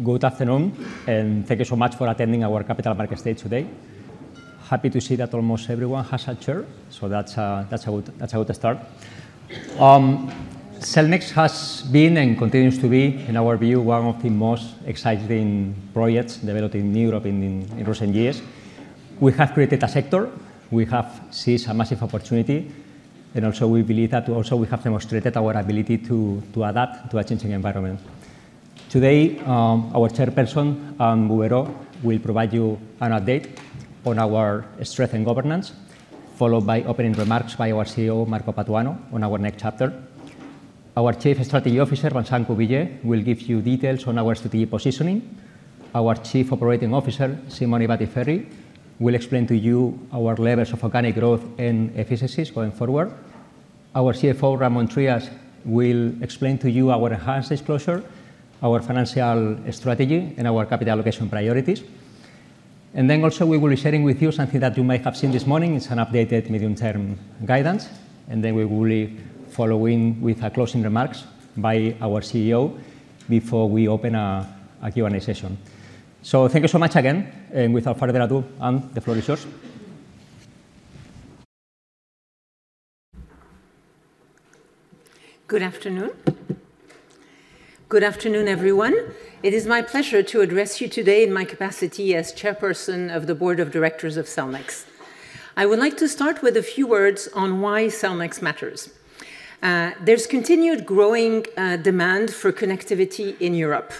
Good afternoon, and thank you so much for attending our Capital Markets Day today. Happy to see that almost everyone has a chair, so that's a good start. Cellnex has been, and continues to be, in our view, one of the most exciting projects developed in Europe in recent years. We have created a sector, we have seen a massive opportunity, and also we believe that we have demonstrated our ability to adapt to a changing environment. Today, our chairperson, Anne Bouverot, will provide you an update on our strength in governance, followed by opening remarks by our CEO, Marco Patuano, on our next chapter. Our Chief Strategy Officer, Vincent Cuvillier, will give you details on our strategic positioning. Our Chief Operating Officer, Simone Battiferri, will explain to you our levels of organic growth and efficiencies going forward. Our CFO, Raimon Trias, will explain to you our enhanced disclosure, our financial strategy, and our capital allocation priorities. Then also we will be sharing with you something that you may have seen this morning: it's an updated medium-term guidance, and then we will be following with closing remarks by our CEO before we open a Q&A session. So thank you so much again. Without further ado, Anne, the floor is yours. Good afternoon. Good afternoon, everyone. It is my pleasure to address you today in my capacity as Chairperson of the Board of Directors of Cellnex. I would like to start with a few words on why Cellnex matters. There's continued growing demand for connectivity in Europe,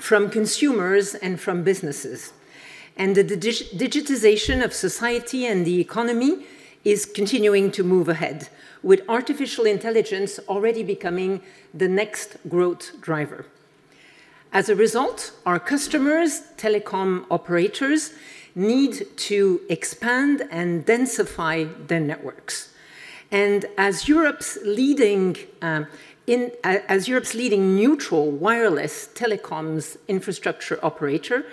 from consumers and from businesses, and the digitization of society and the economy is continuing to move ahead, with artificial intelligence already becoming the next growth driver. As a result, our customers, telecom operators, need to expand and densify their networks. And as Europe's leading neutral wireless telecoms infrastructure operator,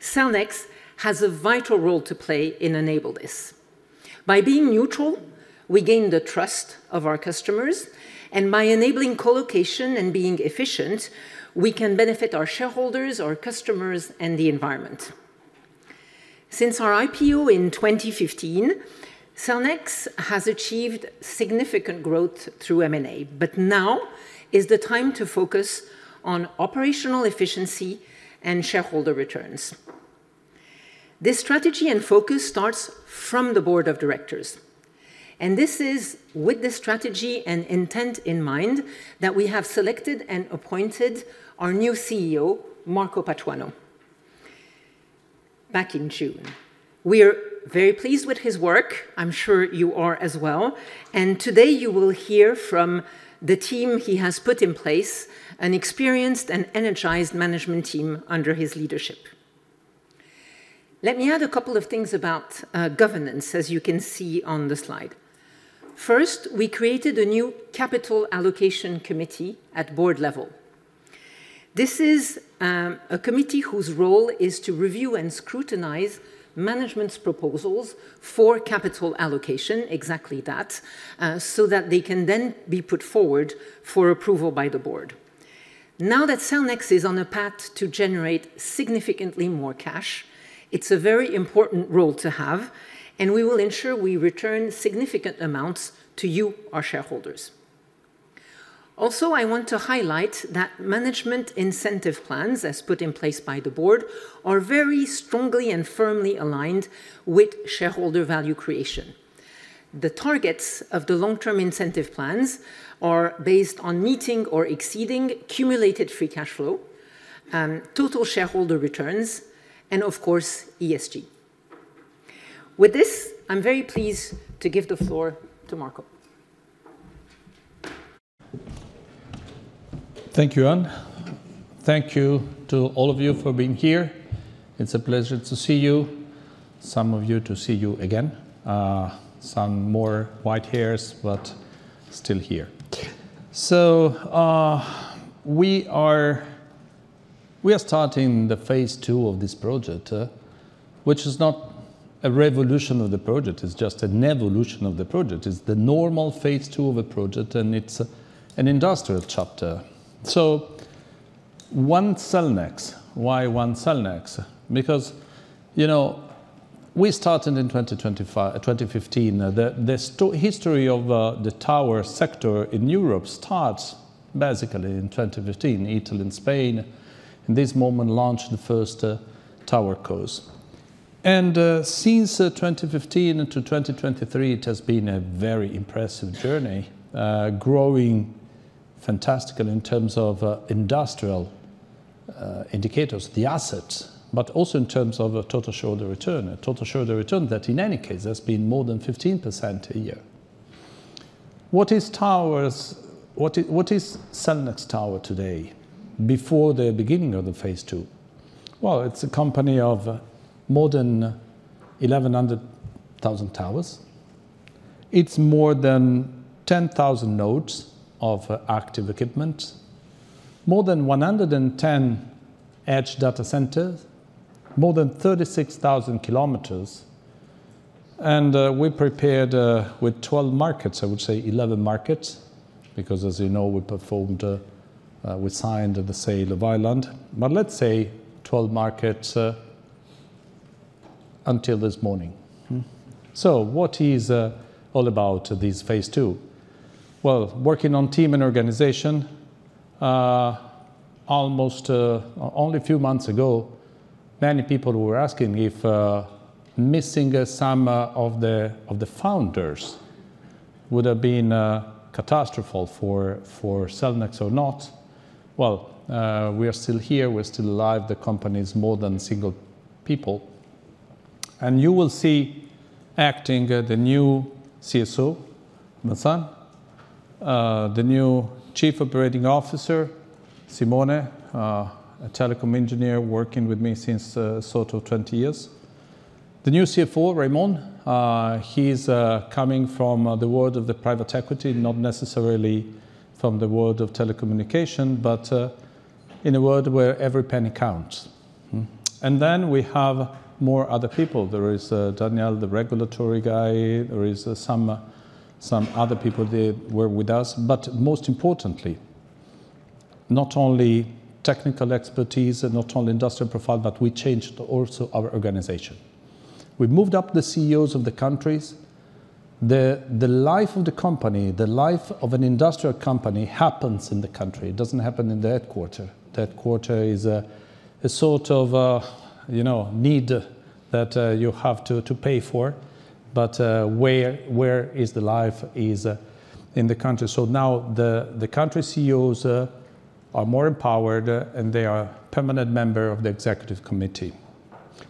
Cellnex has a vital role to play in enabling this. By being neutral, we gain the trust of our customers, and by enabling collocation and being efficient, we can benefit our shareholders, our customers, and the environment. Since our IPO in 2015, Cellnex has achieved significant growth through M&A, but now is the time to focus on operational efficiency and shareholder returns. This strategy and focus starts from the Board of Directors, and this is with the strategy and intent in mind that we have selected and appointed our new CEO, Marco Patuano. Back in June, we are very pleased with his work. I'm sure you are as well. And today you will hear from the team he has put in place, an experienced and energized management team under his leadership. Let me add a couple of things about governance, as you can see on the slide. First, we created a new Capital Allocation Committee at board level. This is a committee whose role is to review and scrutinize management's proposals for capital allocation, exactly that, so that they can then be put forward for approval by the board. Now that Cellnex is on a path to generate significantly more cash, it's a very important role to have, and we will ensure we return significant amounts to you, our shareholders. Also, I want to highlight that management incentive plans, as put in place by the board, are very strongly and firmly aligned with shareholder value creation. The targets of the long-term incentive plans are based on meeting or exceeding cumulated free cash flow, total shareholder returns, and of course, ESG. With this, I'm very pleased to give the floor to Marco. Thank you, Anne. Thank you to all of you for being here. It's a pleasure to see you, some of you to see you again. Some more white hairs, but still here. We are starting the phase two of this project, which is not a revolution of the project. It's just an evolution of the project. It's the normal phase two of a project, and it's an industrial chapter. One Cellnex. Why one Cellnex? Because we started in 2015. The history of the tower sector in Europe starts basically in 2015. Italy and Spain, in this moment, launched the first tower cos. Since 2015 to 2023, it has been a very impressive journey, growing fantastically in terms of industrial indicators, the assets, but also in terms of total shareholder return, a total shareholder return that, in any case, has been more than 15% a year. What is Cellnex today before the beginning of the phase two? Well, it's a company of more than 1,100,000 towers. It's more than 10,000 nodes of active equipment, more than 110 edge data centers, more than 36,000 kilometers. And we prepared with 12 markets, I would say 11 markets, because, as you know, we signed the sale of Ireland, but let's say 12 markets until this morning. So what is all about this phase two? Well, working on team and organization, only a few months ago, many people were asking if missing some of the founders would have been catastrophic for Cellnex or not. Well, we are still here. We're still alive. The company is more than a single people. And you will see acting the new CSO, Vincent, the new Chief Operating Officer, Simone, a telecom engineer working with me since sort of 20 years. The new CFO, Raimon, he's coming from the world of private equity, not necessarily from the world of telecommunication, but in a world where every penny counts. Then we have more other people. There is Daniel, the regulatory guy. There are some other people that were with us. But most importantly, not only technical expertise, not only industrial profile, but we changed also our organization. We moved up the CEOs of the countries. The life of the company, the life of an industrial company happens in the country. It doesn't happen in the headquarters. The headquarters is a sort of need that you have to pay for, but where is the life is in the country. So now the country CEOs are more empowered, and they are permanent members of the executive committee.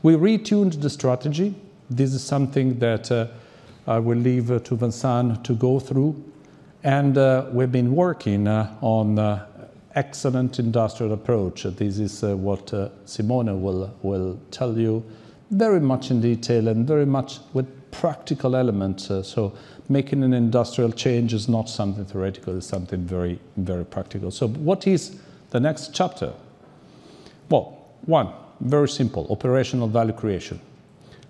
We retuned the strategy. This is something that I will leave to Vincent to go through. And we've been working on an excellent industrial approach. This is what Simone will tell you, very much in detail and very much with practical elements. So making an industrial change is not something theoretical. It's something very, very practical. So what is the next chapter? Well, one, very simple, operational value creation.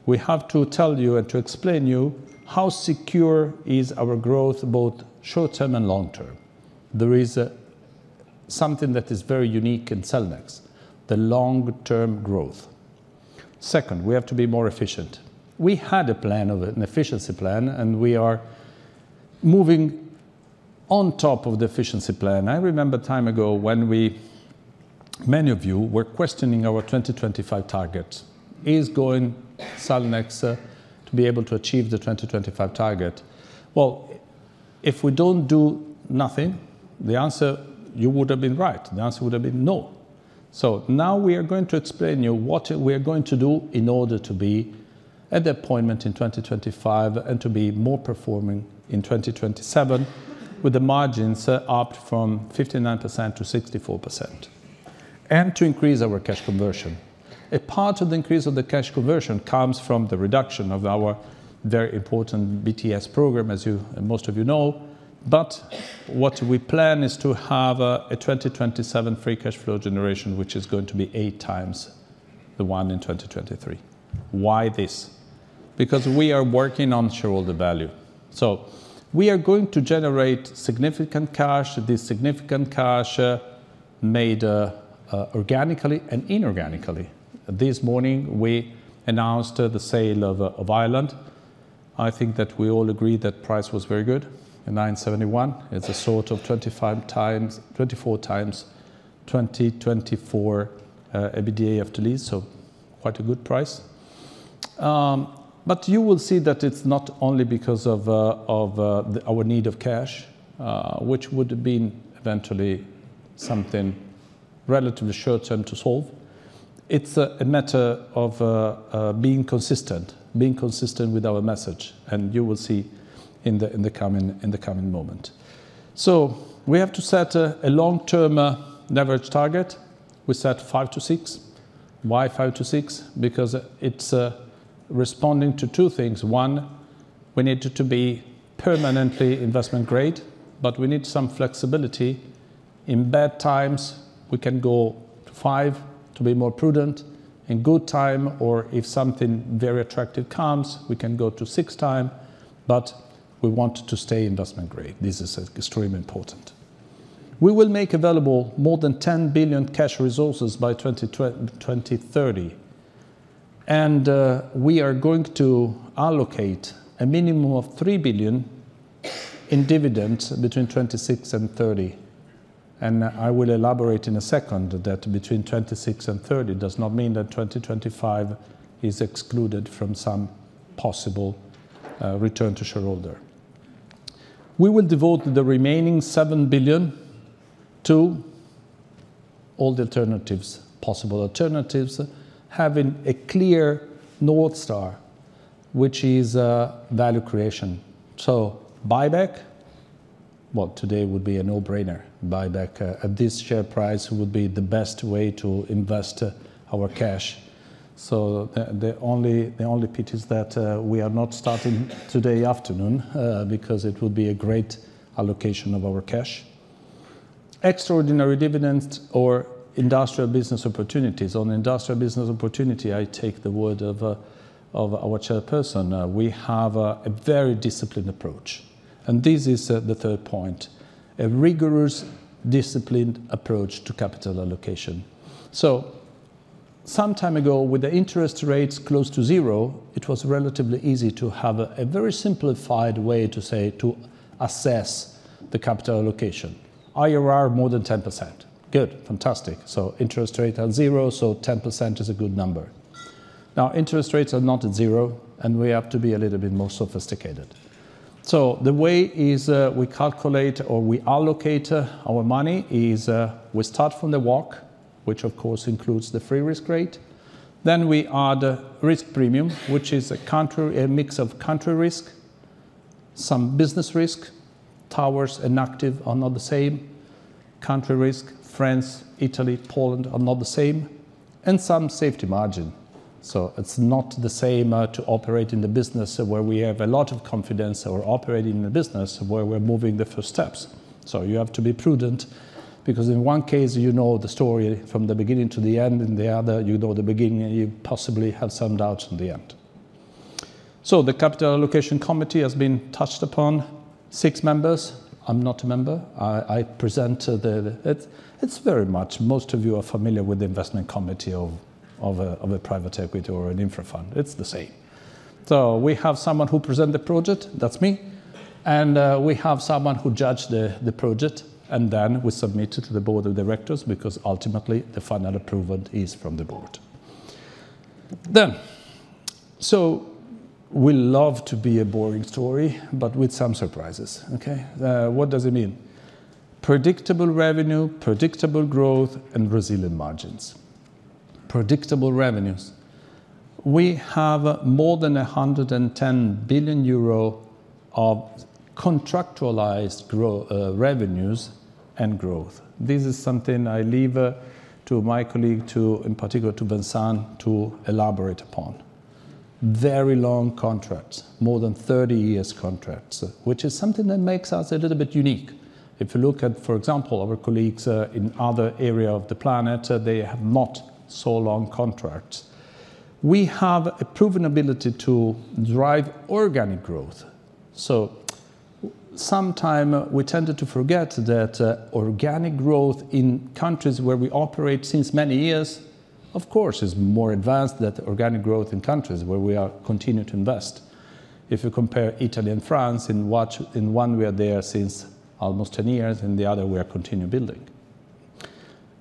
We have to tell you and to explain to you how secure our growth is, both short-term and long-term. There is something that is very unique in Cellnex: the long-term growth. Second, we have to be more efficient. We had an efficiency plan, and we are moving on top of the efficiency plan. I remember a time ago when many of you were questioning our 2025 target. Is Cellnex going to be able to achieve the 2025 target? Well, if we don't do nothing, the answer you would have been right. The answer would have been no. So now we are going to explain to you what we are going to do in order to be at the appointment in 2025 and to be more performing in 2027 with the margins upped from 59%-64%, and to increase our cash conversion. A part of the increase of the cash conversion comes from the reduction of our very important BTS program, as most of you know. But what we plan is to have a 2027 free cash flow generation, which is going to be 8x the one in 2023. Why this? Because we are working on shareholder value. So we are going to generate significant cash. This significant cash made organically and inorganically. This morning, we announced the sale of Ireland. I think that we all agree that price was very good, 971 million. It's a sort of 24 times 2024 EBITDA after lease, so quite a good price. But you will see that it's not only because of our need of cash, which would have been eventually something relatively short-term to solve. It's a matter of being consistent, being consistent with our message, and you will see in the coming moment. So we have to set a long-term leverage target. We set 5-6. Why 5-6? Because it's responding to two things. One, we need it to be permanently investment-grade, but we need some flexibility. In bad times, we can go to 5 to be more prudent. In good time, or if something very attractive comes, we can go to 6 time, but we want to stay investment-grade. This is extremely important. We will make available more than 10 billion cash resources by 2030, and we are going to allocate a minimum of 3 billion in dividends between 2026 and 2030. I will elaborate in a second that between 2026 and 2030 does not mean that 2025 is excluded from some possible return to shareholder. We will devote the remaining 7 billion to all the alternatives, possible alternatives, having a clear North Star, which is value creation. Buyback, well, today would be a no-brainer. Buyback at this share price would be the best way to invest our cash. The only pity is that we are not starting today afternoon because it would be a great allocation of our cash. Extraordinary dividends or industrial business opportunities. On industrial business opportunity, I take the word of our chairperson. We have a very disciplined approach. This is the third point, a rigorous disciplined approach to capital allocation. So some time ago, with the interest rates close to zero, it was relatively easy to have a very simplified way to assess the capital allocation. IRR more than 10%. Good. Fantastic. So interest rate at zero, so 10% is a good number. Now, interest rates are not at zero, and we have to be a little bit more sophisticated. So the way we calculate or we allocate our money is we start from the WACC, which, of course, includes the risk-free rate. Then we add risk premium, which is a mix of country risk, some business risk, towers and active are not the same, country risk, France, Italy, Poland are not the same, and some safety margin. So it's not the same to operate in the business where we have a lot of confidence or operating in a business where we're moving the first steps. So you have to be prudent because in one case, you know the story from the beginning to the end. In the other, you know the beginning, and you possibly have some doubts in the end. So the Capital Allocation Committee has been touched upon. Six members. I'm not a member. I present the. It's very much most of you are familiar with the investment committee of a private equity or an infra fund. It's the same. So we have someone who presents the project. That's me. And we have someone who judges the project, and then we submit it to the board of directors because ultimately, the final approval is from the board. Then so we love to be a boring story, but with some surprises, okay? What does it mean? Predictable revenue, predictable growth, and resilient margins. Predictable revenues. We have more than 110 billion euro of contractualized revenues and growth. This is something I leave to my colleague, in particular to Vincent, to elaborate upon. Very long contracts, more than 30 years contracts, which is something that makes us a little bit unique. If you look at, for example, our colleagues in other areas of the planet, they have not so long contracts. We have a proven ability to drive organic growth. So sometimes we tended to forget that organic growth in countries where we operate since many years, of course, is more advanced than organic growth in countries where we continue to invest. If you compare Italy and France, in one, we are there since almost 10 years, and in the other, we are continuing to build.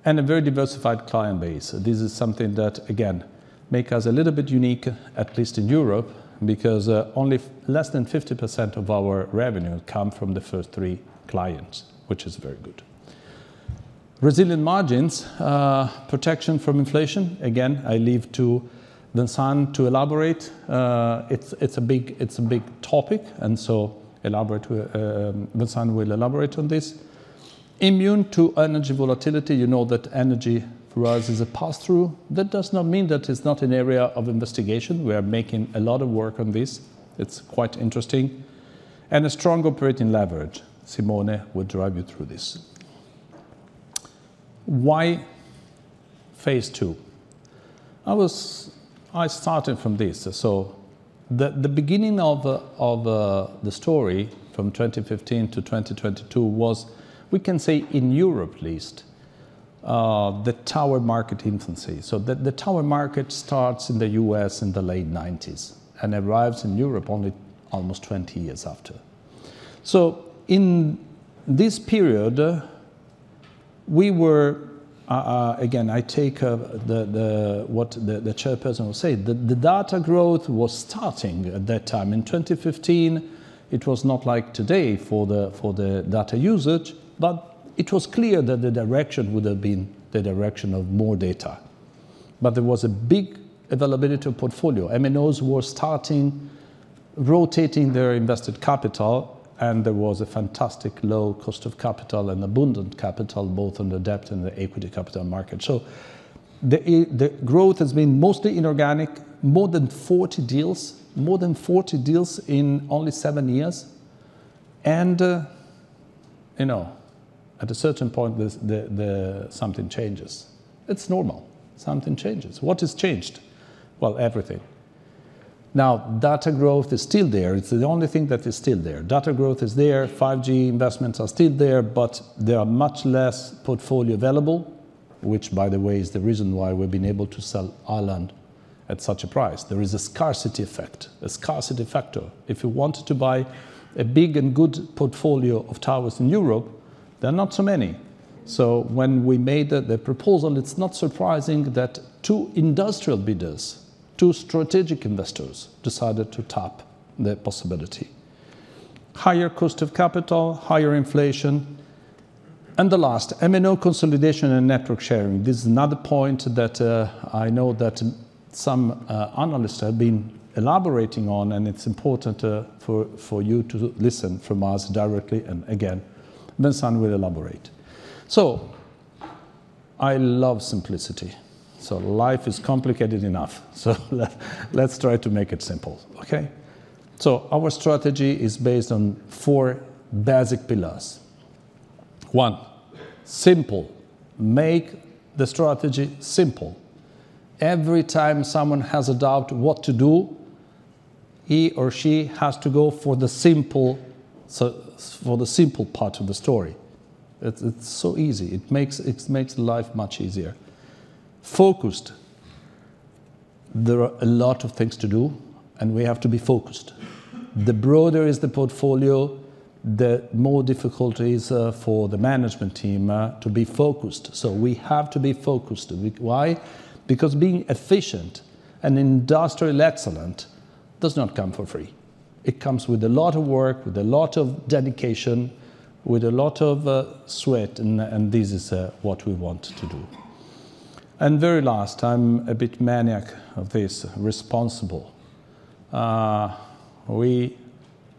And a very diversified client base. This is something that, again, makes us a little bit unique, at least in Europe, because only less than 50% of our revenue comes from the first three clients, which is very good. Resilient margins, protection from inflation. Again, I leave to Vincent to elaborate. It's a big topic, and so Vincent will elaborate on this. Immune to energy volatility. You know that energy for us is a pass-through. That does not mean that it's not an area of investigation. We are making a lot of work on this. It's quite interesting. And a strong operating leverage. Simone will drive you through this. Why phase two? I started from this. So the beginning of the story from 2015 to 2022 was, we can say, in Europe at least, the tower market infancy. So the tower market starts in the US in the late '90s and arrives in Europe only almost 20 years after. So in this period, we were again, I take what the chairperson will say. The data growth was starting at that time. In 2015, it was not like today for the data usage, but it was clear that the direction would have been the direction of more data. But there was a big availability of portfolio. MNOs were starting rotating their invested capital, and there was a fantastic low cost of capital and abundant capital, both on the debt and the equity capital market. So the growth has been mostly inorganic, more than 40 deals, more than 40 deals in only seven years. At a certain point, something changes. It's normal. Something changes. What has changed? Well, everything. Now, data growth is still there. It's the only thing that is still there. Data growth is there. 5G investments are still there, but there are much less portfolio available, which, by the way, is the reason why we've been able to sell Ireland at such a price. There is a scarcity effect, a scarcity factor. If you wanted to buy a big and good portfolio of towers in Europe, there are not so many. So when we made the proposal, it's not surprising that two industrial bidders, two strategic investors, decided to tap the possibility. Higher cost of capital, higher inflation. And the last, MNO consolidation and network sharing. This is another point that I know that some analysts have been elaborating on, and it's important for you to listen from us directly. And again, Vincent will elaborate. So I love simplicity. So life is complicated enough. So let's try to make it simple, okay? So our strategy is based on four basic pillars. One, simple. Make the strategy simple. Every time someone has a doubt what to do, he or she has to go for the simple part of the story. It's so easy. It makes life much easier. Focused. There are a lot of things to do, and we have to be focused. The broader the portfolio, the more difficult it is for the management team to be focused. So we have to be focused. Why? Because being efficient and industrially excellent does not come for free. It comes with a lot of work, with a lot of dedication, with a lot of sweat, and this is what we want to do. And very last, I'm a bit maniac of this, responsible. We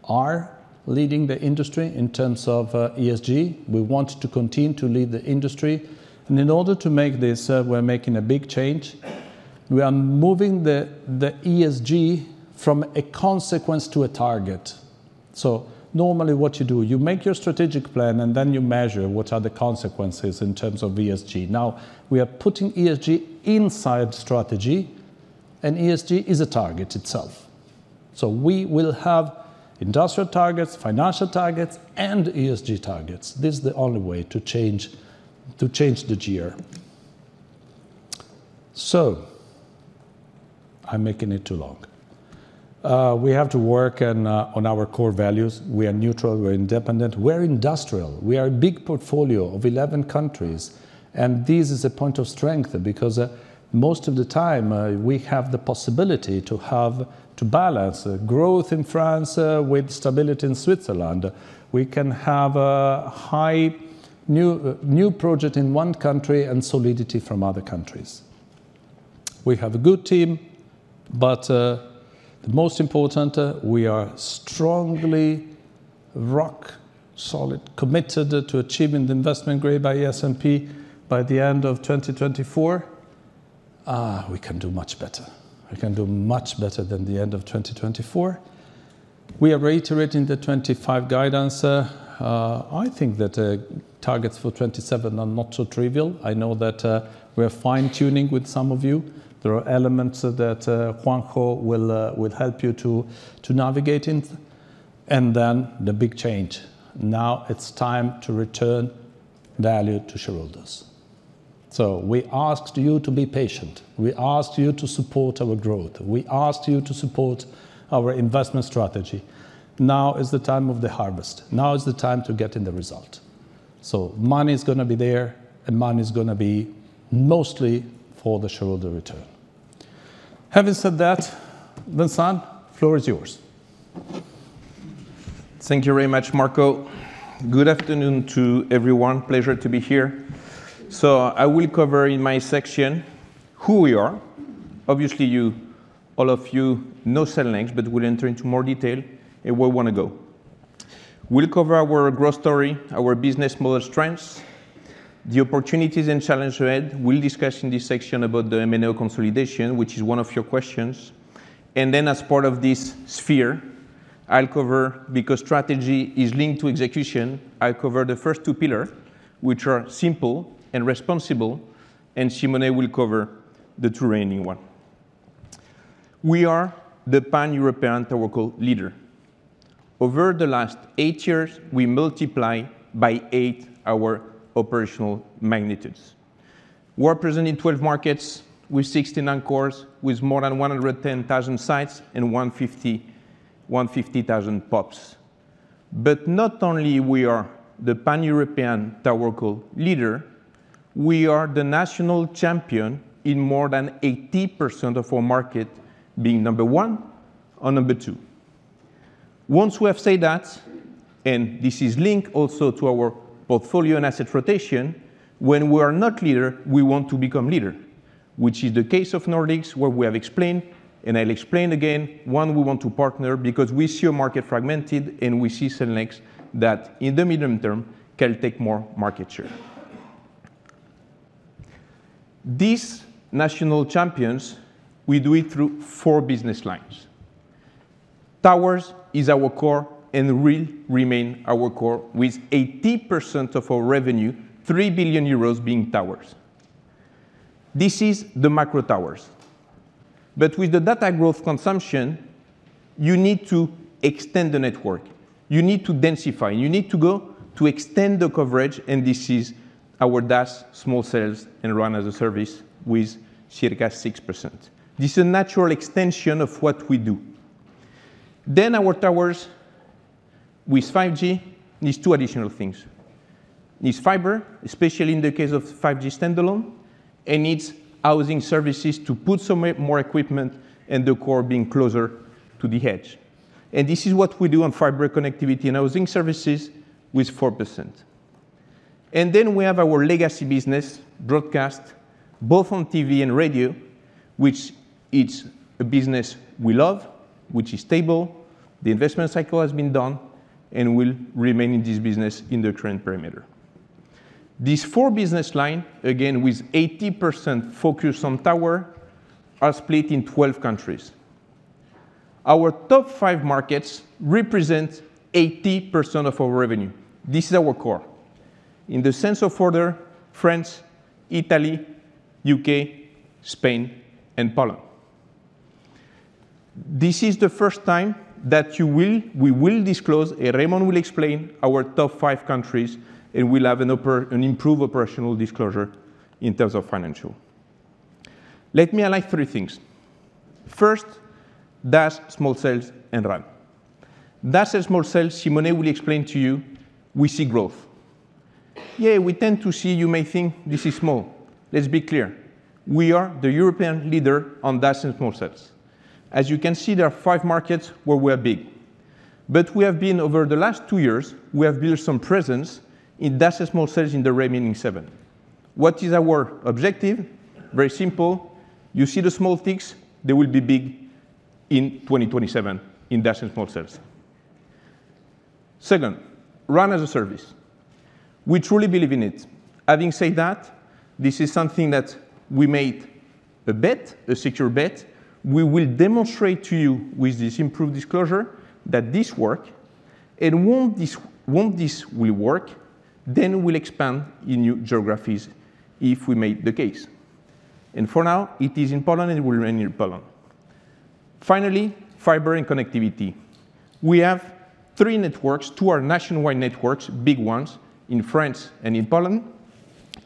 are leading the industry in terms of ESG. We want to continue to lead the industry. In order to make this, we're making a big change. We are moving the ESG from a consequence to a target. So normally, what you do, you make your strategic plan, and then you measure what are the consequences in terms of ESG. Now, we are putting ESG inside strategy, and ESG is a target itself. So we will have industrial targets, financial targets, and ESG targets. This is the only way to change the gear. So I'm making it too long. We have to work on our core values. We are neutral. We are independent. We are industrial. We are a big portfolio of 11 countries. This is a point of strength because most of the time, we have the possibility to balance growth in France with stability in Switzerland. We can have a high new project in one country and solidity from other countries. We have a good team, but the most important, we are strongly rock-solid committed to achieving the investment grade by the S&P by the end of 2024. We can do much better. We can do much better than the end of 2024. We are reiterating the 2025 guidance. I think that targets for 2027 are not so trivial. I know that we are fine-tuning with some of you. There are elements that Juanjo will help you to navigate in. Then the big change. Now it's time to return value to shareholders. We asked you to be patient. We asked you to support our growth. We asked you to support our investment strategy. Now is the time of the harvest. Now is the time to get in the result. So money is going to be there, and money is going to be mostly for the shareholder return. Having said that, Vincent, the floor is yours. Thank you very much, Marco. Good afternoon to everyone. Pleasure to be here. So I will cover in my section who we are. Obviously, all of you know Cellnex, but we'll enter into more detail and where we want to go. We'll cover our growth story, our business model strengths, the opportunities and challenges ahead. We'll discuss in this section about the MNO consolidation, which is one of your questions. And then as part of this sphere, I'll cover because strategy is linked to execution, I'll cover the first two pillars, which are simple and responsible, and Simone will cover the two remaining ones. We are the pan-European network leader. Over the last 8 years, we multiply by 8 our operational magnitudes. We are present in 12 markets with 16 anchors, with more than 110,000 sites and 150,000 POPs. But not only are we the pan-European network leader, we are the national champion in more than 80% of our market being number one or number two. Once we have said that, and this is linked also to our portfolio and asset rotation, when we are not leader, we want to become leader, which is the case of Nordics, where we have explained, and I'll explain again, when we want to partner because we see our market fragmented, and we see Cellnex that in the medium term can take more market share. These national champions, we do it through four business lines. Towers is our core and will remain our core with 80% of our revenue, 3 billion euros being towers. This is the macro towers. But with the data growth consumption, you need to extend the network. You need to densify. You need to go to extend the coverage, and this is our DAS, small cells, and RAN-as-a-Service with circa 6%. This is a natural extension of what we do. Then our towers with 5G need two additional things. It needs fiber, especially in the case of 5G Standalone, and it needs housing services to put some more equipment and the core being closer to the edge. And this is what we do on fiber connectivity and housing services with 4%. And then we have our legacy business, broadcast, both on TV and radio, which is a business we love, which is stable. The investment cycle has been done, and we'll remain in this business in the current perimeter. This four-business line, again with 80% focus on tower, are split in 12 countries. Our top five markets represent 80% of our revenue. This is our core. In the sense of order, France, Italy, UK, Spain, and Poland. This is the first time that we will disclose and Raimon will explain our top five countries, and we'll have an improved operational disclosure in terms of financial. Let me highlight three things. First, DAS, small cells, and RAN. DAS and small cells, Simone will explain to you, we see growth. Yeah, we tend to see, you may think, this is small. Let's be clear. We are the European leader on DAS and small cells. As you can see, there are five markets where we are big. But over the last 2 years, we have built some presence in DAS and small cells in the remaining seven. What is our objective? Very simple. You see the small ticks, they will be big in 2027 in DAS and small cells. Second, RAN-as-a-Service. We truly believe in it. Having said that, this is something that we made a bet, a secure bet. We will demonstrate to you with this improved disclosure that this works. Once this will work, then we'll expand in new geographies if we make the case. For now, it is in Poland, and it will remain in Poland. Finally, fiber and connectivity. We have three networks, two are nationwide networks, big ones, in France and in Poland,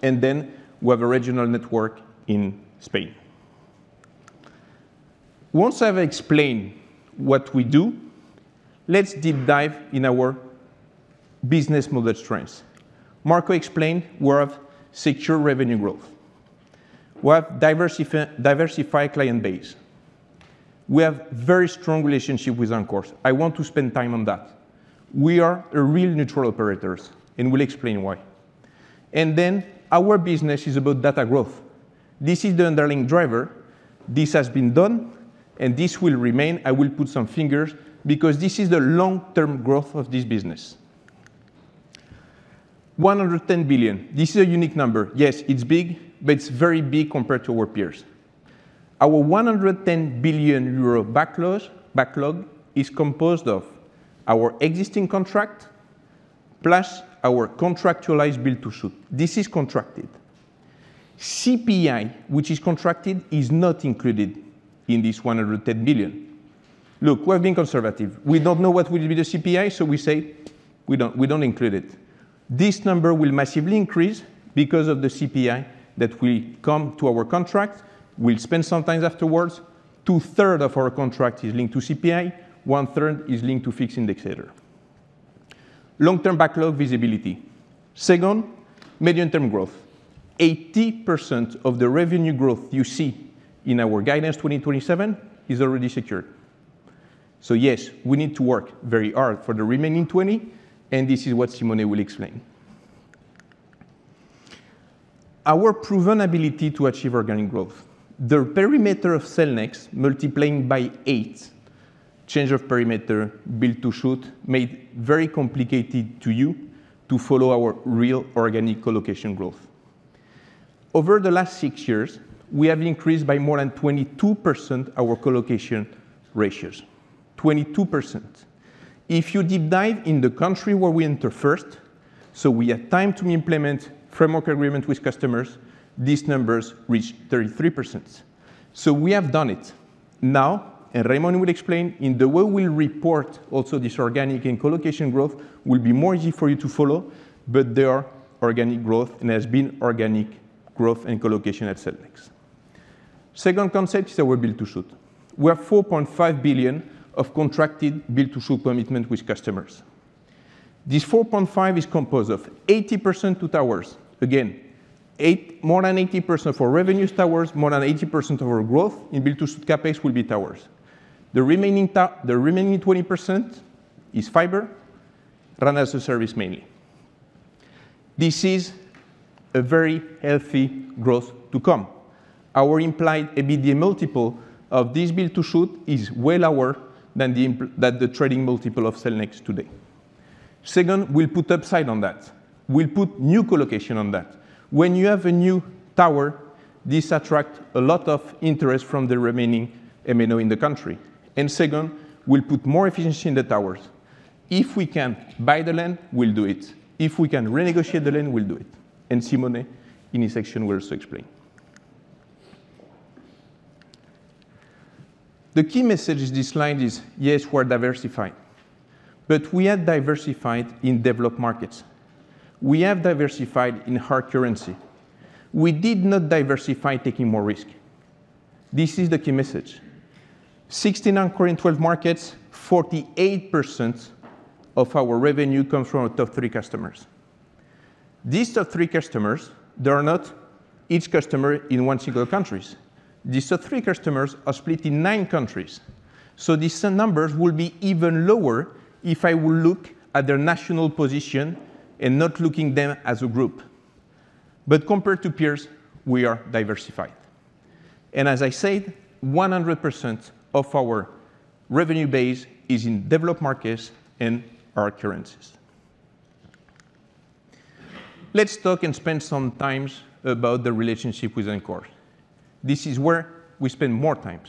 and then we have a regional network in Spain. Once I've explained what we do, let's deep dive in our business model strengths. Marco explained we have secure revenue growth. We have diversified client base. We have a very strong relationship with anchors. I want to spend time on that. We are real neutral operators, and we'll explain why. Then our business is about data growth. This is the underlying driver. This has been done, and this will remain. I will cross some fingers because this is the long-term growth of this business. 110 billion. This is a unique number. Yes, it's big, but it's very big compared to our peers. Our 110 billion euro backlog is composed of our existing contract plus our contractualized build-to-suit. This is contracted. CPI, which is contracted, is not included in this 110 billion. Look, we have been conservative. We don't know what will be the CPI, so we say we don't include it. This number will massively increase because of the CPI that will come to our contract. We'll spend some time afterwards. Two-thirds of our contract is linked to CPI, one-third is linked to fixed indexation. Long-term backlog visibility. Second, medium-term growth. 80% of the revenue growth you see in our guidance 2027 is already secured. So yes, we need to work very hard for the remaining 20, and this is what Simone will explain. Our proven ability to achieve organic growth. The perimeter of Cellnex multiplying by eight, change of perimeter, build-to-suit, made it very complicated to you to follow our real organic co-location growth. Over the last six years, we have increased by more than 22% our co-location ratios. 22%. If you deep dive in the country where we enter first, so we had time to implement framework agreements with customers, these numbers reach 33%. So we have done it. Now, and Raimon will explain, in the way we'll report also this organic and co-location growth will be more easy for you to follow, but there is organic growth and has been organic growth and co-location at Cellnex. Second concept is our build-to-suit. We have 4.5 billion of contracted build-to-suit commitment with customers. This 4.5 billion is composed of 80% to towers. Again, more than 80% for revenues towers, more than 80% of our growth in build-to-suit CapEx will be towers. The remaining 20% is fiber, RAN-as-a-Service mainly. This is a very healthy growth to come. Our implied ABD multiple of this build-to-suit is well lower than the trading multiple of Cellnex today. Second, we'll put upside on that. We'll put new co-location on that. When you have a new tower, this attracts a lot of interest from the remaining MNO in the country. And second, we'll put more efficiency in the towers. If we can buy the land, we'll do it. If we can renegotiate the land, we'll do it. And Simone, in his section, will also explain. The key message of this line is, yes, we are diversified. We are diversified in developed markets. We are diversified in hard currency. We did not diversify taking more risk. This is the key message. 16 anchors in 12 markets, 48% of our revenue comes from our top three customers. These top three customers, they are not each customer in one single country. These top three customers are split in nine countries. So these numbers will be even lower if I will look at their national position and not look at them as a group. Compared to peers, we are diversified. As I said, 100% of our revenue base is in developed markets and hard currencies. Let's talk and spend some time about the relationship with anchors. This is where we spend more time.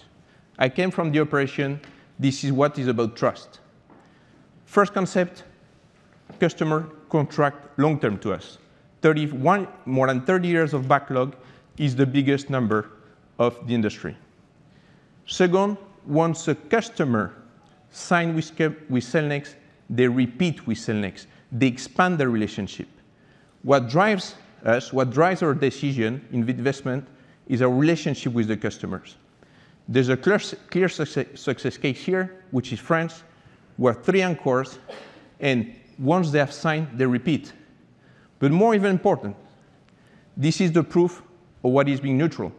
I came from the operation. This is what is about trust. First concept, customers contract long-term to us. More than 30 years of backlog is the biggest number of the industry. Second, once a customer signs with Cellnex, they repeat with Cellnex. They expand their relationship. What drives us, what drives our decision in investment, is our relationship with the customers. There is a clear success case here, which is France, with three encores, and once they have signed, they repeat. But more even important, this is the proof of what is being neutral.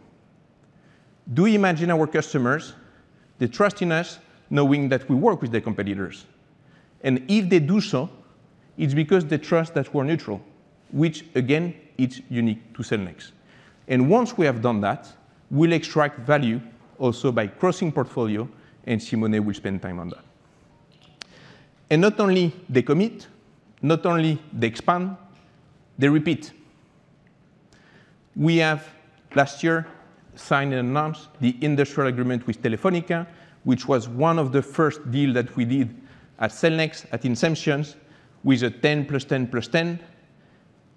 Do you imagine our customers? They trust in us knowing that we work with their competitors. And if they do so, it's because they trust that we are neutral, which again is unique to Cellnex. And once we have done that, we'll extract value also by crossing portfolio, and Simone will spend time on that. Not only do they commit, not only do they expand, they repeat. We have, last year, signed and announced the industrial agreement with Telefónica, which was one of the first deals that we did at Cellnex, at Inception, with a 10+10+10.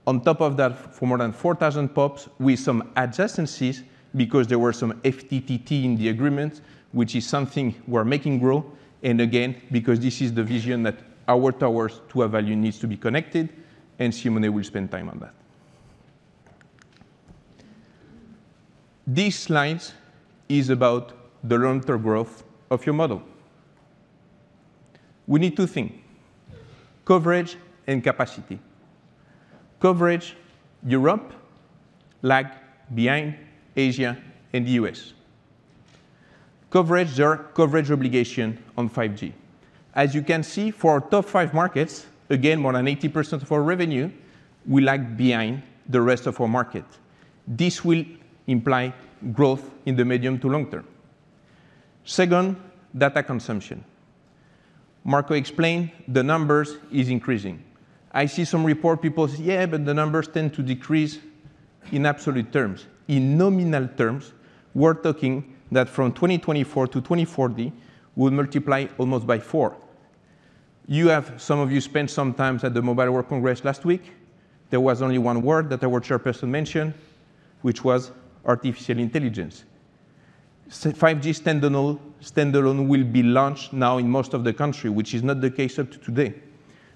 On top of that, for more than 4,000 POPs, with some adjacencies because there were some FTTT in the agreement, which is something we are making grow. And again, because this is the vision that our towers to have value needs to be connected, and Simone will spend time on that. These lines are about the long-term growth of your model. We need two things: coverage and capacity. Coverage, Europe lags behind Asia and the U.S. Coverage, there is a coverage obligation on 5G. As you can see, for our top five markets, again, more than 80% of our revenue, we lag behind the rest of our market. This will imply growth in the medium to long term. Second, data consumption. Marco explained the numbers are increasing. I see some reports people say, "Yeah, but the numbers tend to decrease in absolute terms." In nominal terms, we are talking that from 2024 to 2040, we will multiply almost by four. Some of you spent some time at the Mobile World Congress last week. There was only one word that our chairperson mentioned, which was artificial intelligence. 5G Standalone will be launched now in most of the country, which is not the case up to today.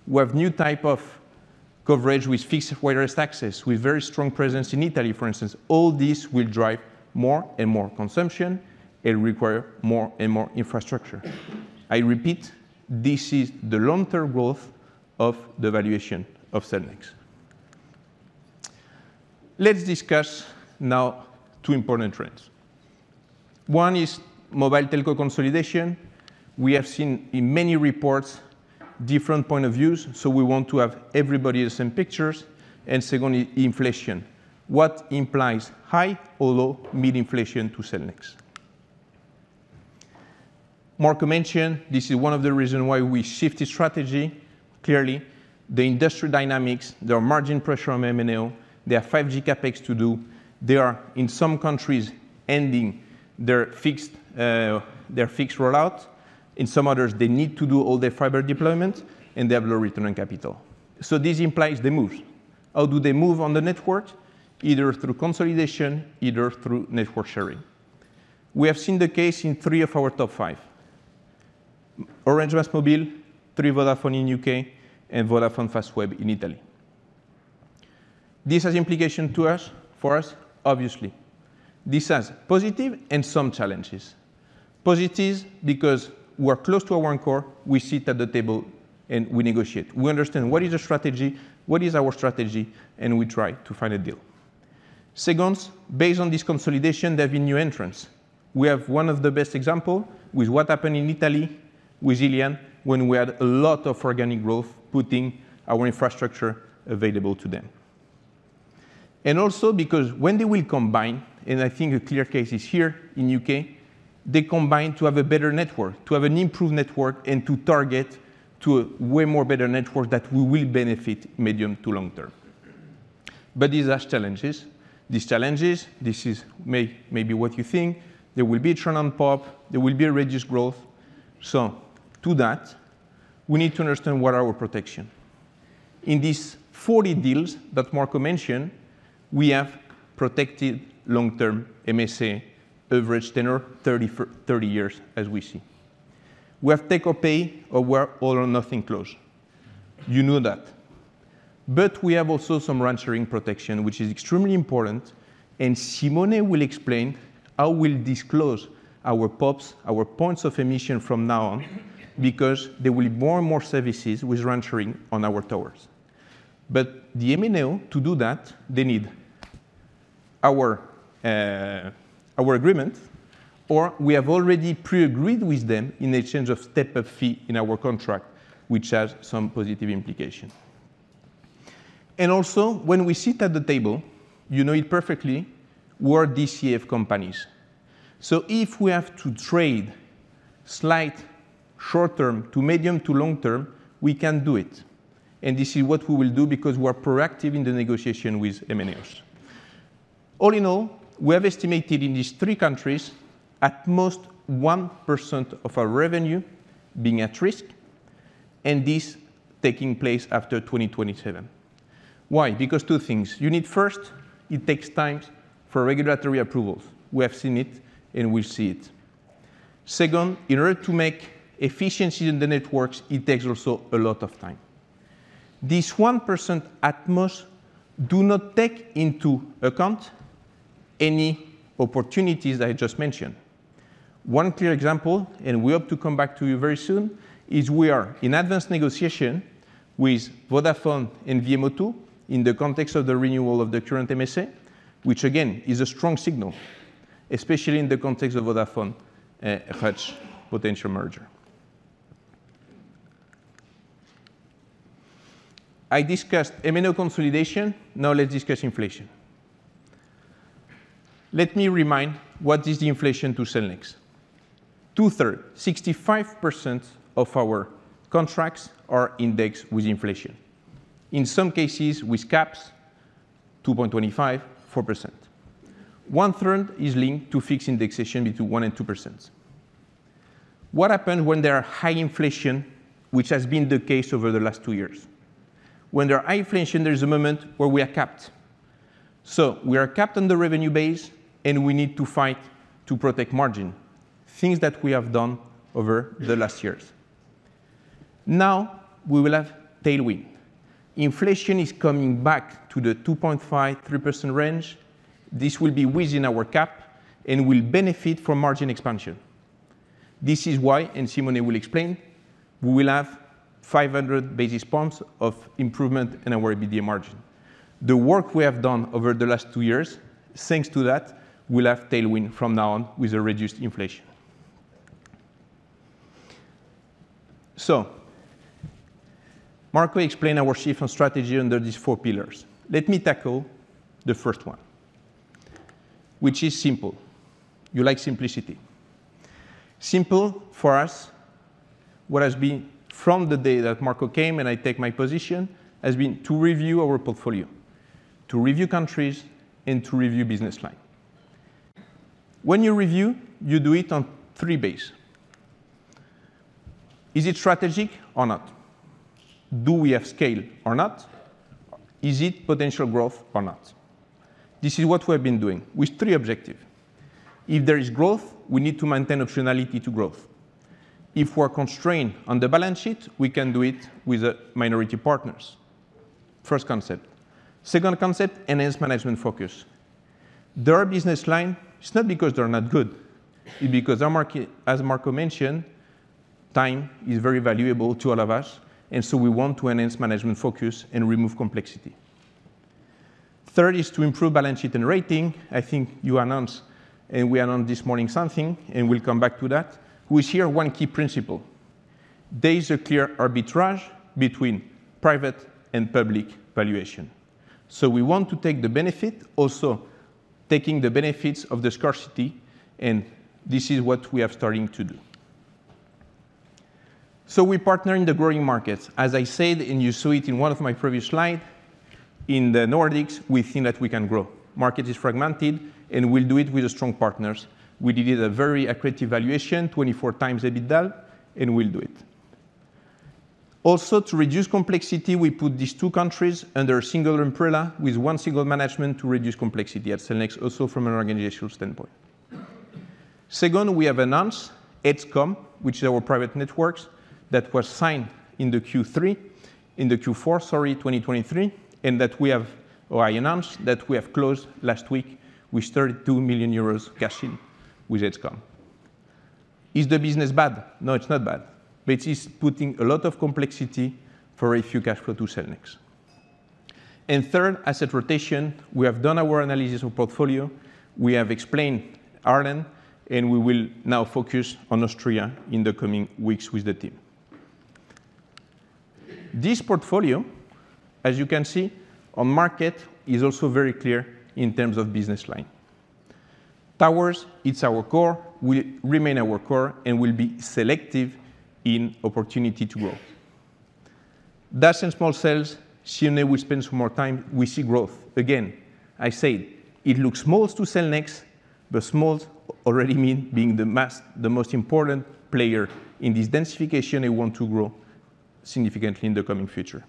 We have a new type of coverage with fixed wireless access, with very strong presence in Italy, for instance. All this will drive more and more consumption and require more and more infrastructure. I repeat, this is the long-term growth of the valuation of Cellnex. Let's discuss now two important trends. One is mobile telco consolidation. We have seen in many reports different points of view, so we want to have everybody in the same picture. Second, inflation. What implies high or low mid-inflation to Cellnex? Marco mentioned this is one of the reasons why we shifted strategy. Clearly, the industry dynamics, there is margin pressure on MNO, there are 5G CapEx to do, they are in some countries ending their fixed rollout, in some others they need to do all their fiber deployment, and they have low return on capital. So this implies the moves. How do they move on the network? Either through consolidation, either through network sharing. We have seen the case in three of our top five: Orange, Bouygues Mobile, Three Vodafone in the UK, and Vodafone Fastweb in Italy. This has implications for us, obviously. This has positives and some challenges. Positives because we are close to our anchors, we sit at the table and we negotiate. We understand what is the strategy, what is our strategy, and we try to find a deal. Second, based on this consolidation, there have been new entrants. We have one of the best examples with what happened in Italy with Iliad when we had a lot of organic growth putting our infrastructure available to them. And also because when they will combine, and I think a clear case is here in the U.K., they combine to have a better network, to have an improved network, and to target to a way more better network that we will benefit medium to long term. But these are challenges. These challenges, this is maybe what you think, there will be a turn on POP, there will be a reduced growth. So, to that, we need to understand what our protection is. In these 40 deals that Marco mentioned, we have protected long-term MSA, average 10 or 30 years as we see. We have tech-agnostic or all-or-nothing clause. You know that. But we have also some RAN sharing protection, which is extremely important, and Simone will explain how we will disclose our POPs, our points of presence from now on because there will be more and more services with RAN sharing on our towers. But the MNOs, to do that, they need our agreement, or we have already pre-agreed with them in exchange of a step-up fee in our contract, which has some positive implications. And also, when we sit at the table, you know it perfectly, we are DCF companies. So if we have to trade slight short-term to medium to long term, we can do it. And this is what we will do because we are proactive in the negotiation with MNOs. All in all, we have estimated in these three countries at most 1% of our revenue being at risk, and this taking place after 2027. Why? Because two things. You need first, it takes time for regulatory approvals. We have seen it and we'll see it. Second, in order to make efficiencies in the networks, it takes also a lot of time. This 1% at most does not take into account any opportunities that I just mentioned. One clear example, and we hope to come back to you very soon, is we are in advanced negotiation with Vodafone and VMO2 in the context of the renewal of the current MSA, which again is a strong signal, especially in the context of Vodafone Hutch potential merger. I discussed MNO consolidation, now let's discuss inflation. Let me remind what is the inflation to Cellnex. Two-thirds, 65% of our contracts are indexed with inflation, in some cases with caps 2.25%-4%. One third is linked to fixed indexation between 1%-2%. What happens when there is high inflation, which has been the case over the last two years? When there is high inflation, there is a moment where we are capped. So we are capped on the revenue base and we need to fight to protect margin, things that we have done over the last years. Now we will have tailwind. Inflation is coming back to the 2.5%-3% range. This will be within our cap and we will benefit from margin expansion. This is why, and Simone will explain, we will have 500 basis points of improvement in our ABD margin. The work we have done over the last two years, thanks to that, we will have tailwind from now on with reduced inflation. So Marco explained our shift on strategy under these four pillars. Let me tackle the first one, which is simple. You like simplicity. Simple for us, what has been from the day that Marco came and I took my position, has been to review our portfolio, to review countries, and to review business line. When you review, you do it on three bases. Is it strategic or not? Do we have scale or not? Is it potential growth or not? This is what we have been doing with three objectives. If there is growth, we need to maintain optionality to growth. If we are constrained on the balance sheet, we can do it with minority partners. First concept. Second concept, enhanced management focus. Their business line, it's not because they are not good, it's because, as Marco mentioned, time is very valuable to all of us, and so we want to enhance management focus and remove complexity. Third is to improve balance sheet and rating. I think you announced, and we announced this morning something, and we will come back to that, which here is one key principle. There is a clear arbitrage between private and public valuation. So we want to take the benefit, also taking the benefits of the scarcity, and this is what we are starting to do. So we partner in the growing markets. As I said, and you saw it in one of my previous slides, in the Nordics, we think that we can grow. Market is fragmented, and we will do it with strong partners. We did a very accurate evaluation, 24x EBITDA, and we will do it. Also, to reduce complexity, we put these two countries under a single umbrella with one single management to reduce complexity at Cellnex, also from an organizational standpoint. Second, we have announced Edzcom, which is our private networks, that was signed in the Q3, in the Q4, sorry, 2023, and that we have, or I announced, that we have closed last week with 32 million euros cash in with Edzcom. Is the business bad? No, it's not bad, but it is putting a lot of complexity for a few cash flows to Cellnex. And third, asset rotation. We have done our analysis of portfolio. We have explained Ireland, and we will now focus on Austria in the coming weeks with the team. This portfolio, as you can see on market, is also very clear in terms of business line. Towers, it's our core, will remain our core, and will be selective in opportunity to grow. DAS and small cells, Simone will spend some more time, we see growth. Again, I said, it looks small to Cellnex, but small already means being the most important player in this densification and want to grow significantly in the coming future.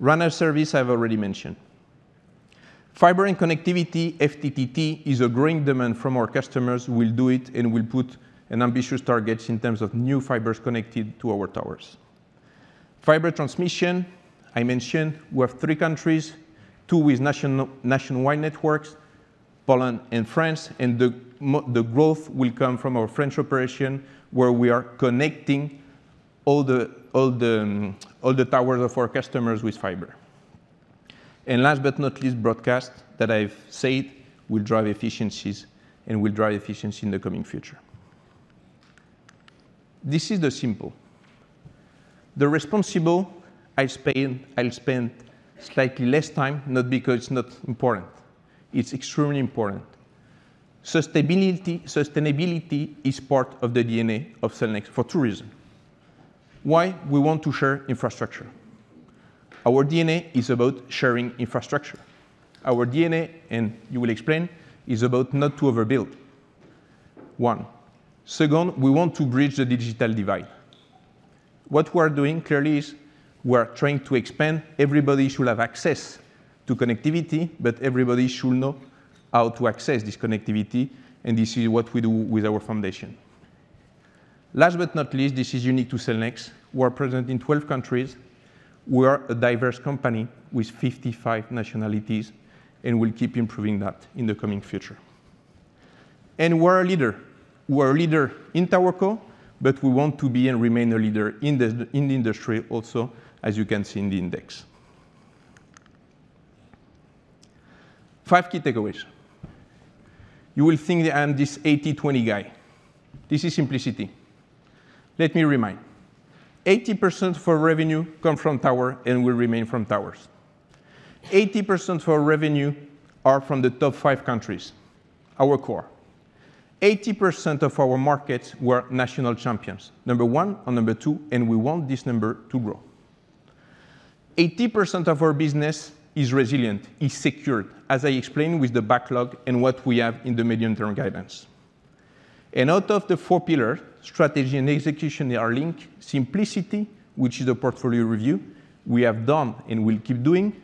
RAN services, I have already mentioned. Fiber and connectivity, FTTT, is a growing demand from our customers. We will do it and we will put ambitious targets in terms of new fibers connected to our towers. Fiber transmission, I mentioned, we have three countries, two with nationwide networks, Poland and France, and the growth will come from our French operation where we are connecting all the towers of our customers with fiber. And last but not least, broadcast, that I have said, will drive efficiencies and will drive efficiency in the coming future. This is the simple. The responsible, I will spend slightly less time, not because it's not important, it's extremely important. Sustainability is part of the DNA of Cellnex for 2 reasons. Why? We want to share infrastructure. Our DNA is about sharing infrastructure. Our DNA, and you will explain, is about not to overbuild. 1. 2., we want to bridge the digital divide. What we are doing clearly is we are trying to expand everybody should have access to connectivity, but everybody should know how to access this connectivity, and this is what we do with our foundation. Last but not least, this is unique to Cellnex. We are present in 12 countries. We are a diverse company with 55 nationalities and will keep improving that in the coming future. We are a leader. We are a leader in Towerco, but we want to be and remain a leader in the industry also, as you can see in the index. 5 key takeaways. You will think I am this 80/20 guy. This is simplicity. Let me remind. 80% of our revenue comes from towers and will remain from towers. 80% of our revenue is from the top 5 countries, our core. 80% of our markets were national champions, number 1 and number 2, and we want this number to grow. 80% of our business is resilient, is secured, as I explained with the backlog and what we have in the medium-term guidance. Out of the four pillars, strategy and execution are linked, simplicity, which is a portfolio review, we have done and will keep doing,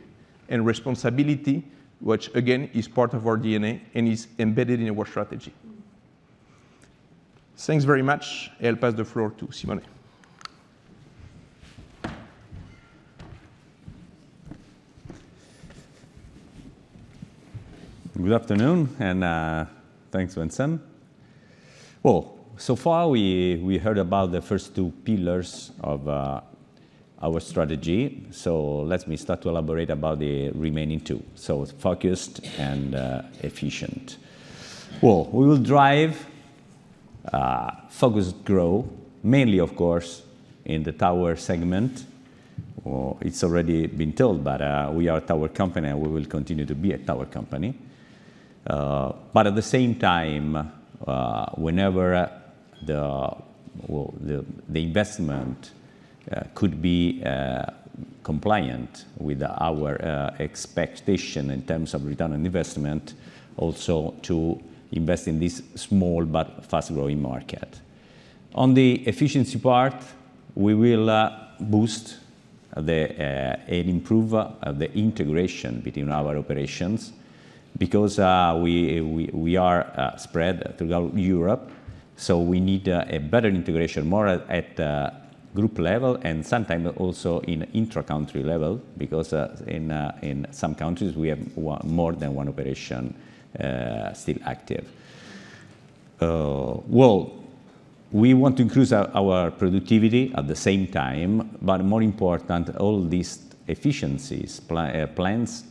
and responsibility, which again is part of our DNA and is embedded in our strategy. Thanks very much. I will pass the floor to Simone. Good afternoon and thanks, Vincent. Well, so far we heard about the first two pillars of our strategy, so let me start to elaborate about the remaining two. So focused and efficient. Well, we will drive focused growth, mainly, of course, in the tower segment. It's already been told, but we are a tower company and we will continue to be a tower company. But at the same time, whenever the investment could be compliant with our expectation in terms of return on investment, also to invest in this small but fast-growing market. On the efficiency part, we will boost and improve the integration between our operations because we are spread throughout Europe, so we need a better integration, more at group level and sometimes also in intra-country level because in some countries we have more than one operation still active. Well, we want to increase our productivity at the same time, but more important, all these efficiencies plans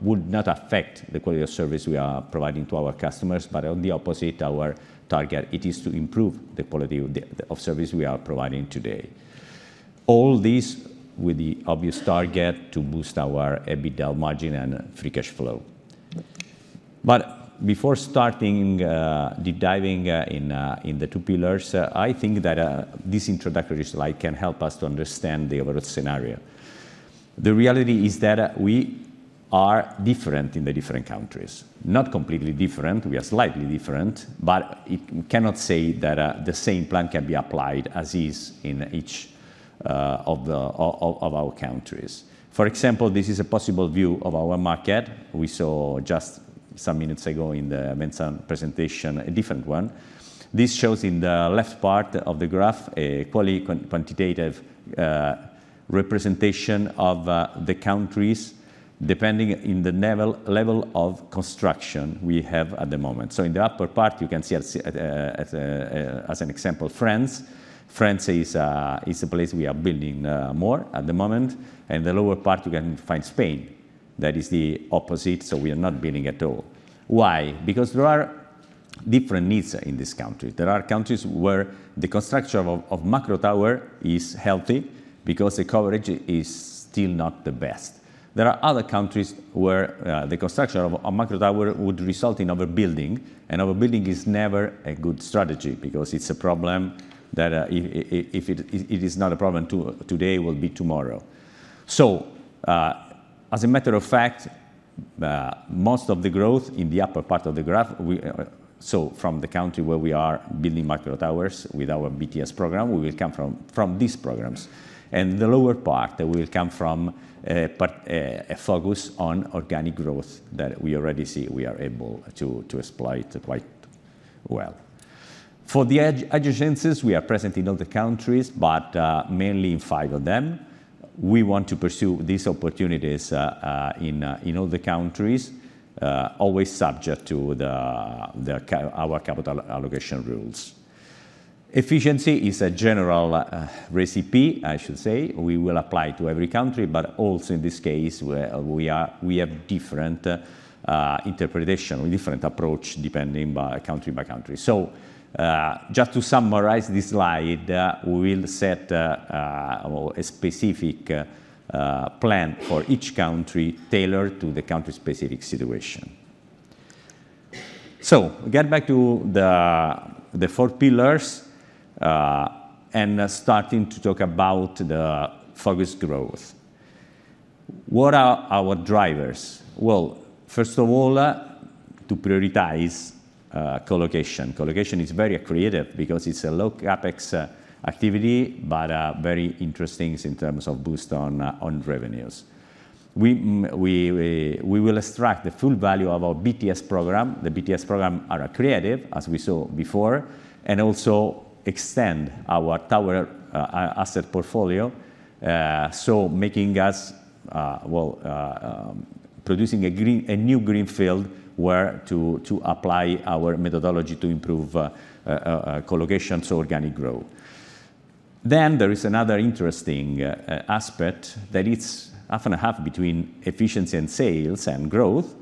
would not affect the quality of service we are providing to our customers, but on the opposite, our target is to improve the quality of service we are providing today. All this with the obvious target to boost our EBITDA margin and free cash flow. But before starting deep diving in the two pillars, I think that this introductory slide can help us to understand the overall scenario. The reality is that we are different in the different countries. Not completely different, we are slightly different, but we cannot say that the same plan can be applied as is in each of our countries. For example, this is a possible view of our market. We saw just some minutes ago in the Vincent presentation a different one. This shows in the left part of the graph a quantitative representation of the countries depending on the level of construction we have at the moment. So in the upper part, you can see as an example, France. France is a place we are building more at the moment, and in the lower part you can find Spain. That is the opposite, so we are not building at all. Why? Because there are different needs in this country. There are countries where the construction of macro towers is healthy because the coverage is still not the best. There are other countries where the construction of a macro tower would result in overbuilding, and overbuilding is never a good strategy because it's a problem that if it is not a problem today, it will be tomorrow. As a matter of fact, most of the growth in the upper part of the graph, so from the country where we are building macro towers with our BTS program, we will come from these programs. The lower part, we will come from a focus on organic growth that we already see we are able to exploit quite well. For the adjacencies, we are present in all the countries, but mainly in five of them. We want to pursue these opportunities in all the countries, always subject to our capital allocation rules. Efficiency is a general recipe, I should say. We will apply it to every country, but also in this case we have different interpretations, different approaches depending on country by country. Just to summarize this slide, we will set a specific plan for each country tailored to the country-specific situation. So, get back to the four pillars and starting to talk about the focused growth. What are our drivers? Well, first of all, to prioritize co-location. Co-location is very creative because it's a low CapEx activity, but very interesting in terms of boost on revenues. We will extract the full value of our BTS program. The BTS programs are creative, as we saw before, and also extend our tower asset portfolio, so making us, well, producing a new greenfield where to apply our methodology to improve co-location, so organic growth. Then there is another interesting aspect that is half and a half between efficiency and sales and growth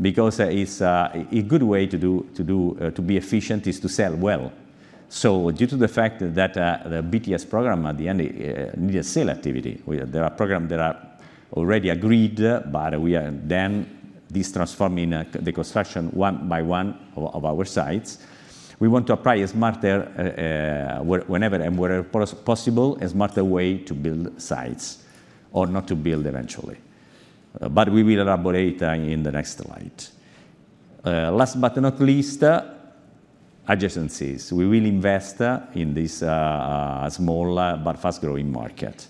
because a good way to be efficient is to sell well. So due to the fact that the BTS program at the end needs sale activity, there are programs that are already agreed, but we are then transforming the construction one by one of our sites. We want to apply a smarter, whenever and wherever possible, a smarter way to build sites or not to build eventually. But we will elaborate in the next slide. Last but not least, adjacencies. We will invest in this small but fast-growing market.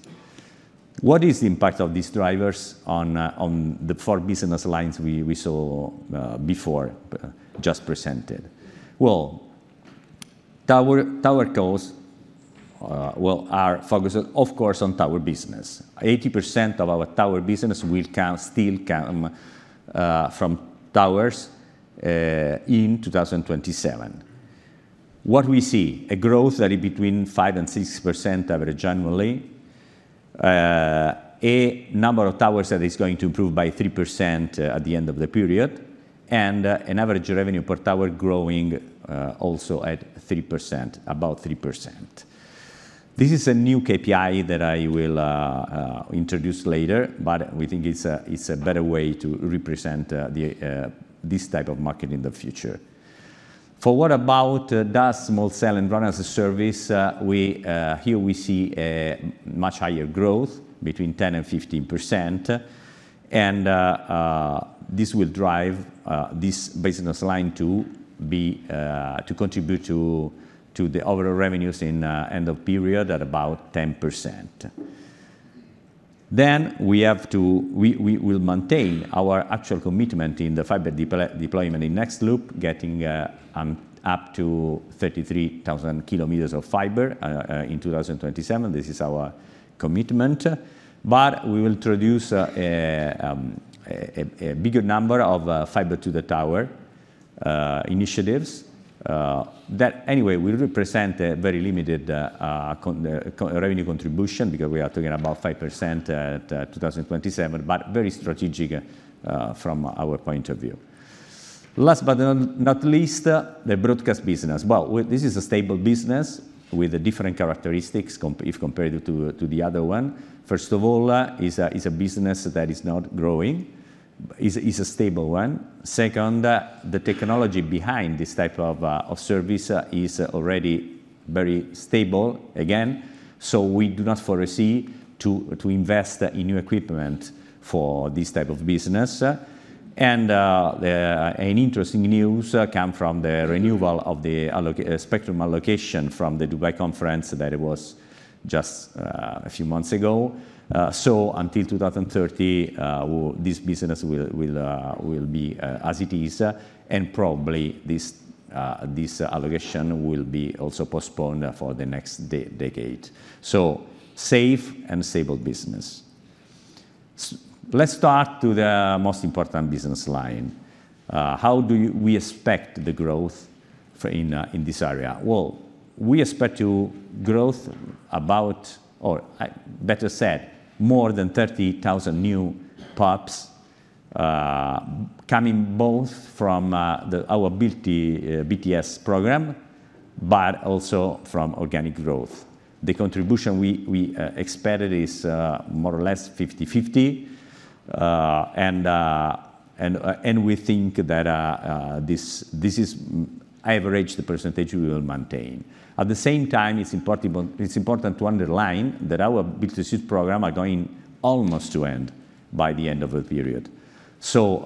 What is the impact of these drivers on the four business lines we saw before, just presented? Well, tower costs are focused, of course, on tower business. 80% of our tower business will still come from towers in 2027. What we see? A growth that is between 5% and 6% average annually, a number of towers that is going to improve by 3% at the end of the period, and an average revenue per tower growing also at 3%, about 3%. This is a new KPI that I will introduce later, but we think it's a better way to represent this type of market in the future. For what about DAS, small cell, and RAN as a service, here we see a much higher growth, between 10% and 15%, and this will drive this business line to contribute to the overall revenues in end of period at about 10%. Then we will maintain our actual commitment in the fiber deployment in Nexloop, getting up to 33,000 kilometers of fiber in 2027. This is our commitment. But we will introduce a bigger number of fiber-to-the-tower initiatives that, anyway, will represent a very limited revenue contribution because we are talking about 5% at 2027, but very strategic from our point of view. Last but not least, the broadcast business. Well, this is a stable business with different characteristics if compared to the other one. First of all, it's a business that is not growing. It's a stable one. Second, the technology behind this type of service is already very stable, again, so we do not foresee to invest in new equipment for this type of business. And interesting news comes from the renewal of the spectrum allocation from the Dubai conference that was just a few months ago. So until 2030, this business will be as it is, and probably this allocation will be also postponed for the next decade. So safe and stable business. Let's start with the most important business line. How do we expect the growth in this area? Well, we expect growth about, or better said, more than 30,000 new POPs coming both from our BTS program, but also from organic growth. The contribution we expected is more or less 50/50, and we think that this is average the percentage we will maintain. At the same time, it's important to underline that our BTS use programs are going almost to end by the end of the period. So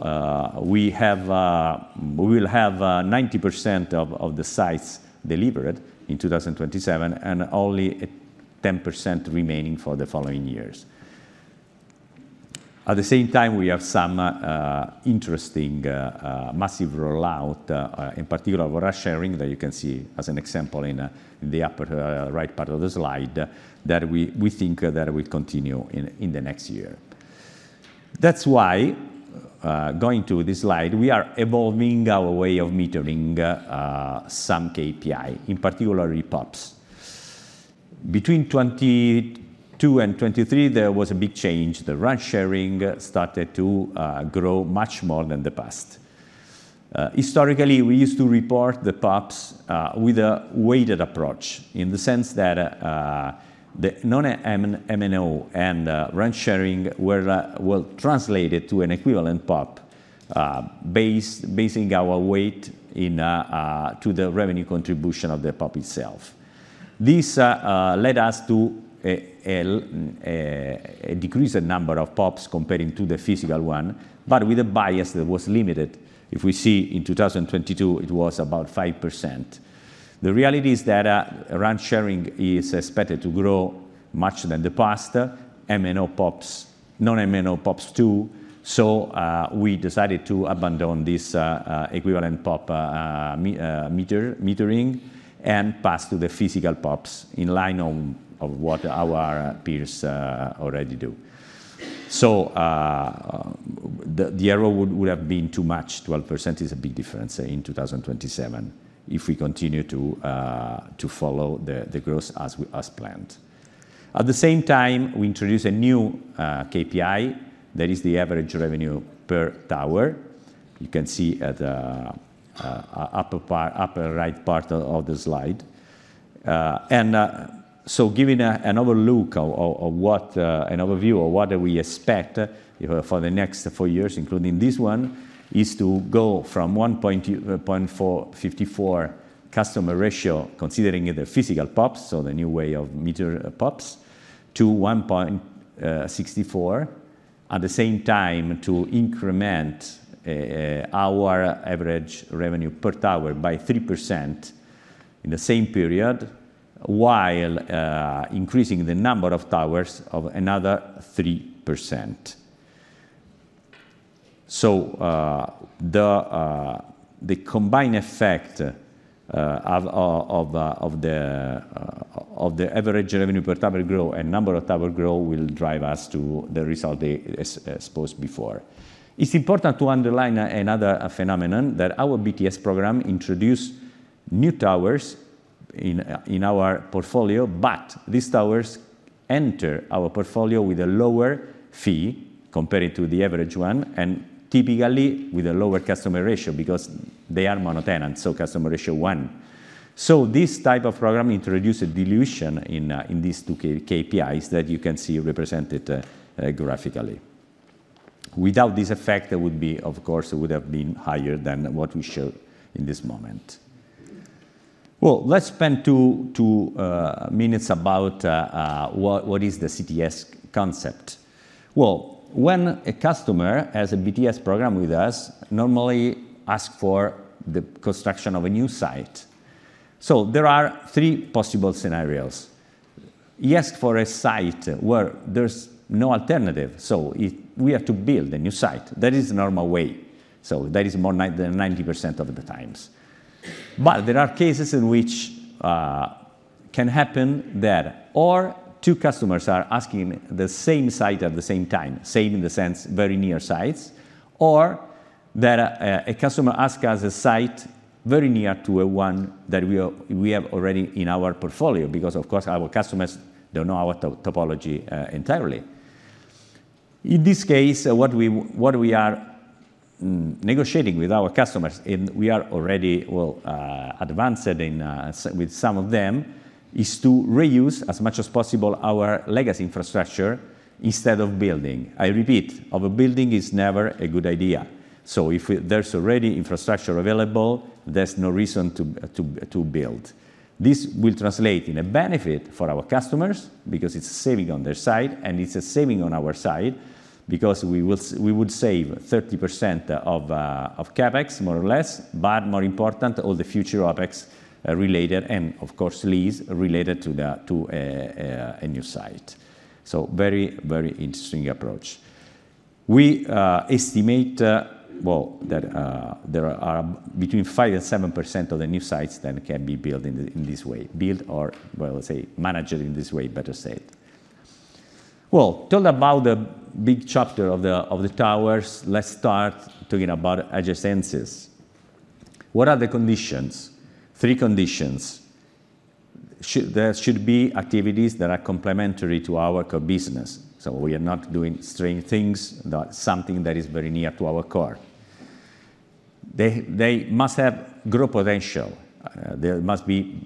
we will have 90% of the sites delivered in 2027 and only 10% remaining for the following years. At the same time, we have some interesting massive rollout, in particular what I'm sharing that you can see as an example in the upper right part of the slide, that we think that will continue in the next year. That's why, going to this slide, we are evolving our way of metering some KPI, in particular POPs. Between 2022 and 2023, there was a big change. The run sharing started to grow much more than the past. Historically, we used to report the POPs with a weighted approach, in the sense that the non-MNO and run sharing were translated to an equivalent POP, basing our weight to the revenue contribution of the POP itself. This led us to a decreased number of POPs comparing to the physical one, but with a bias that was limited. If we see in 2022, it was about 5%. The reality is that run sharing is expected to grow much than the past, non-MNO POPs too, so we decided to abandon this equivalent POP metering and pass to the physical POPs in line of what our peers already do. So the error would have been too much. 12% is a big difference in 2027 if we continue to follow the growth as planned. At the same time, we introduced a new KPI that is the average revenue per tower. You can see at the upper right part of the slide. And so giving an overview of what we expect for the next four years, including this one, is to go from 1.54 customer ratio, considering either physical POPs, so the new way of metering POPs, to 1.64, at the same time to increment our average revenue per tower by 3% in the same period, while increasing the number of towers of another 3%. So the combined effect of the average revenue per tower growth and number of tower growth will drive us to the result I supposed before. It's important to underline another phenomenon, that our BTS program introduced new towers in our portfolio, but these towers enter our portfolio with a lower fee compared to the average one and typically with a lower customer ratio because they are monotenant, so customer ratio one. So this type of program introduced a dilution in these two KPIs that you can see represented graphically. Without this effect, of course, it would have been higher than what we show in this moment. Well, let's spend two minutes about what is the CTS concept. Well, when a customer has a BTS program with us, normally asks for the construction of a new site. So there are three possible scenarios. He asks for a site where there's no alternative, so we have to build a new site. That is the normal way. So that is more than 90% of the times. But there are cases in which it can happen that two customers are asking the same site at the same time, same in the sense, very near sites, or that a customer asks us a site very near to one that we have already in our portfolio because, of course, our customers don't know our topology entirely. In this case, what we are negotiating with our customers, and we are already, well, advanced with some of them, is to reuse as much as possible our legacy infrastructure instead of building. I repeat, overbuilding is never a good idea. So if there's already infrastructure available, there's no reason to build. This will translate in a benefit for our customers because it's a saving on their side, and it's a saving on our side because we would save 30% of CapEx, more or less, but more important, all the future OpEx related and, of course, lease related to a new site. So very, very interesting approach. We estimate, well, that there are between 5% and 7% of the new sites that can be built in this way, built or, well, I'll say managed in this way, better said. Well, told about the big chapter of the towers, let's start talking about adjacencies. What are the conditions? Three conditions. There should be activities that are complementary to our core business. So we are not doing strange things, something that is very near to our core. They must have growth potential. There must be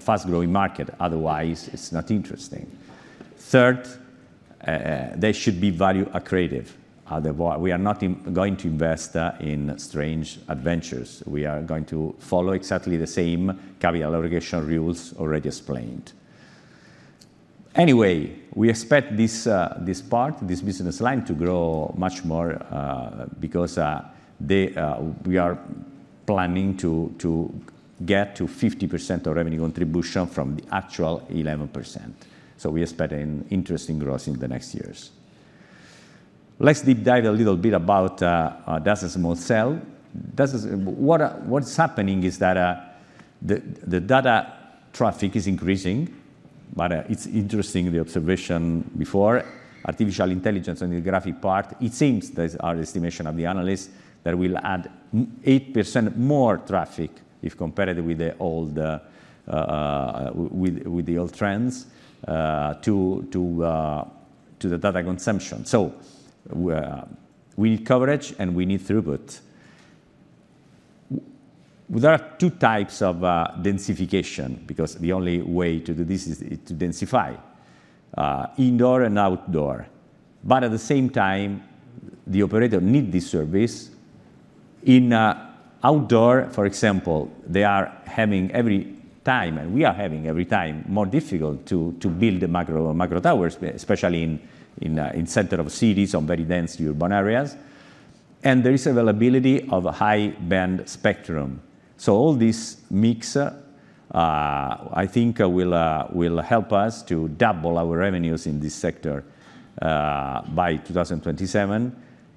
fast-growing market. Otherwise, it's not interesting. Third, they should be value accretive. Otherwise, we are not going to invest in strange adventures. We are going to follow exactly the same capital allocation rules already explained. Anyway, we expect this part, this business line, to grow much more because we are planning to get to 50% of revenue contribution from the actual 11%. So we expect interesting growth in the next years. Let's deep dive a little bit about DAS and small cell. What's happening is that the data traffic is increasing, but it's interesting the observation before. Artificial intelligence on the graphic part, it seems that our estimation of the analysts that will add 8% more traffic if compared with the old trends to the data consumption. So we need coverage and we need throughput. There are two types of densification because the only way to do this is to densify, indoor and outdoor. But at the same time, the operator needs this service. In outdoor, for example, they are having every time, and we are having every time, more difficult to build the macro towers, especially in the center of cities or very dense urban areas. And there is availability of a high-band spectrum. So all this mix, I think, will help us to double our revenues in this sector by 2027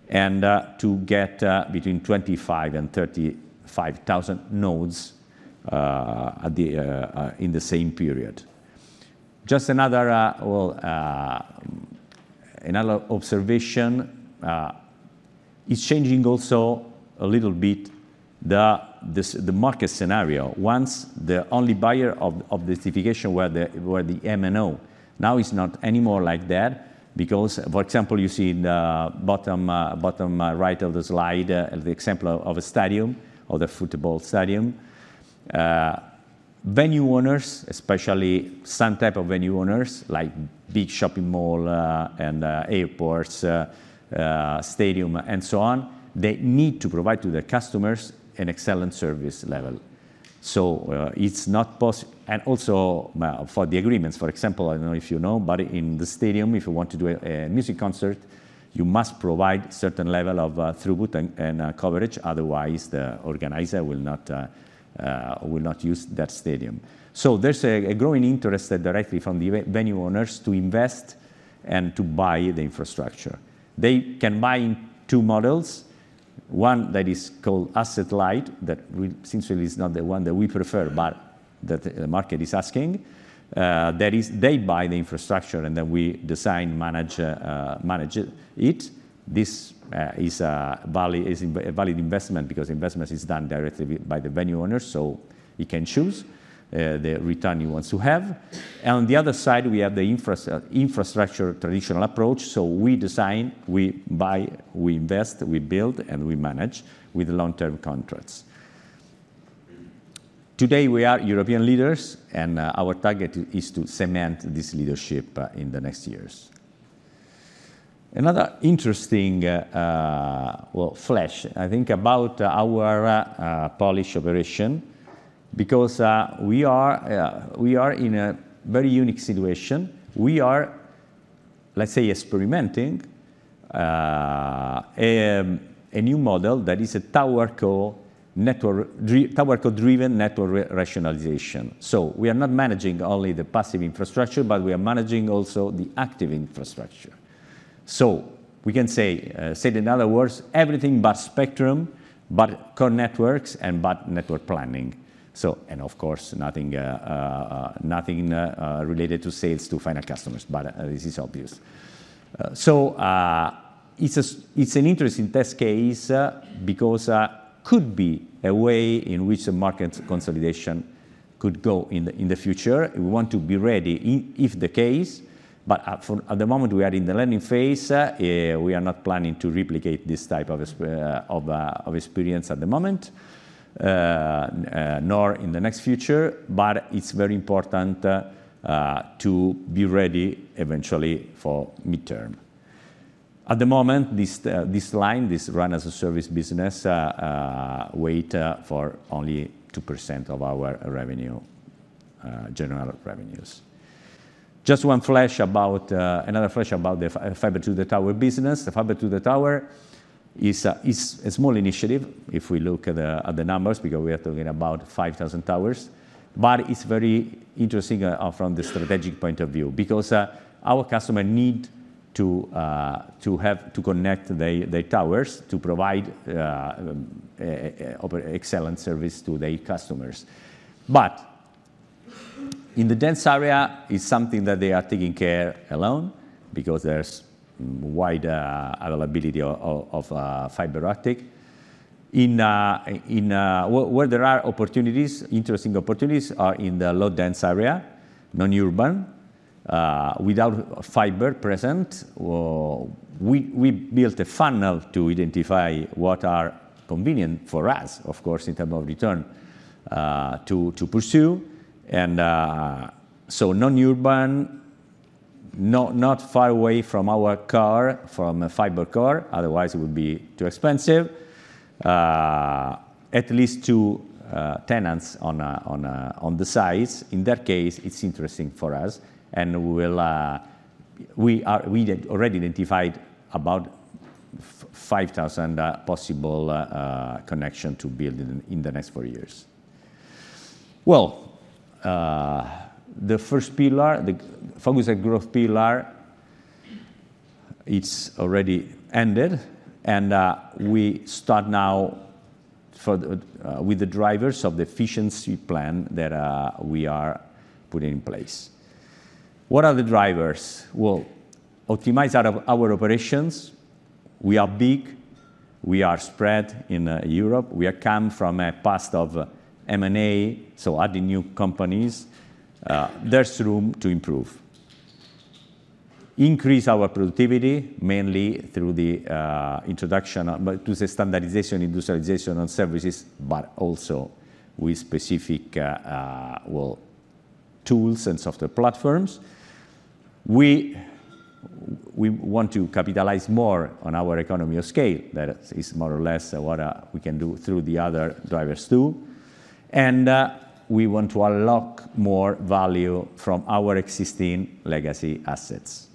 and to get between 25 and 35,000 nodes in the same period. Just another observation, it's changing also a little bit the market scenario. Once the only buyer of densification were the MNO, now it's not anymore like that because, for example, you see in the bottom right of the slide the example of a stadium, of a football stadium. Venue owners, especially some type of venue owners, like big shopping malls and airports, stadiums, and so on, they need to provide to their customers an excellent service level. So it's not possible. And also for the agreements, for example, I don't know if you know, but in the stadium, if you want to do a music concert, you must provide a certain level of throughput and coverage. Otherwise, the organizer will not use that stadium. So there's a growing interest directly from the venue owners to invest and to buy the infrastructure. They can buy in two models. One that is called Asset Light, that sincerely is not the one that we prefer, but that the market is asking. They buy the infrastructure and then we design, manage it. This is a valid investment because investment is done directly by the venue owners, so he can choose the return he wants to have. On the other side, we have the infrastructure traditional approach. We design, we buy, we invest, we build, and we manage with long-term contracts. Today, we are European leaders, and our target is to cement this leadership in the next years. Another interesting, well, flash, I think, about our Polish operation because we are in a very unique situation. We are, let's say, experimenting a new model that is a towerco driven network rationalization. So we are not managing only the passive infrastructure, but we are managing also the active infrastructure. So we can say, in other words, everything but spectrum, but core networks, and but network planning. And of course, nothing related to sales to final customers, but this is obvious. So it's an interesting test case because it could be a way in which market consolidation could go in the future. We want to be ready if the case, but at the moment, we are in the learning phase. We are not planning to replicate this type of experience at the moment, nor in the next future, but it's very important to be ready eventually for mid-term. At the moment, this line, this RAN-as-a-Service business, weighs for only 2% of our general revenues. Just another flash about the Fiber-to-the-Tower business. The Fiber-to-the-Tower is a small initiative if we look at the numbers because we are talking about 5,000 towers. But it's very interesting from the strategic point of view because our customers need to connect their towers to provide excellent service to their customers. But in the dense area, it's something that they are taking care of alone because there's wide availability of fiber optic. Where there are opportunities. Interesting opportunities are in the low-dense area, non-urban, without fiber present. We built a funnel to identify what is convenient for us, of course, in terms of return to pursue. And so non-urban, not far away from our fiber core, otherwise it would be too expensive, at least two tenants on the site. In that case, it's interesting for us. And we already identified about 5,000 possible connections to build in the next four years. Well, the first pillar, the focus at growth pillar, it's already ended. And we start now with the drivers of the efficiency plan that we are putting in place. What are the drivers? Well, optimize our operations. We are big. We are spread in Europe. We come from a past of M&A, so adding new companies. There's room to improve. Increase our productivity, mainly through the introduction to standardization, industrialization on services, but also with specific tools and software platforms. We want to capitalize more on our economy of scale. That is more or less what we can do through the other drivers too. We want to unlock more value from our existing legacy assets.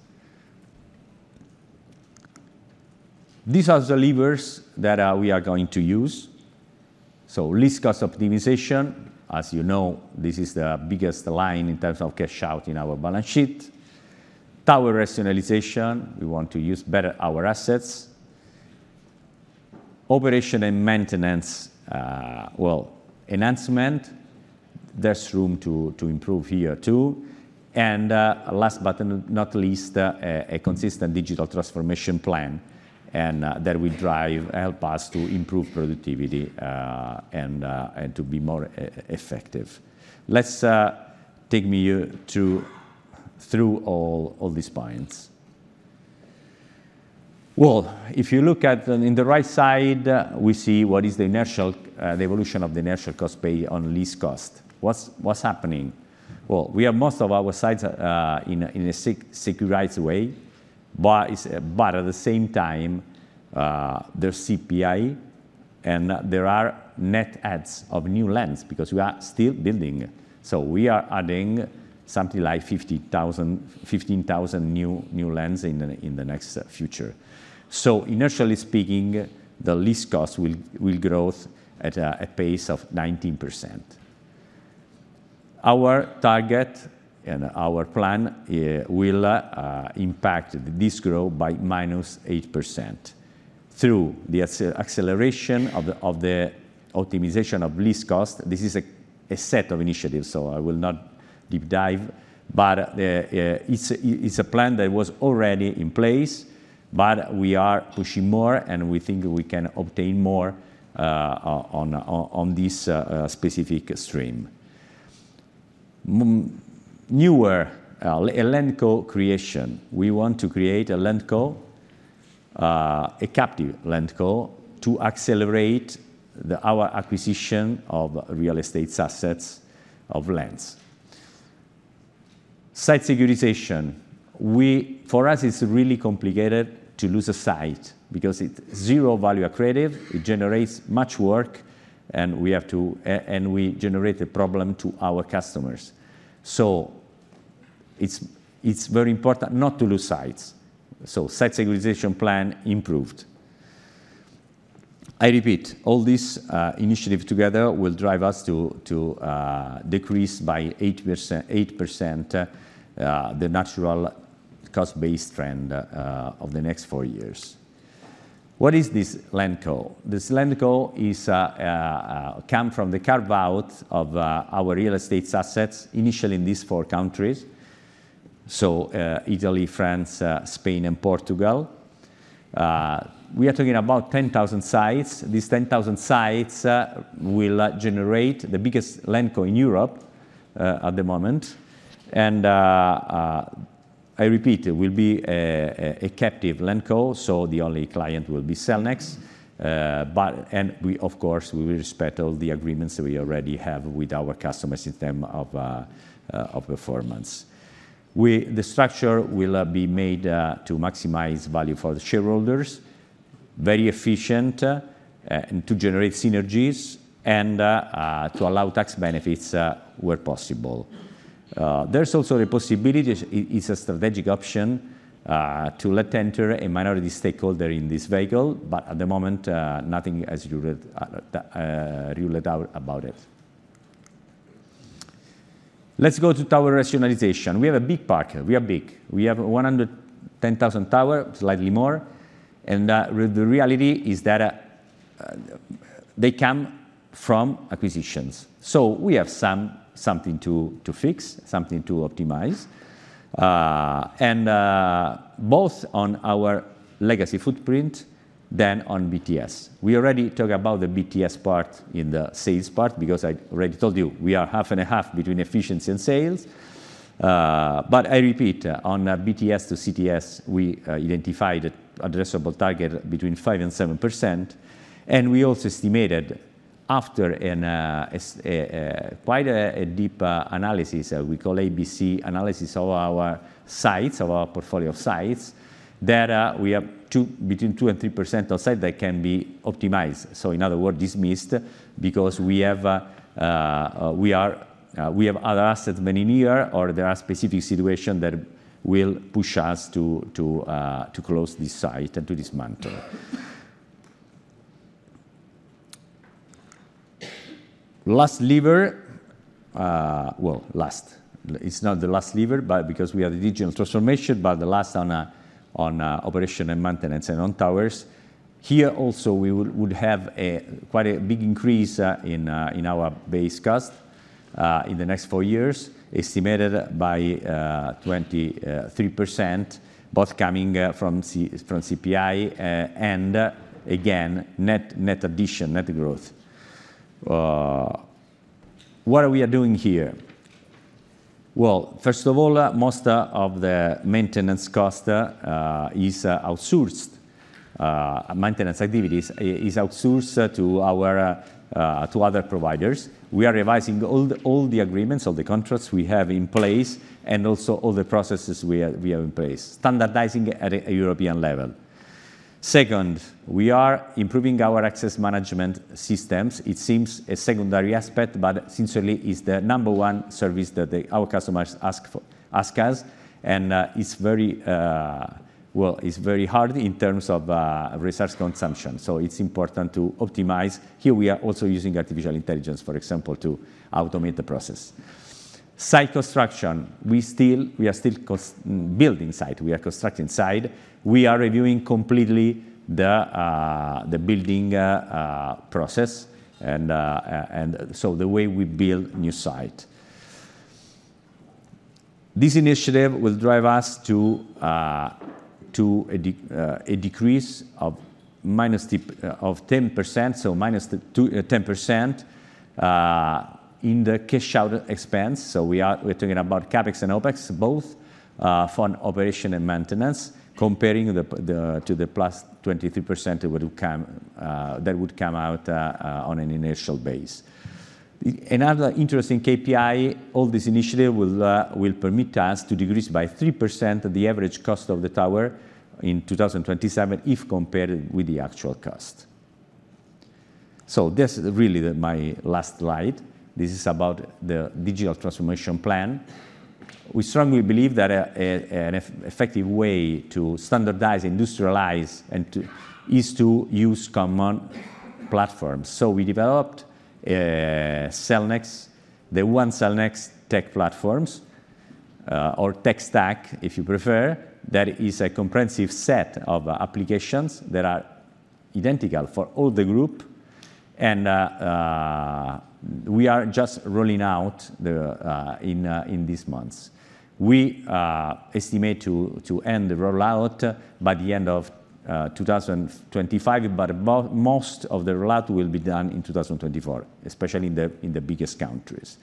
These are the levers that we are going to use. Least cost optimization. As you know, this is the biggest line in terms of cash out in our balance sheet. Tower rationalization. We want to use better our assets. Operation and maintenance, well, enhancement. There's room to improve here too. And last but not least, a consistent digital transformation plan that will help us to improve productivity and to be more effective. Let's take you through all these points. Well, if you look at in the right side, we see what is the evolution of the inertial cost base on lease cost. What's happening? Well, we have most of our sites in a securitized way, but at the same time, there's CPI and there are net adds of new tenants because we are still building. So we are adding something like 15,000 new tenants in the near future. So inertially speaking, the lease cost will grow at a pace of 19%. Our target and our plan will impact this growth by -8%. Through the acceleration of the optimization of lease cost, this is a set of initiatives, so I will not deep dive, but it's a plan that was already in place, but we are pushing more and we think we can obtain more on this specific stream. Next, a LandCo creation. We want to create a LandCo, a captive LandCo, to accelerate our acquisition of real estate assets, of lands. Site securitization. For us, it's really complicated to lose a site because it's zero value accretive. It generates much work and we generate a problem to our customers. So it's very important not to lose sites. So site securitization plan improved. I repeat, all these initiatives together will drive us to decrease by 8% the natural cost-based trend of the next four years. What is this LandCo? This LandCo comes from the carve-out of our real estate assets, initially in these four countries, so Italy, France, Spain, and Portugal. We are talking about 10,000 sites. These 10,000 sites will generate the biggest LandCo in Europe at the moment. And I repeat, it will be a captive LandCo, so the only client will be Cellnex. And of course, we will respect all the agreements that we already have with our customers in terms of performance. The structure will be made to maximize value for the shareholders, very efficient, and to generate synergies and to allow tax benefits where possible. There's also the possibility, it's a strategic option, to let enter a minority stakeholder in this vehicle, but at the moment, nothing has ruled out about it. Let's go to tower rationalization. We have a big park. We are big. We have 110,000 towers, slightly more. And the reality is that they come from acquisitions. So we have something to fix, something to optimize, and both on our legacy footprint than on BTS. We already talked about the BTS part in the sales part because I already told you we are 50/50 between efficiency and sales. But I repeat, on BTS to CTS, we identified an addressable target between 5%-7%. And we also estimated, after quite a deep analysis, we call ABC analysis of our sites, of our portfolio of sites, that we have between 2%-3% of sites that can be optimized. So in other words, dismissed because we have other assets many near or there are specific situations that will push us to close this site and to dismantle. Last lever, well, last. It's not the last lever because we have the digital transformation, but the last on operation and maintenance and on towers. Here also, we would have quite a big increase in our base cost in the next four years, estimated by 23%, both coming from CPI and, again, net addition, net growth. What are we doing here? Well, first of all, most of the maintenance cost is outsourced. Maintenance activities are outsourced to other providers. We are revising all the agreements, all the contracts we have in place, and also all the processes we have in place, standardizing at a European level. Second, we are improving our access management systems. It seems a secondary aspect, but sincerely, it's the number one service that our customers ask us. And it's very hard in terms of resource consumption. So it's important to optimize. Here we are also using artificial intelligence, for example, to automate the process. Site construction. We are still building sites. We are constructing sites. We are reviewing completely the building process and so the way we build new sites. This initiative will drive us to a decrease of 10%, so -10% in the cash out expense. So we're talking about CapEx and OpEx, both for operation and maintenance, comparing to the +23% that would come out on an inertial base. Another interesting KPI, all this initiative will permit us to decrease by 3% the average cost of the tower in 2027 if compared with the actual cost. So that's really my last slide. This is about the digital transformation plan. We strongly believe that an effective way to standardize, industrialize, is to use common platforms. So we developed Cellnex, the one Cellnex tech platforms, or tech stack, if you prefer, that is a comprehensive set of applications that are identical for all the group. We are just rolling out in these months. We estimate to end the rollout by the end of 2025, but most of the rollout will be done in 2024, especially in the biggest countries.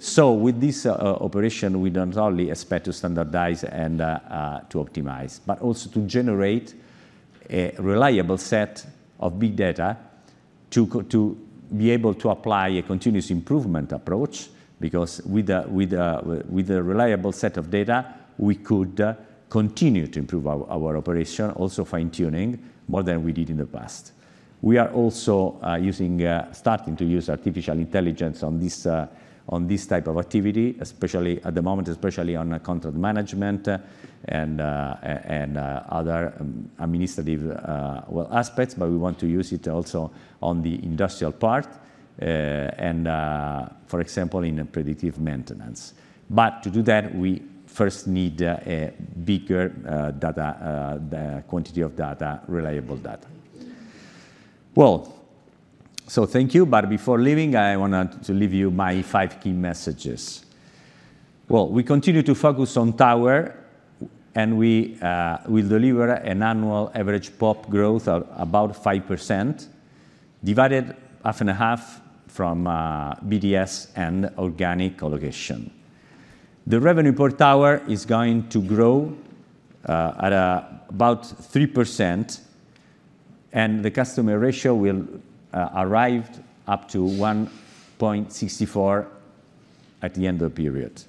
So with this operation, we don't only expect to standardize and to optimize, but also to generate a reliable set of big data to be able to apply a continuous improvement approach because with a reliable set of data, we could continue to improve our operation, also fine-tuning more than we did in the past. We are also starting to use artificial intelligence on this type of activity, especially at the moment, especially on contract management and other administrative aspects, but we want to use it also on the industrial part and, for example, in predictive maintenance. But to do that, we first need a bigger quantity of data, reliable data. Well, so thank you, but before leaving, I want to leave you my five key messages. Well, we continue to focus on tower and we will deliver an annual average POP growth of about 5% divided half and a half from BDS and organic collocation. The revenue per tower is going to grow at about 3% and the customer ratio will arrive up to 1.64 at the end of the period.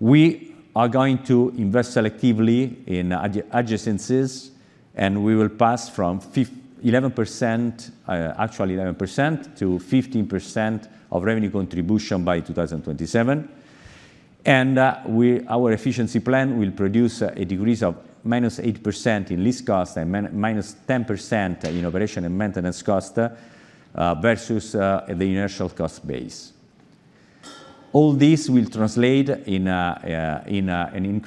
We are going to invest selectively in adjacencies and we will pass from 11%, actual 11%, to 15% of revenue contribution by 2027. Our efficiency plan will produce a decrease of -8% in lease cost and -10% in operation and maintenance cost versus the inertial cost base. All this will translate in an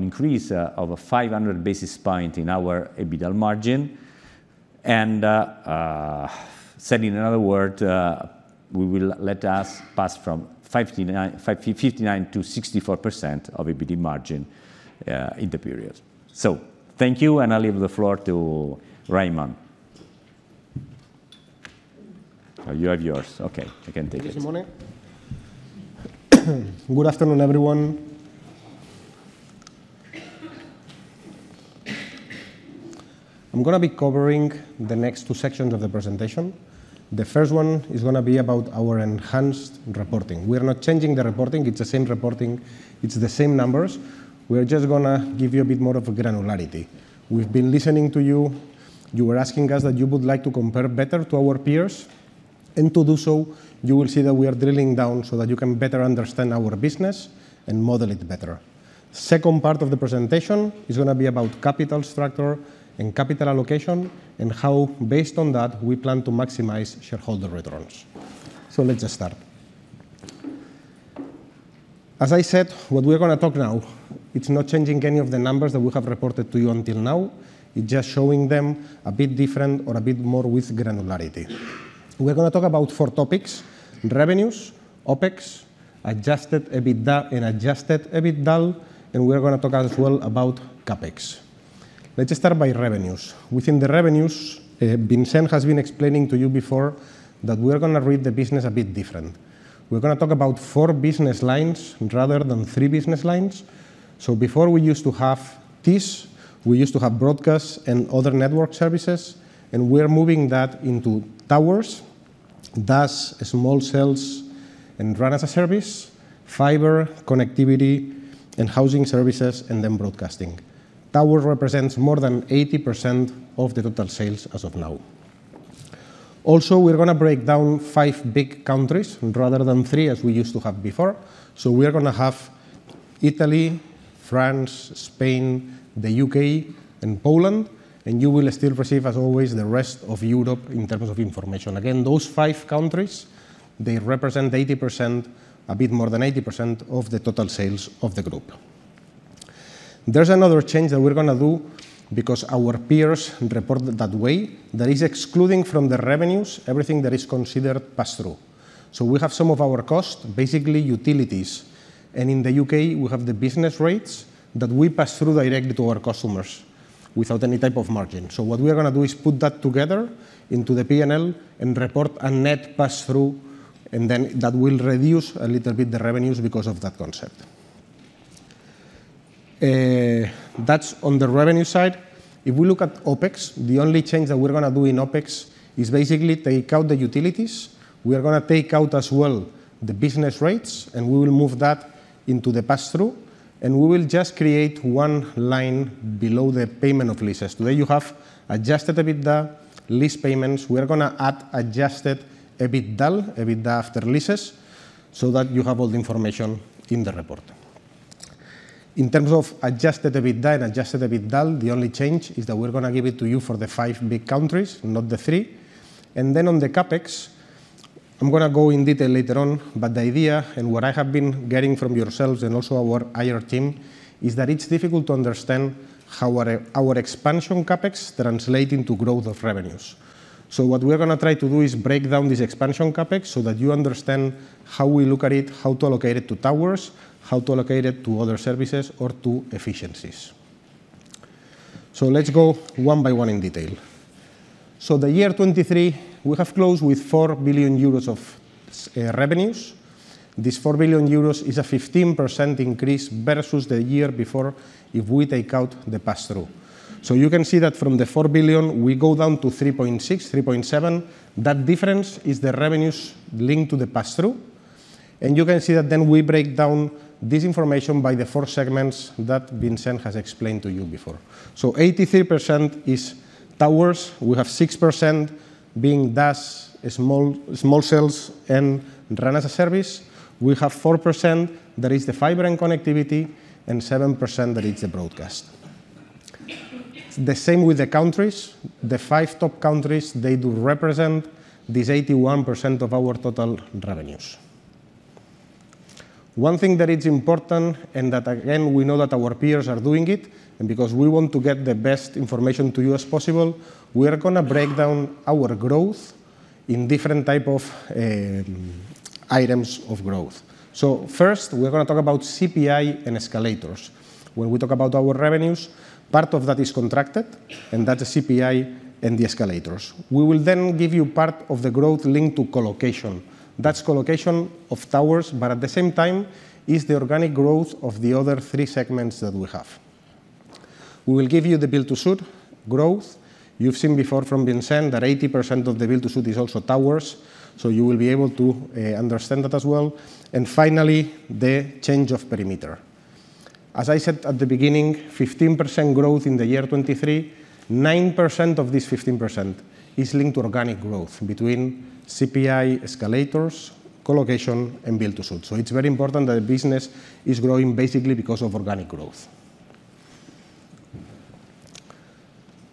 increase of 500 basis points in our EBITDA margin. And said in another word, we will let us pass from 59%-64% EBITDA margin in the period. So thank you and I'll leave the floor to Raimon. You have yours. Okay, I can take it. Good afternoon, everyone. I'm going to be covering the next two sections of the presentation. The first one is going to be about our enhanced reporting. We are not changing the reporting. It's the same reporting. It's the same numbers. We are just going to give you a bit more of granularity. We've been listening to you. You were asking us that you would like to compare better to our peers and to do so, you will see that we are drilling down so that you can better understand our business and model it better. The second part of the presentation is going to be about capital structure and capital allocation and how, based on that, we plan to maximize shareholder returns. So let's just start. As I said, what we are going to talk now, it's not changing any of the numbers that we have reported to you until now. It's just showing them a bit different or a bit more with granularity. We are going to talk about four topics: revenues, OpEx, Adjusted EBITDA and adjusted EBITDA, and we are going to talk as well about CapEx. Let's just start by revenues. Within the revenues, Vincent has been explaining to you before that we are going to read the business a bit different. We are going to talk about four business lines rather than three business lines. So before, we used to have TIS, we used to have broadcast and other network services, and we are moving that into towers, DAS, small cells and run-as-a-service, fiber, connectivity, and housing services, and then broadcasting. Towers represent more than 80% of the total sales as of now. Also, we are going to break down five big countries rather than three as we used to have before. So we are going to have Italy, France, Spain, the U.K., and Poland, and you will still receive, as always, the rest of Europe in terms of information. Again, those five countries, they represent 80%, a bit more than 80% of the total sales of the group. There's another change that we're going to do because our peers report that way that is excluding from the revenues everything that is considered pass-through. So we have some of our cost, basically utilities, and in the U.K., we have the business rates that we pass through directly to our customers without any type of margin. So what we are going to do is put that together into the P&L and report a net pass-through, and then that will reduce a little bit the revenues because of that concept. That's on the revenue side. If we look at OpEx, the only change that we're going to do in OpEx is basically take out the utilities. We are going to take out as well the business rates, and we will move that into the pass-through, and we will just create one line below the payment of leases. Today, you have adjusted EBITDA, lease payments. We are going to add adjusted EBITDA, EBITDA after leases so that you have all the information in the report. In terms of adjusted EBITDA and Adjusted EBITDA, the only change is that we're going to give it to you for the five big countries, not the three. And then on the CapEx, I'm going to go in detail later on, but the idea and what I have been getting from yourselves and also our IR team is that it's difficult to understand how our expansion CapEx translates into growth of revenues. So what we are going to try to do is break down this expansion CapEx so that you understand how we look at it, how to allocate it to towers, how to allocate it to other services, or to efficiencies. So let's go one by one in detail. So the year 2023, we have closed with 4 billion euros of revenues. This 4 billion euros is a 15% increase versus the year before if we take out the pass-through. So you can see that from the 4 billion, we go down to 3.6 billion, 3.7 billion. That difference is the revenues linked to the pass-through. And you can see that then we break down this information by the four segments that Vincent has explained to you before. So 83% is towers. We have 6% being DAS, small cells, and run-as-a-service. We have 4% that is the fiber and connectivity and 7% that is the broadcast. The same with the countries. The five top countries, they do represent this 81% of our total revenues. One thing that is important and that, again, we know that our peers are doing it because we want to get the best information to you as possible, we are going to break down our growth in different types of items of growth. So first, we are going to talk about CPI and escalators. When we talk about our revenues, part of that is contracted, and that's the CPI and the escalators. We will then give you part of the growth linked to co-location. That's co-location of towers, but at the same time, it's the organic growth of the other three segments that we have. We will give you the build-to-suit growth. You've seen before from Vincent that 80% of the build-to-suit is also towers, so you will be able to understand that as well. And finally, the change of perimeter. As I said at the beginning, 15% growth in the year 2023, 9% of this 15% is linked to organic growth between CPI, escalators, co-location, and build-to-suit. So it's very important that the business is growing basically because of organic growth.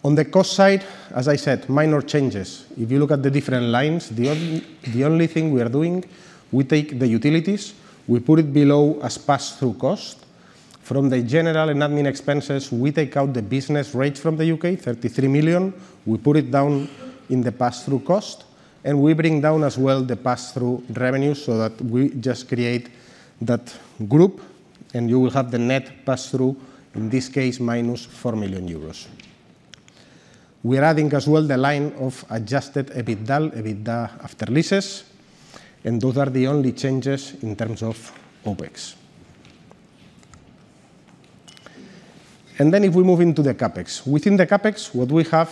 On the cost side, as I said, minor changes. If you look at the different lines, the only thing we are doing, we take the utilities, we put it below as pass-through cost. From the general and admin expenses, we take out the business rates from the UK, 33 million. We put it down in the pass-through cost, and we bring down as well the pass-through revenues so that we just create that group, and you will have the net pass-through, in this case, -4 million euros. We are adding as well the line of Adjusted EBITDA, EBITDA after leases, and those are the only changes in terms of OPEX. Then if we move into the CapEx. Within the CapEx, what we have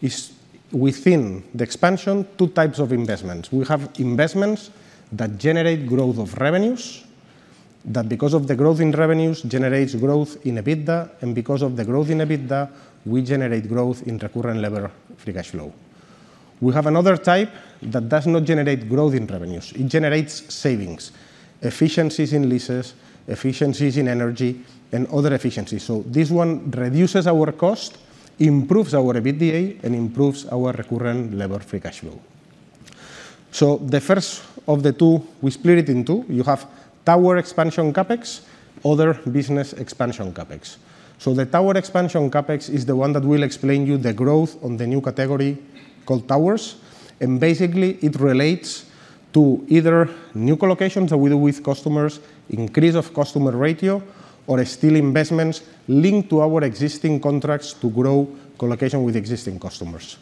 is, within the expansion, two types of investments. We have investments that generate growth of revenues, that because of the growth in revenues generates growth in EBITDA, and because of the growth in EBITDA, we generate growth in recurring levered free cash flow. We have another type that does not generate growth in revenues. It generates savings, efficiencies in leases, efficiencies in energy, and other efficiencies. So this one reduces our cost, improves our EBITDA, and improves our recurring levered free cash flow. So the first of the two, we split it into. You have tower expansion CapEx, other business expansion CapEx. So the tower expansion CapEx is the one that will explain to you the growth on the new category called towers, and basically, it relates to either new co-locations that we do with customers, increase of customer ratio, or still investments linked to our existing contracts to grow co-location with existing customers.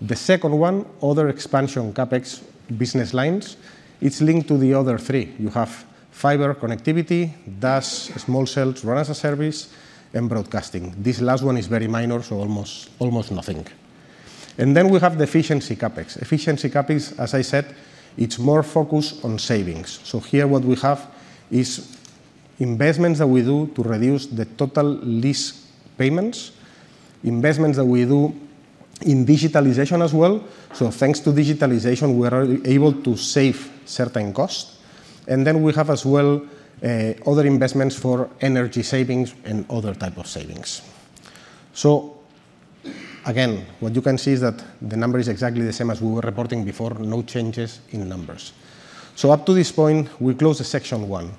The second one, other expansion CapEx business lines, it's linked to the other three. You have fiber connectivity, DAS, small cells, RAN-as-a-Service, and broadcasting. This last one is very minor, so almost nothing. Then we have the efficiency CapEx. Efficiency CapEx, as I said, it's more focused on savings. Here, what we have is investments that we do to reduce the total lease payments, investments that we do in digitalization as well. Thanks to digitalization, we are able to save certain costs, and then we have as well other investments for energy savings and other types of savings. Again, what you can see is that the number is exactly the same as we were reporting before, no changes in numbers. Up to this point, we closed the section one.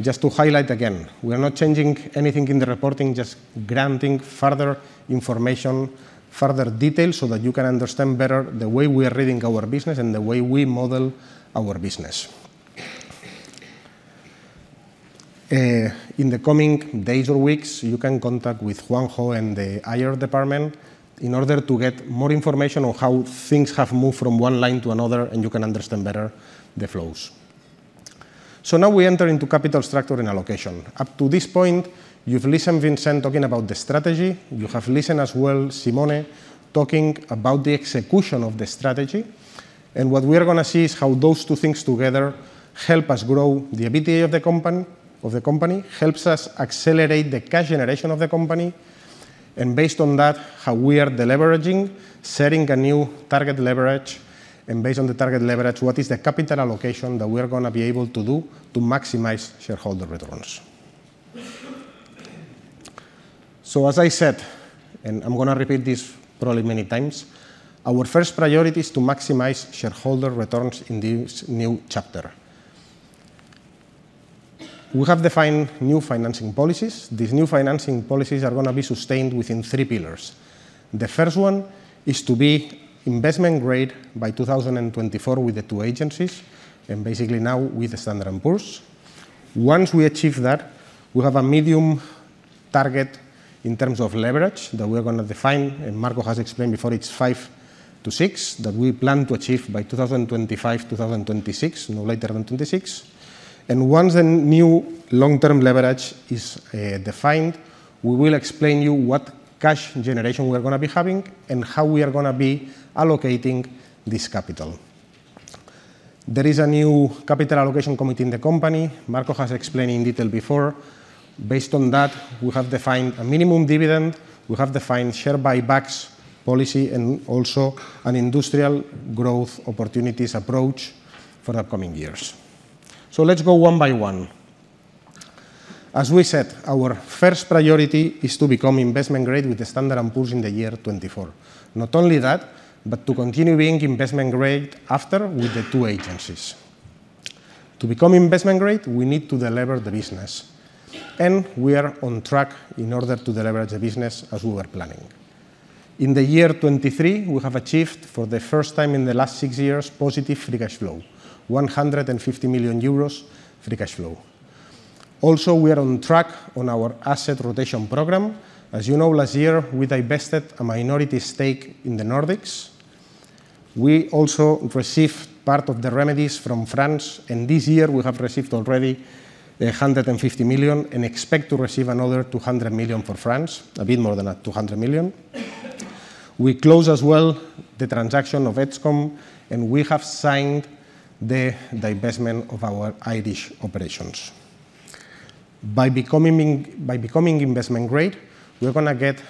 Just to highlight again, we are not changing anything in the reporting, just granting further information, further details so that you can understand better the way we are running our business and the way we model our business. In the coming days or weeks, you can contact Juanjo and the IR department in order to get more information on how things have moved from one line to another, and you can understand better the flows. Now we enter into capital structure and allocation. Up to this point, you've listened to Vincent talking about the strategy. You have listened as well to Simone talking about the execution of the strategy. And what we are going to see is how those two things together help us grow the EBITDA of the company, helps us accelerate the cash generation of the company, and based on that, how we are deleveraging, setting a new target leverage, and based on the target leverage, what is the capital allocation that we are going to be able to do to maximize shareholder returns. So as I said, and I'm going to repeat this probably many times, our first priority is to maximize shareholder returns in this new chapter. We have defined new financing policies. These new financing policies are going to be sustained within three pillars. The first one is to be investment grade by 2024 with the two agencies and basically now with the Standard and Poor's. Once we achieve that, we have a mid-term target in terms of leverage that we are going to define, and Marco has explained before, it's 5-6 that we plan to achieve by 2025, 2026, no later than 2026. Once the new long-term leverage is defined, we will explain to you what cash generation we are going to be having and how we are going to be allocating this capital. There is a new capital allocation committee in the company. Marco has explained in detail before. Based on that, we have defined a minimum dividend. We have defined share buybacks policy and also an industrial growth opportunities approach for the upcoming years. Let's go one by one. As we said, our first priority is to become investment grade with S&P in the year 2024. Not only that, but to continue being investment grade after with the two agencies. To become investment grade, we need to deliver the business, and we are on track in order to deliver the business as we were planning. In the year 2023, we have achieved for the first time in the last six years positive free cash flow, 150 million euros free cash flow. Also, we are on track on our asset rotation program. As you know, last year, we divested a minority stake in the Nordics. We also received part of the remedies from France, and this year, we have received already 150 million and expect to receive another 200 million for France, a bit more than 200 million. We closed as well the transaction of Edzcom, and we have signed the divestment of our Irish operations. By becoming investment grade, we are going to get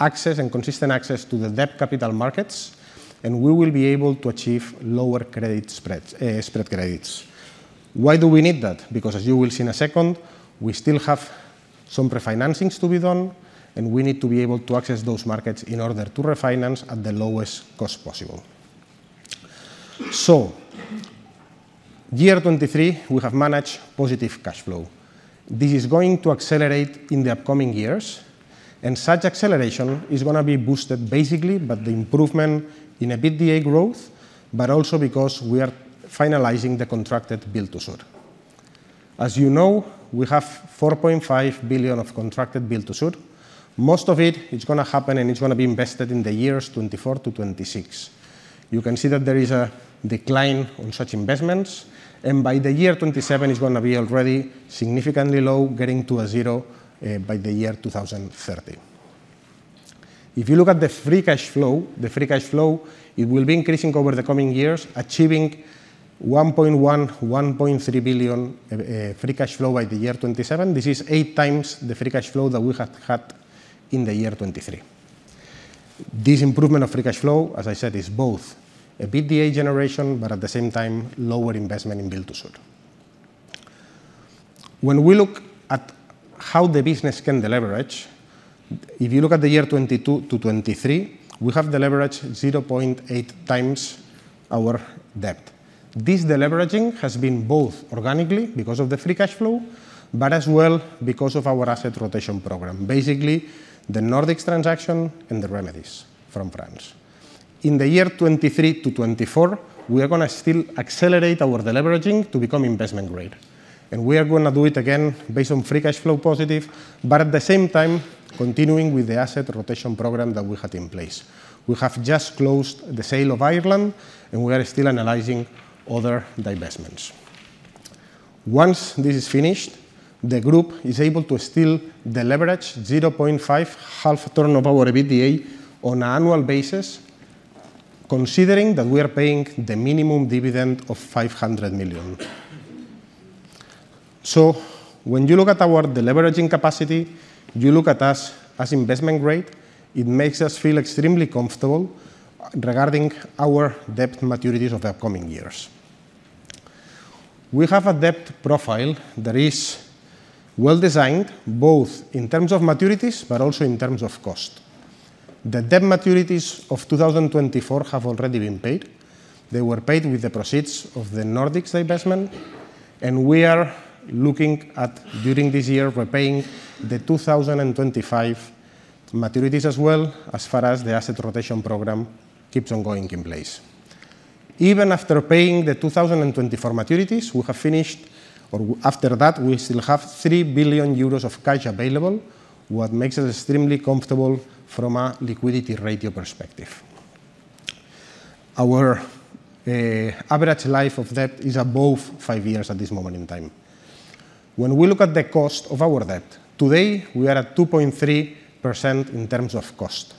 access and consistent access to the debt capital markets, and we will be able to achieve lower spread credits. Why do we need that? Because, as you will see in a second, we still have some refinancings to be done, and we need to be able to access those markets in order to refinance at the lowest cost possible. So year 2023, we have managed positive cash flow. This is going to accelerate in the upcoming years, and such acceleration is going to be boosted basically by the improvement in EBITDA growth, but also because we are finalizing the contracted build-to-suit. As you know, we have 4.5 billion of contracted build-to-suit. Most of it, it's going to happen, and it's going to be invested in the years 2024 to 2026. You can see that there is a decline on such investments, and by the year 2027, it's going to be already significantly low, getting to a 0 by the year 2030. If you look at the free cash flow, the free cash flow, it will be increasing over the coming years, achieving 1.1 billion-1.3 billion free cash flow by the year 2027. This is 8 times the free cash flow that we had had in the year 2023. This improvement of free cash flow, as I said, is both EBITDA generation, but at the same time, lower investment in build-to-suit. When we look at how the business can deleverage, if you look at the year 2022 to 2023, we have deleveraged 0.8 times our debt. This deleveraging has been both organically because of the free cash flow, but as well because of our asset rotation program, basically the Nordics transaction and the remedies from France. In the year 2023 to 2024, we are going to still accelerate our deleveraging to become investment grade, and we are going to do it again based on free cash flow positive, but at the same time, continuing with the asset rotation program that we had in place. We have just closed the sale of Ireland, and we are still analyzing other divestments. Once this is finished, the group is able to still deleverage 0.5 half turnover EBITDA on an annual basis, considering that we are paying the minimum dividend of 500 million. So when you look at our deleveraging capacity, you look at us as investment grade. It makes us feel extremely comfortable regarding our debt maturities of the upcoming years. We have a debt profile that is well designed both in terms of maturities, but also in terms of cost. The debt maturities of 2024 have already been paid. They were paid with the proceeds of the Nordics divestment, and we are looking at, during this year, repaying the 2025 maturities as well as far as the asset rotation program keeps on going in place. Even after paying the 2024 maturities, we have finished, or after that, we still have 3 billion euros of cash available, what makes us extremely comfortable from a liquidity ratio perspective. Our average life of debt is above five years at this moment in time. When we look at the cost of our debt, today, we are at 2.3% in terms of cost.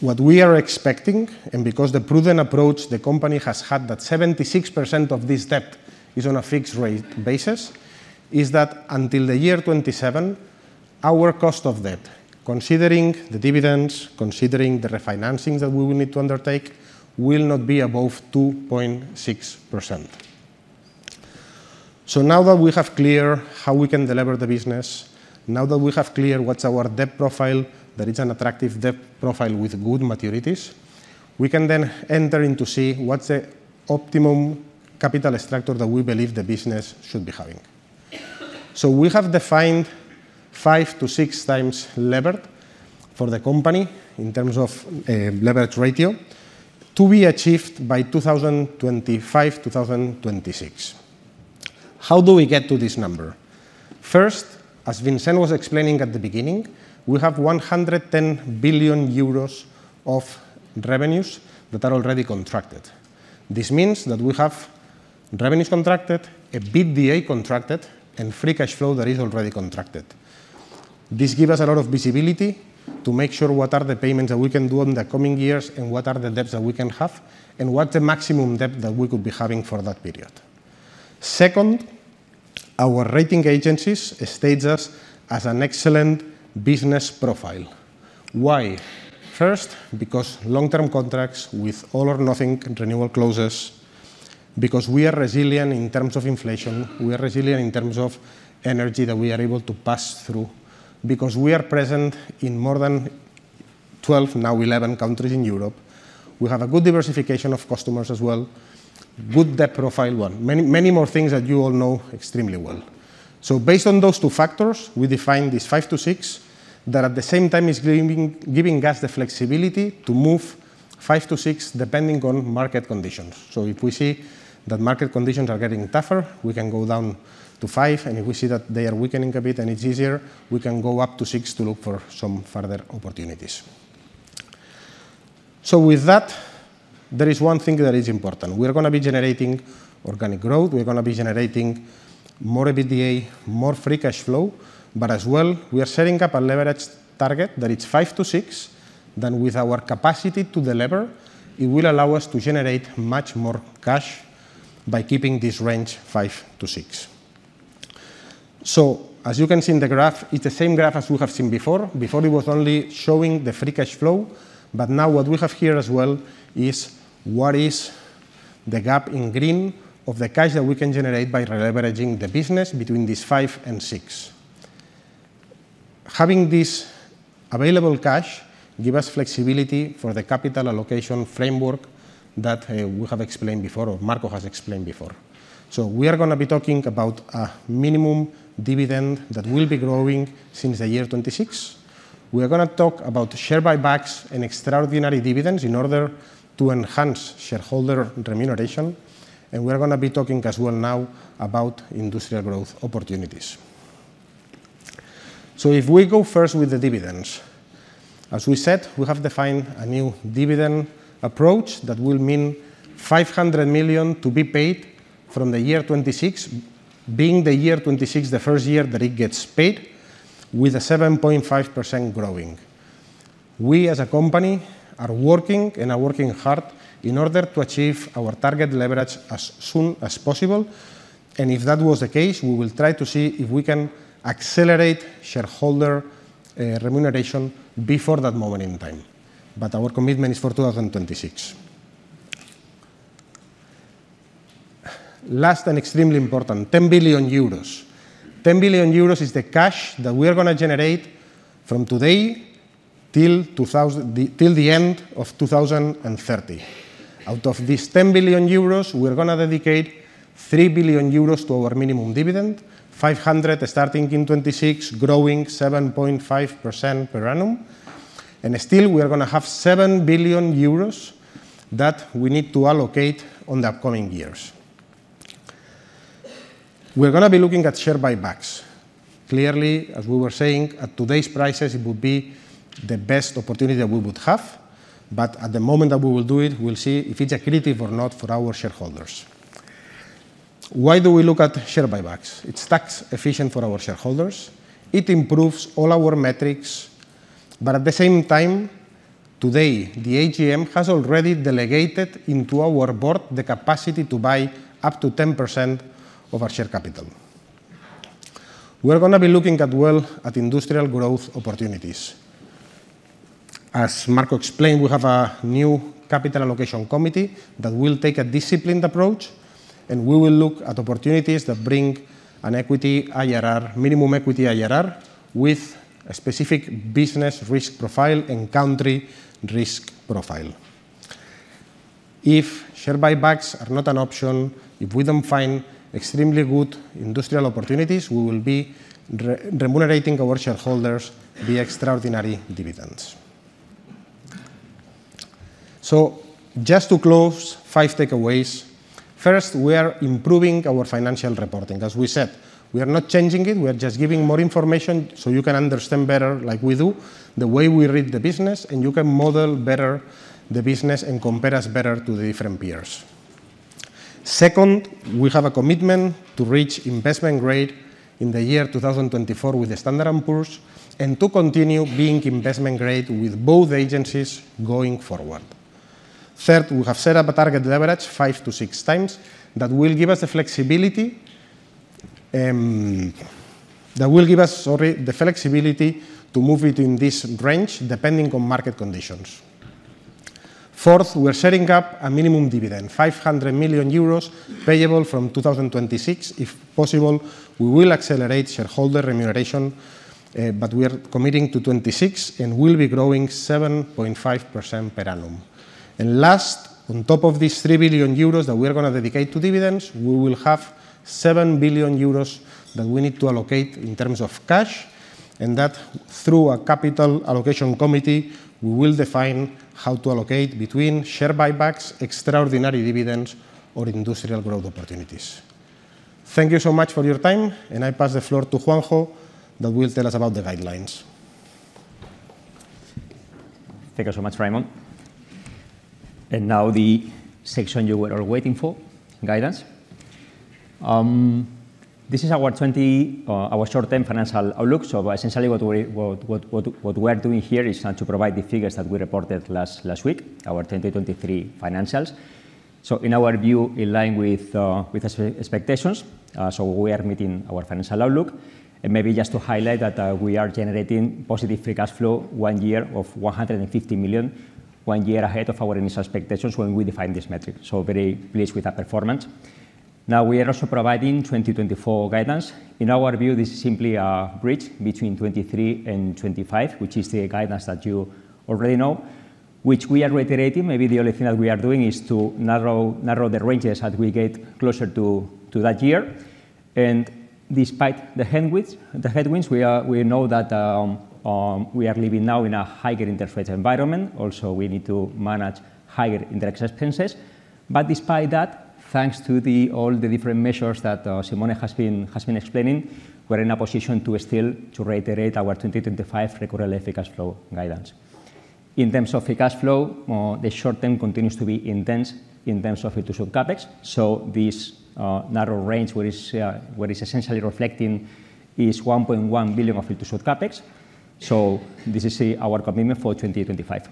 What we are expecting, and because the prudent approach the company has had that 76% of this debt is on a fixed rate basis, is that until the year 2027, our cost of debt, considering the dividends, considering the refinancings that we will need to undertake, will not be above 2.6%. So now that we have clear how we can deliver the business, now that we have clear what's our debt profile, that it's an attractive debt profile with good maturities, we can then enter into see what's the optimum capital structure that we believe the business should be having. So we have defined 5-6 times levered for the company in terms of leverage ratio to be achieved by 2025-2026. How do we get to this number? First, as Vincent was explaining at the beginning, we have 110 billion euros of revenues that are already contracted. This means that we have revenues contracted, EBITDA contracted, and free cash flow that is already contracted. This gives us a lot of visibility to make sure what are the payments that we can do in the coming years and what are the debts that we can have and what's the maximum debt that we could be having for that period. Second, our rating agencies state us as an excellent business profile. Why? First, because long-term contracts with all or nothing renewal closes, because we are resilient in terms of inflation, we are resilient in terms of energy that we are able to pass through, because we are present in more than 12, now 11 countries in Europe, we have a good diversification of customers as well, good debt profile, many, many more things that you all know extremely well. Based on those two factors, we define this 5-6 that at the same time is giving us the flexibility to move 5-6 depending on market conditions. If we see that market conditions are getting tougher, we can go down to 5, and if we see that they are weakening a bit and it's easier, we can go up to 6 to look for some further opportunities. With that, there is one thing that is important. We are going to be generating organic growth. We are going to be generating more EBITDA, more free cash flow, but as well, we are setting up a leverage target that it's 5-6. With our capacity to deliver, it will allow us to generate much more cash by keeping this range 5-6. So as you can see in the graph, it's the same graph as we have seen before. Before, it was only showing the free cash flow, but now what we have here as well is what is the gap in green of the cash that we can generate by re-leveraging the business between 5 and 6. Having this available cash gives us flexibility for the capital allocation framework that we have explained before or Marco has explained before. So we are going to be talking about a minimum dividend that will be growing since the year 2026. We are going to talk about share buybacks and extraordinary dividends in order to enhance shareholder remuneration, and we are going to be talking as well now about industrial growth opportunities. So if we go first with the dividends, as we said, we have defined a new dividend approach that will mean 500 million to be paid from the year 2026, being the year 2026 the first year that it gets paid with a 7.5% growing. We, as a company, are working and are working hard in order to achieve our target leverage as soon as possible, and if that was the case, we will try to see if we can accelerate shareholder remuneration before that moment in time, but our commitment is for 2026. Last and extremely important: 10 billion euros. 10 billion euros is the cash that we are going to generate from today till the end of 2030. Out of these 10 billion euros, we are going to dedicate 3 billion euros to our minimum dividend, 500 million starting in 2026, growing 7.5% per annum, and still we are going to have 7 billion euros that we need to allocate on the upcoming years. We are going to be looking at share buybacks. Clearly, as we were saying, at today's prices, it would be the best opportunity that we would have, but at the moment that we will do it, we'll see if it's accretive or not for our shareholders. Why do we look at share buybacks? It's tax efficient for our shareholders. It improves all our metrics, but at the same time, today, the AGM has already delegated into our board the capacity to buy up to 10% of our share capital. We are going to be looking as well at industrial growth opportunities. As Marco explained, we have a new capital allocation committee that will take a disciplined approach, and we will look at opportunities that bring an equity IRR, minimum equity IRR, with a specific business risk profile and country risk profile. If share buybacks are not an option, if we don't find extremely good industrial opportunities, we will be remunerating our shareholders via extraordinary dividends. So just to close five takeaways. First, we are improving our financial reporting. As we said, we are not changing it. We are just giving more information so you can understand better, like we do, the way we read the business, and you can model better the business and compare us better to the different peers. Second, we have a commitment to reach investment grade in the year 2024 with the Standard & Poor's, and to continue being investment grade with both agencies going forward. Third, we have set up a target leverage 5-6 times that will give us the flexibility... That will give us, sorry, the flexibility to move between this range depending on market conditions. Fourth, we are setting up a minimum dividend: 500 million euros payable from 2026. If possible, we will accelerate shareholder remuneration, but we are committing to 2026 and will be growing 7.5% per annum. And last, on top of these 3 billion euros that we are going to dedicate to dividends, we will have 7 billion euros that we need to allocate in terms of cash, and that through a capital allocation committee, we will define how to allocate between share buybacks, extraordinary dividends, or industrial growth opportunities. Thank you so much for your time, and I pass the floor to Juanjo that will tell us about the guidelines. Thank you so much, Raimon. Now the section you were all waiting for: guidance. This is our short-term financial outlook. So essentially, what we are doing here is to provide the figures that we reported last week, our 2023 financials. So in our view, in line with expectations, we are meeting our financial outlook. And maybe just to highlight that we are generating positive free cash flow one year of 150 million, one year ahead of our initial expectations when we define this metric. So very pleased with our performance. Now, we are also providing 2024 guidance. In our view, this is simply a bridge between 2023 and 2025, which is the guidance that you already know, which we are reiterating. Maybe the only thing that we are doing is to narrow the ranges that we get closer to that year. Despite the headwinds, we know that we are living now in a higher interest rate environment. Also, we need to manage higher interest expenses. But despite that, thanks to all the different measures that Simone has been explaining, we are in a position to still reiterate our 2025 recurring levered free cash flow guidance. In terms of recurring levered free cash flow, the short-term continues to be intense in terms of build-to-suit CapEx. So this narrow range where it's essentially reflecting is 1.1 billion of build-to-suit CapEx. So this is our commitment for 2025.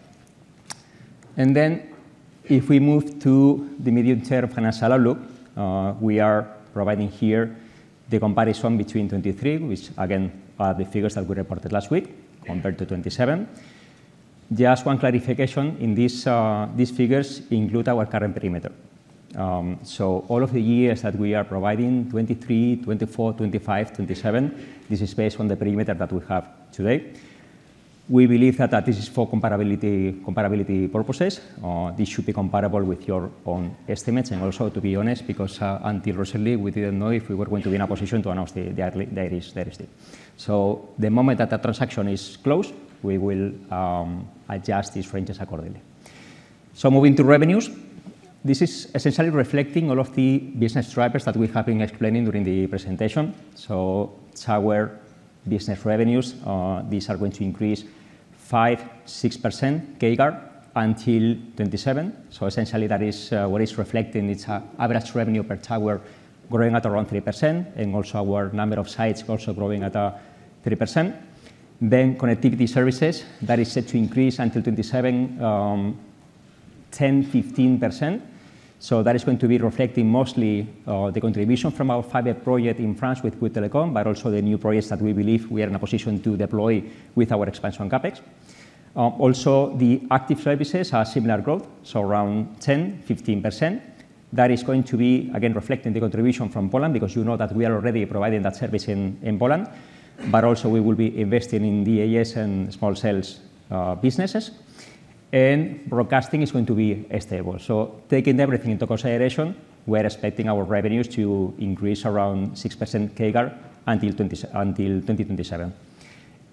Then if we move to the medium-term financial outlook, we are providing here the comparison between 2023, which again are the figures that we reported last week compared to 2027. Just one clarification: these figures include our current perimeter. So all of the years that we are providing 2023, 2024, 2025, 2027, this is based on the perimeter that we have today. We believe that this is for comparability purposes. This should be comparable with your own estimates. And also, to be honest, because until recently, we didn't know if we were going to be in a position to announce the IRIS/DIRIS-T. So the moment that the transaction is closed, we will adjust these ranges accordingly. So moving to revenues, this is essentially reflecting all of the business drivers that we have been explaining during the presentation. So tower business revenues, these are going to increase 5%-6% CAGR until 2027. So essentially, that is what it's reflecting. It's an average revenue per tower growing at around 3% and also our number of sites also growing at 3%. Then connectivity services, that is set to increase until 2027, 10%-15%. So that is going to be reflecting mostly the contribution from our fiber project in France with Iliad, but also the new projects that we believe we are in a position to deploy with our expansion CapEx. Also, the active services are similar growth, so around 10%-15%. That is going to be, again, reflecting the contribution from Poland because you know that we are already providing that service in Poland, but also we will be investing in DAS and small cells businesses, and broadcasting is going to be stable. So taking everything into consideration, we are expecting our revenues to increase around 6% CAGR until 2027.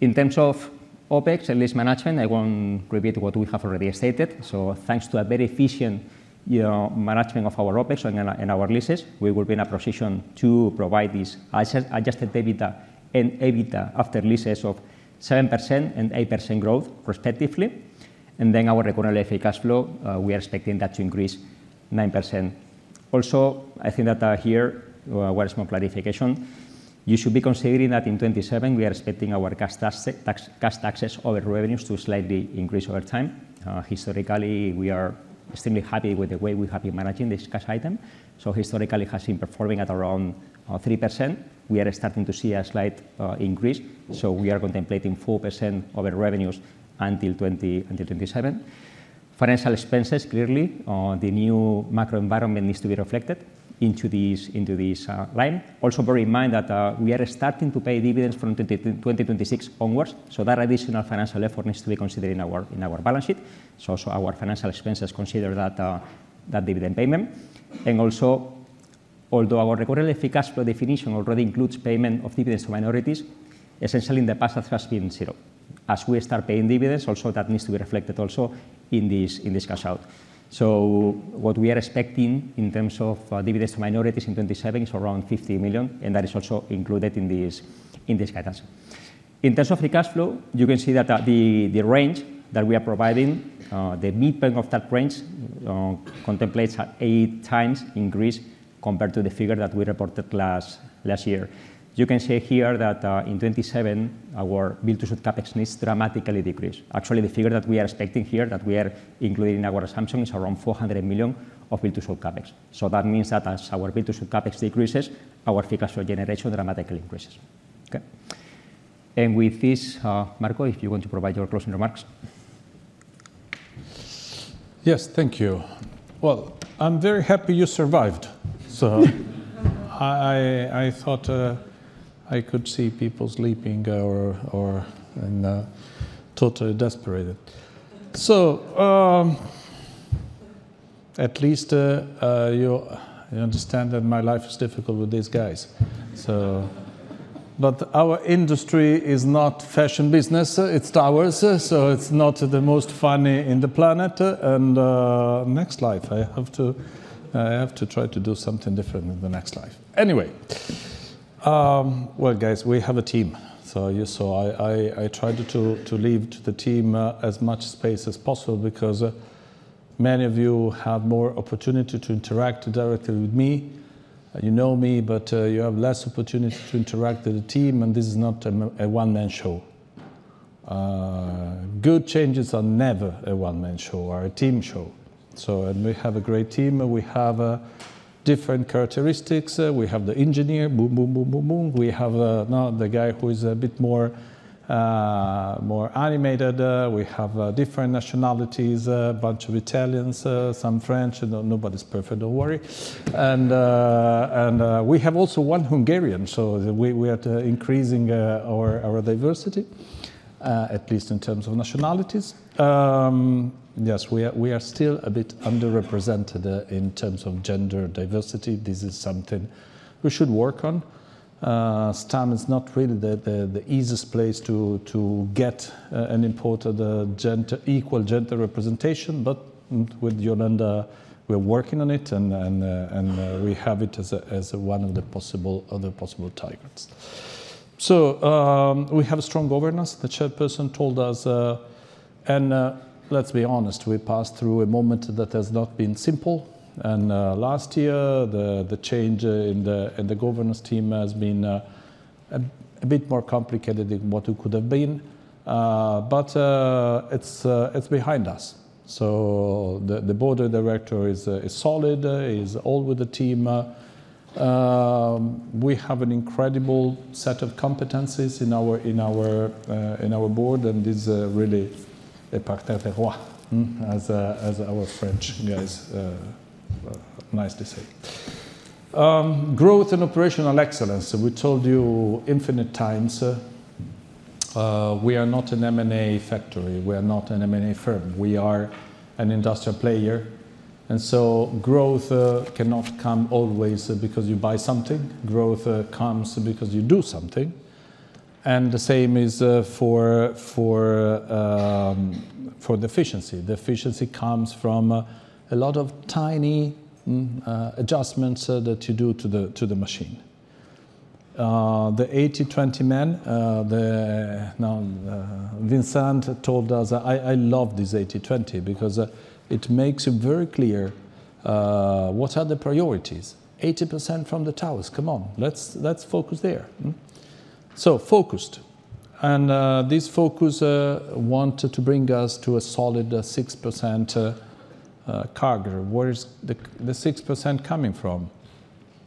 In terms of OpEx and lease management, I won't repeat what we have already stated. So thanks to a very efficient management of our OpEx and our leases, we will be in a position to provide this adjusted EBITDA and EBITDA after leases of 7% and 8% growth, respectively. Then our recurring levered free cash flow, we are expecting that to increase 9%. Also, I think that here, one small clarification: you should be considering that in 2027, we are expecting our cash taxes over revenues to slightly increase over time. Historically, we are extremely happy with the way we have been managing this cash item. So historically, it has been performing at around 3%. We are starting to see a slight increase, so we are contemplating 4% over revenues until 2027. Financial expenses, clearly, the new macro environment needs to be reflected into this line. Also bear in mind that we are starting to pay dividends from 2026 onwards, so that additional financial effort needs to be considered in our balance sheet. Our financial expenses also consider that dividend payment. Although our recurring levered free cash flow definition already includes payment of dividends to minorities, essentially in the past, that has been zero. As we start paying dividends, that also needs to be reflected in this cash out. What we are expecting in terms of dividends to minorities in 2027 is around 50 million, and that is also included in this guidance. In terms of free cash flow, you can see that the range that we are providing, the midpoint of that range, contemplates an eight-times increase compared to the figure that we reported last year. You can see here that in 2027, our ILTUSUD CAPEX needs to dramatically decrease. Actually, the figure that we are expecting here, that we are including in our assumption, is around 400 million of ILTUSUD CAPEX. So that means that as our ILTUSUD CAPEX decreases, our free cash flow generation dramatically increases. And with this, Marco, if you want to provide your closing remarks. Yes, thank you. Well, I'm very happy you survived. So I thought I could see people sleeping or totally desperate. So at least you understand that my life is difficult with these guys. But our industry is not fashion business. It's towers, so it's not the most fun in the planet. And next life, I have to try to do something different in the next life. Anyway, well, guys, we have a team. So I tried to leave to the team as much space as possible because many of you have more opportunity to interact directly with me. You know me, but you have less opportunity to interact with the team, and this is not a one-man show. Good changes are never a one-man show, are a team show. We have a great team. We have different characteristics. We have the engineer, boom, boom, boom, boom, boom. We have the guy who is a bit more animated. We have different nationalities, a bunch of Italians, some French. Nobody's perfect, don't worry. We have also one Hungarian. So we are increasing our diversity, at least in terms of nationalities. Yes, we are still a bit underrepresented in terms of gender diversity. This is something we should work on. STEM is not really the easiest place to get an equal gender representation, but with Yolanda, we are working on it, and we have it as one of the possible targets. So we have a strong governance, the chairperson told us. Let's be honest, we passed through a moment that has not been simple. Last year, the change in the governance team has been a bit more complicated than what it could have been. But it's behind us. The board of directors is solid, is all with the team. We have an incredible set of competencies in our board, and this is really a parterre terroir, as our French guys nicely say. Growth and operational excellence. We told you infinite times. We are not an M&A factory. We are not an M&A firm. We are an industrial player. Growth cannot come always because you buy something. Growth comes because you do something. The same is for the efficiency. The efficiency comes from a lot of tiny adjustments that you do to the machine. The 80/20 men, Vincent told us, "I love this 80/20 because it makes it very clear what are the priorities. 80% from the towers. Come on, let's focus there." So focused. This focus wanted to bring us to a solid 6% CAGR. Where is the 6% coming from?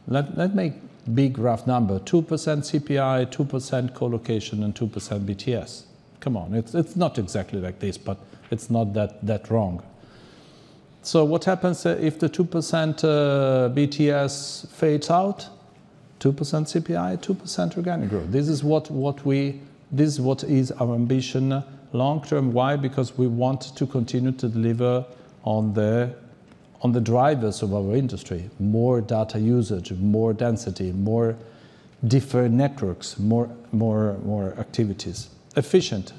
Let's make a big rough number: 2% CPI, 2% co-location, and 2% BTS. Come on. It's not exactly like this, but it's not that wrong. So what happens if the 2% BTS fades out? 2% CPI, 2% organic growth. This is what is our ambition long-term. Why? Because we want to continue to deliver on the drivers of our industry: more data usage, more density, more different networks, more activities. Efficient.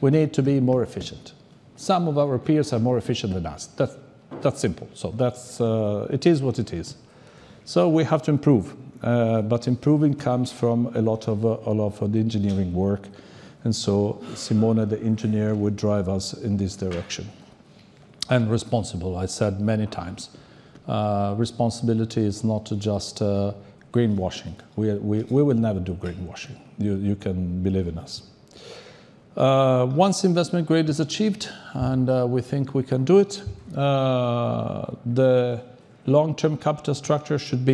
We need to be more efficient. Some of our peers are more efficient than us. That's simple. So it is what it is. So we have to improve. But improving comes from a lot of the engineering work. And so Simone, the engineer, would drive us in this direction. And responsible, I said many times. Responsibility is not just greenwashing. We will never do greenwashing. You can believe in us. Once investment grade is achieved and we think we can do it, the long-term capital structure should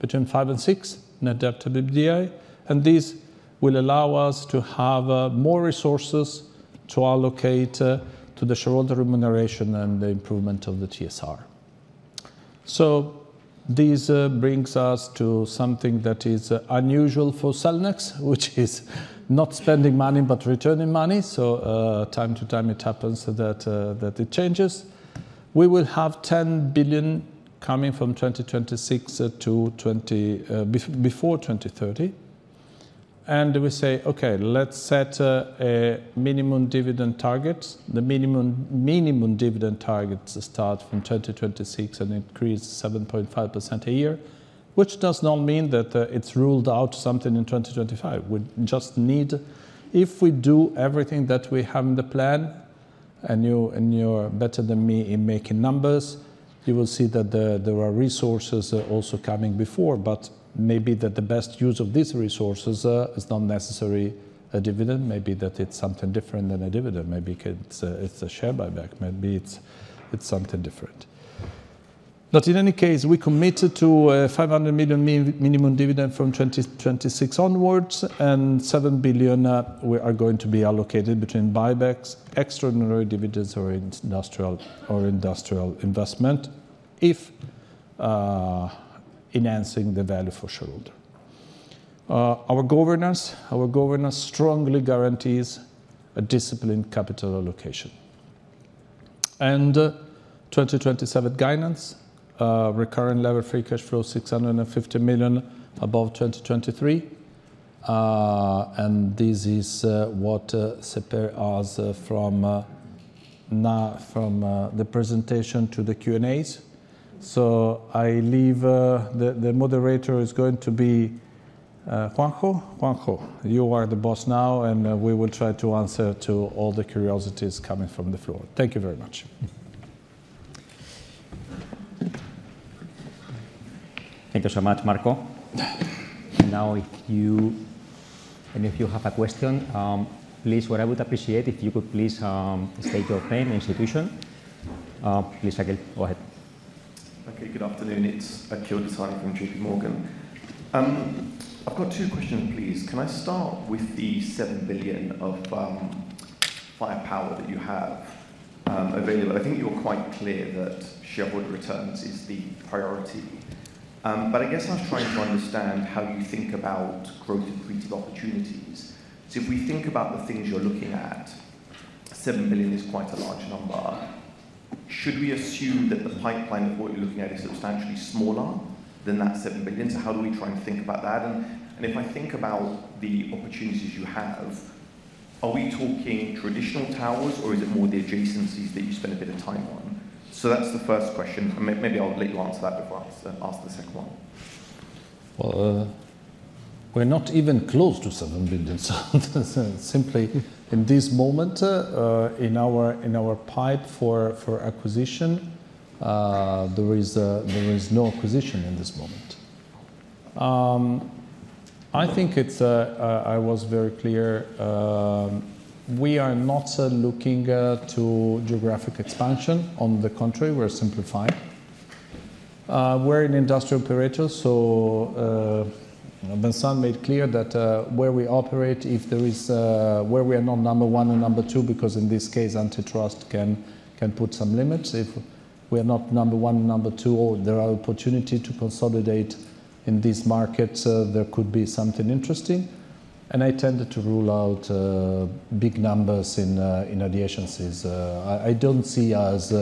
be between 5-6, net debt to EBITDA. And this will allow us to have more resources to allocate to the shareholder remuneration and the improvement of the TSR. So this brings us to something that is unusual for Cellnex, which is not spending money but returning money. So time to time, it happens that it changes. We will have 10 billion coming from 2026 before 2030. We say, "Okay, let's set minimum dividend targets." The minimum dividend targets start from 2026 and increase 7.5% a year, which does not mean that it's ruled out something in 2025. We just need if we do everything that we have in the plan, and you're better than me in making numbers, you will see that there are resources also coming before. But maybe that the best use of these resources is not necessarily a dividend. Maybe that it's something different than a dividend. Maybe it's a share buyback. Maybe it's something different. But in any case, we committed to 500 million minimum dividend from 2026 onwards, and 7 billion we are going to be allocated between buybacks, extraordinary dividends, or industrial investment if enhancing the value for shareholder. Our governance strongly guarantees a disciplined capital allocation. And 2027 guidance, recurring levered free cash flow 650 million above 2023. And this is what separates us from the presentation to the Q&As. So I leave. The moderator is going to be Juanjo. Juanjo, you are the boss now, and we will try to answer all the curiosities coming from the floor. Thank you very much. Thank you so much, Marco. And now if you have a question, please. What I would appreciate if you could please state your name and institution. Please, Raquel, go ahead. Okay, good afternoon. It's Raquel Desire from JP Morgan. I've got two questions, please. Can I start with the 7 billion of firepower that you have available? I think you're quite clear that shareholder returns is the priority. But I guess I was trying to understand how you think about growth of creative opportunities. So if we think about the things you're looking at, 7 billion is quite a large number. Should we assume that the pipeline of what you're looking at is substantially smaller than that 7 billion? So how do we try and think about that? And if I think about the opportunities you have, are we talking traditional towers, or is it more the adjacencies that you spend a bit of time on? So that's the first question. And maybe I'll let you answer that before I ask the second one. Well, we're not even close to 7 billion. Simply in this moment, in our pipe for acquisition, there is no acquisition in this moment. I think I was very clear. We are not looking to geographic expansion. On the contrary, we're simplifying. We're an industrial operator. So Vincent made clear that where we operate, if there is where we are not number one and number two, because in this case, antitrust can put some limits. If we are not number one and number two, or there are opportunities to consolidate in this market, there could be something interesting. I tended to rule out big numbers in adjacencies. I don't see us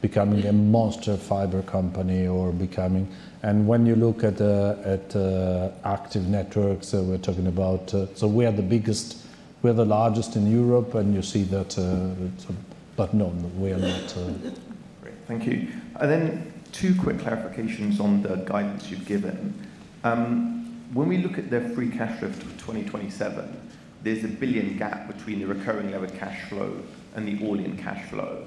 becoming a monster fiber company or becoming and when you look at active networks, we're talking about so we are the biggest we are the largest in Europe, and you see that but no, we are not. Great. Thank you. Then two quick clarifications on the guidance you've given. When we look at their free cash lift for 2027, there's a 1 billion gap between the recurring level cash flow and the all-in cash flow.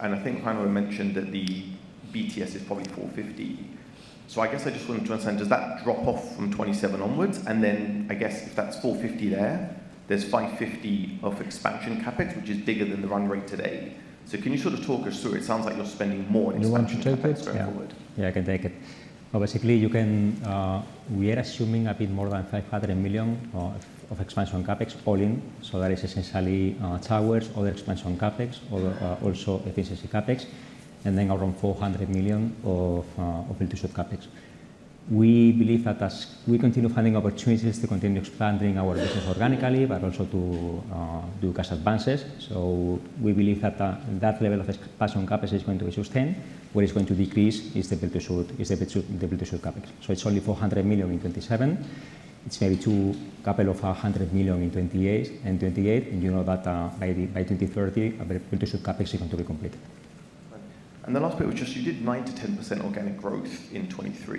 And I think Raquel mentioned that the BTS is probably 450 million. So I guess I just wanted to understand, does that drop off from 2027 onwards? Then I guess if that's 450 there, there's 550 of expansion CapEx, which is bigger than the run rate today. So can you sort of talk us through it? It sounds like you're spending more in expansion going forward. You want to take it? Yeah, I can take it. But basically, we are assuming a bit more than 500 million of expansion CapEx all-in. So that is essentially towers, other expansion CapEx, also efficiency CapEx, and then around 400 million of ILTUSUD CapEx. We believe that as we continue finding opportunities to continue expanding our business organically, but also to do cash advances. So we believe that that level of expansion CapEx is going to be sustained. What is going to decrease is the ILTUSUD CapEx. So it's only 400 million in 2027. It's maybe a couple of 100 million in 2028. And you know that by 2030, Iliad CapEx is going to be completed. And the last bit was just you did 9%-10% organic growth in 2023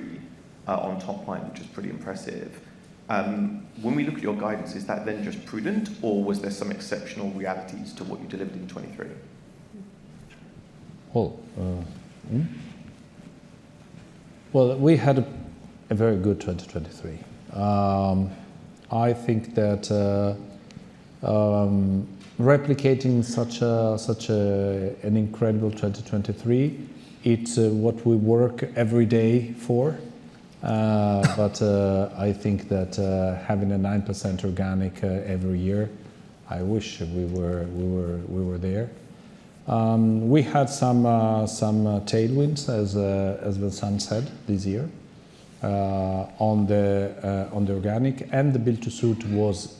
on top line, which is pretty impressive. When we look at your guidance, is that then just prudent, or was there some exceptional realities to what you delivered in 2023? Well, we had a very good 2023. I think that replicating such an incredible 2023, it's what we work every day for. But I think that having a 9% organic every year, I wish we were there. We had some tailwinds, as Vincent said, this year on the organic, and the Iliad was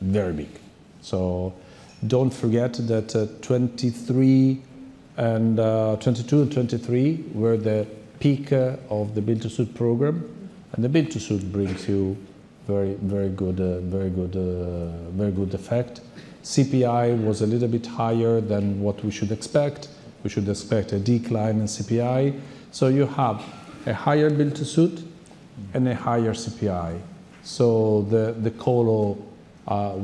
very big. So don't forget that 2022 and 2023 were the peak of the Iliad program. And the Iliad brings you very good effect. CPI was a little bit higher than what we should expect. We should expect a decline in CPI. So you have a higher ILTUSUD and a higher CPI. So the colo, our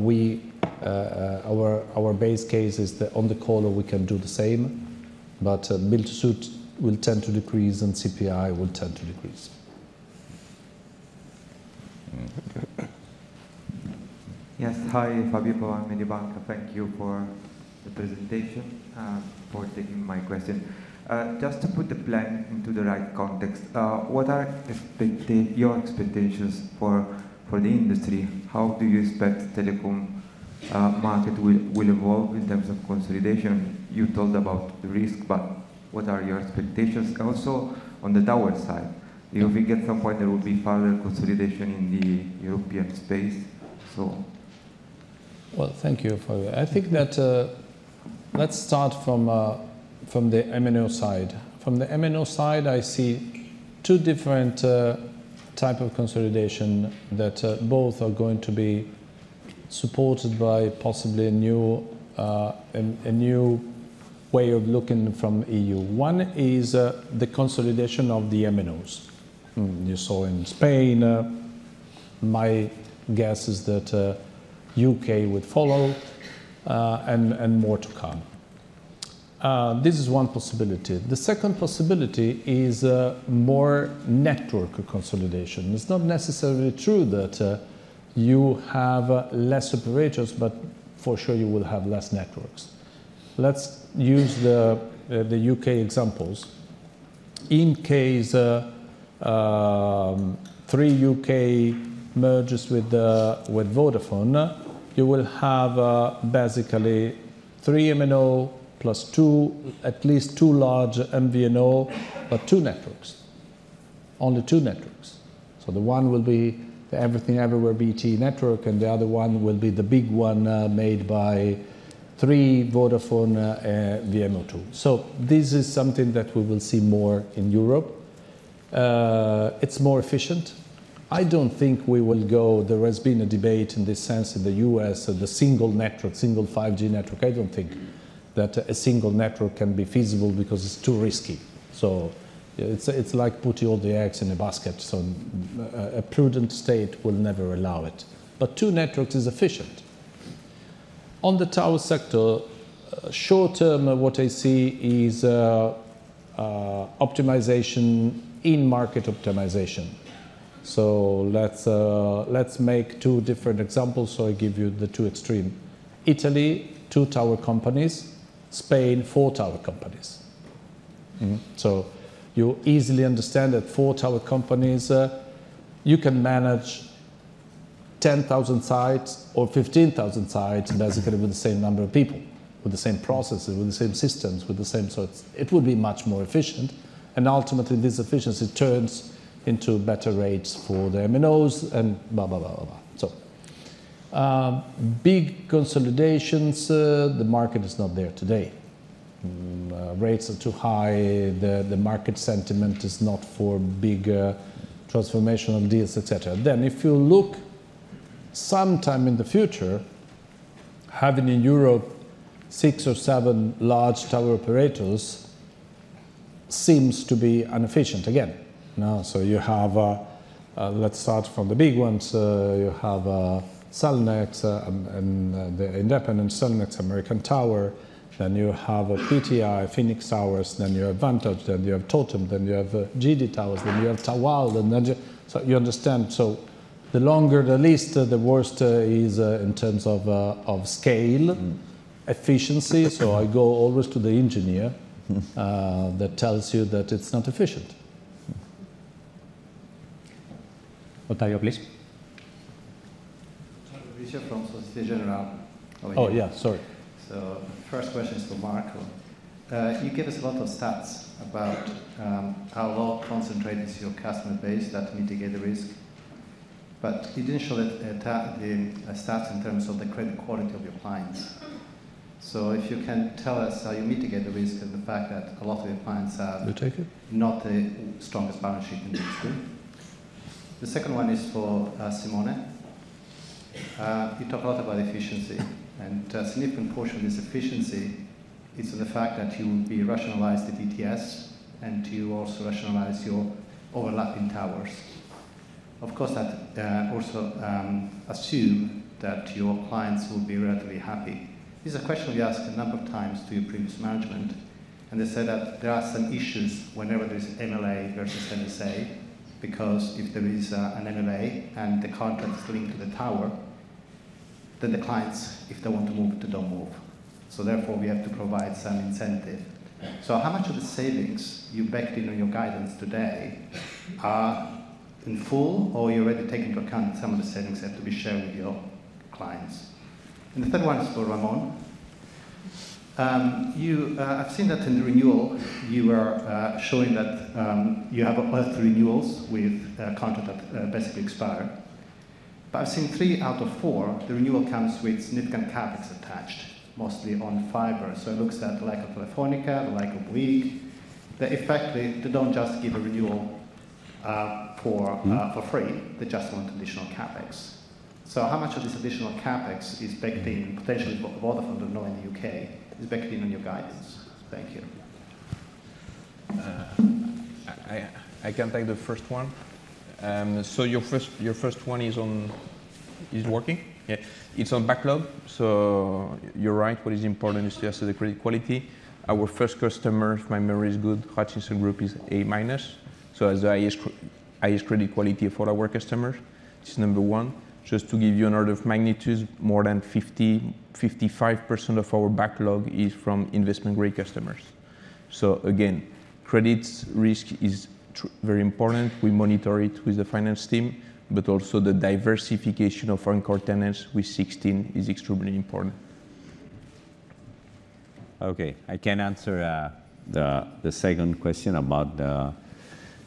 base case is that on the colo, we can do the same, but ILTUSUD will tend to decrease and CPI will tend to decrease. Yes. Hi, Fabio Pavan, Mediobanca. Thank you for the presentation, for taking my question. Just to put the plan into the right context, what are your expectations for the industry? How do you expect the telecom market will evolve in terms of consolidation? You told about the risk, but what are your expectations? And also on the tower side, if we get some point, there will be further consolidation in the European space, so. Well, thank you, Fabio. I think that let's start from the M&O side. From the M&O side, I see two different types of consolidation that both are going to be supported by possibly a new way of looking from the EU. One is the consolidation of the M&Os. You saw in Spain. My guess is that the UK would follow, and more to come. This is one possibility. The second possibility is more network consolidation. It's not necessarily true that you have less operators, but for sure you will have less networks. Let's use the UK examples. In case Three UK merges with Vodafone, you will have basically three M&O plus at least two large MVNO, but two networks. Only two networks. So the one will be the Everything Everywhere BT network, and the other one will be the big one made by Three Vodafone VMO2. So this is something that we will see more in Europe. It's more efficient. I don't think we will go there. There has been a debate in this sense in the U.S., the single network, single 5G network. I don't think that a single network can be feasible because it's too risky. So it's like putting all the eggs in a basket. So a prudent state will never allow it. But two networks is efficient. On the tower sector, short-term, what I see is in-market optimization. So let's make two different examples so I give you the two extremes. Italy, two tower companies. Spain, four tower companies. So you easily understand that four tower companies, you can manage 10,000 sites or 15,000 sites basically with the same number of people, with the same processes, with the same systems, with the same so it would be much more efficient. And ultimately, this efficiency turns into better rates for the MNOs and blah, blah, blah, blah, blah, so. Big consolidations, the market is not there today. Rates are too high. The market sentiment is not for big transformational deals, etc. Then if you look sometime in the future, having in Europe six or seven large tower operators seems to be inefficient again. So you have, let's start from the big ones. You have Cellnex, the independent Cellnex, American Tower. Then you have PTI, Phoenix Towers. Then you have Vantage. Then you have Totem. Then you have GD Towers. Then you have Tawal. So you understand. So the longer the list, the worst is in terms of scale, efficiency. So I go always to the engineer that tells you that it's not efficient. Oh, Taio, please. Taio Bicher from Société Générale. Oh, yeah. Sorry. So first question is for Marco. You gave us a lot of stats about how well concentrated is your customer base that mitigate the risk. But you didn't show the stats in terms of the credit quality of your clients. So if you can tell us how you mitigate the risk and the fact that a lot of your clients are. You take it. Not the strongest balance sheet in the industry. The second one is for Simone. You talk a lot about efficiency. And a significant portion of this efficiency, it's in the fact that you rationalize the DTS and you also rationalize your overlapping towers. Of course, that also assumes that your clients will be relatively happy. This is a question we asked a number of times to your previous management. They said that there are some issues whenever there is MLA versus MSA because if there is an MLA and the contract is linked to the tower, then the clients, if they want to move it, they don't move. So therefore, we have to provide some incentive. So how much of the savings you've backed in on your guidance today are in full, or you already take into account some of the savings that have to be shared with your clients? And the third one is for Raimon. I've seen that in the renewal, you were showing that you have early renewals with contracts that basically expire. But I've seen three out of four, the renewal comes with significant CapEx attached, mostly on fiber. So it looks at the lack of Telefónica, the lack of WEEC. They don't just give a renewal for free. They just want additional CapEx. So how much of this additional CapEx is backed in, potentially? Vodafone doesn't know in the U.K. is backed in on your guidance? Thank you. I can take the first one. So your first one is working? Yeah. It's on backlog. So you're right. What is important is to assess the credit quality. Our first customer, if my memory is good, Hutchison Group is A-. So as the highest credit quality for our customers, this is number one. Just to give you an order of magnitude, more than 50%-55% of our backlog is from investment grade customers. So again, credit risk is very important. We monitor it with the finance team, but also the diversification of our incorporated tenants with 16 is extremely important. Okay. I can answer the second question about,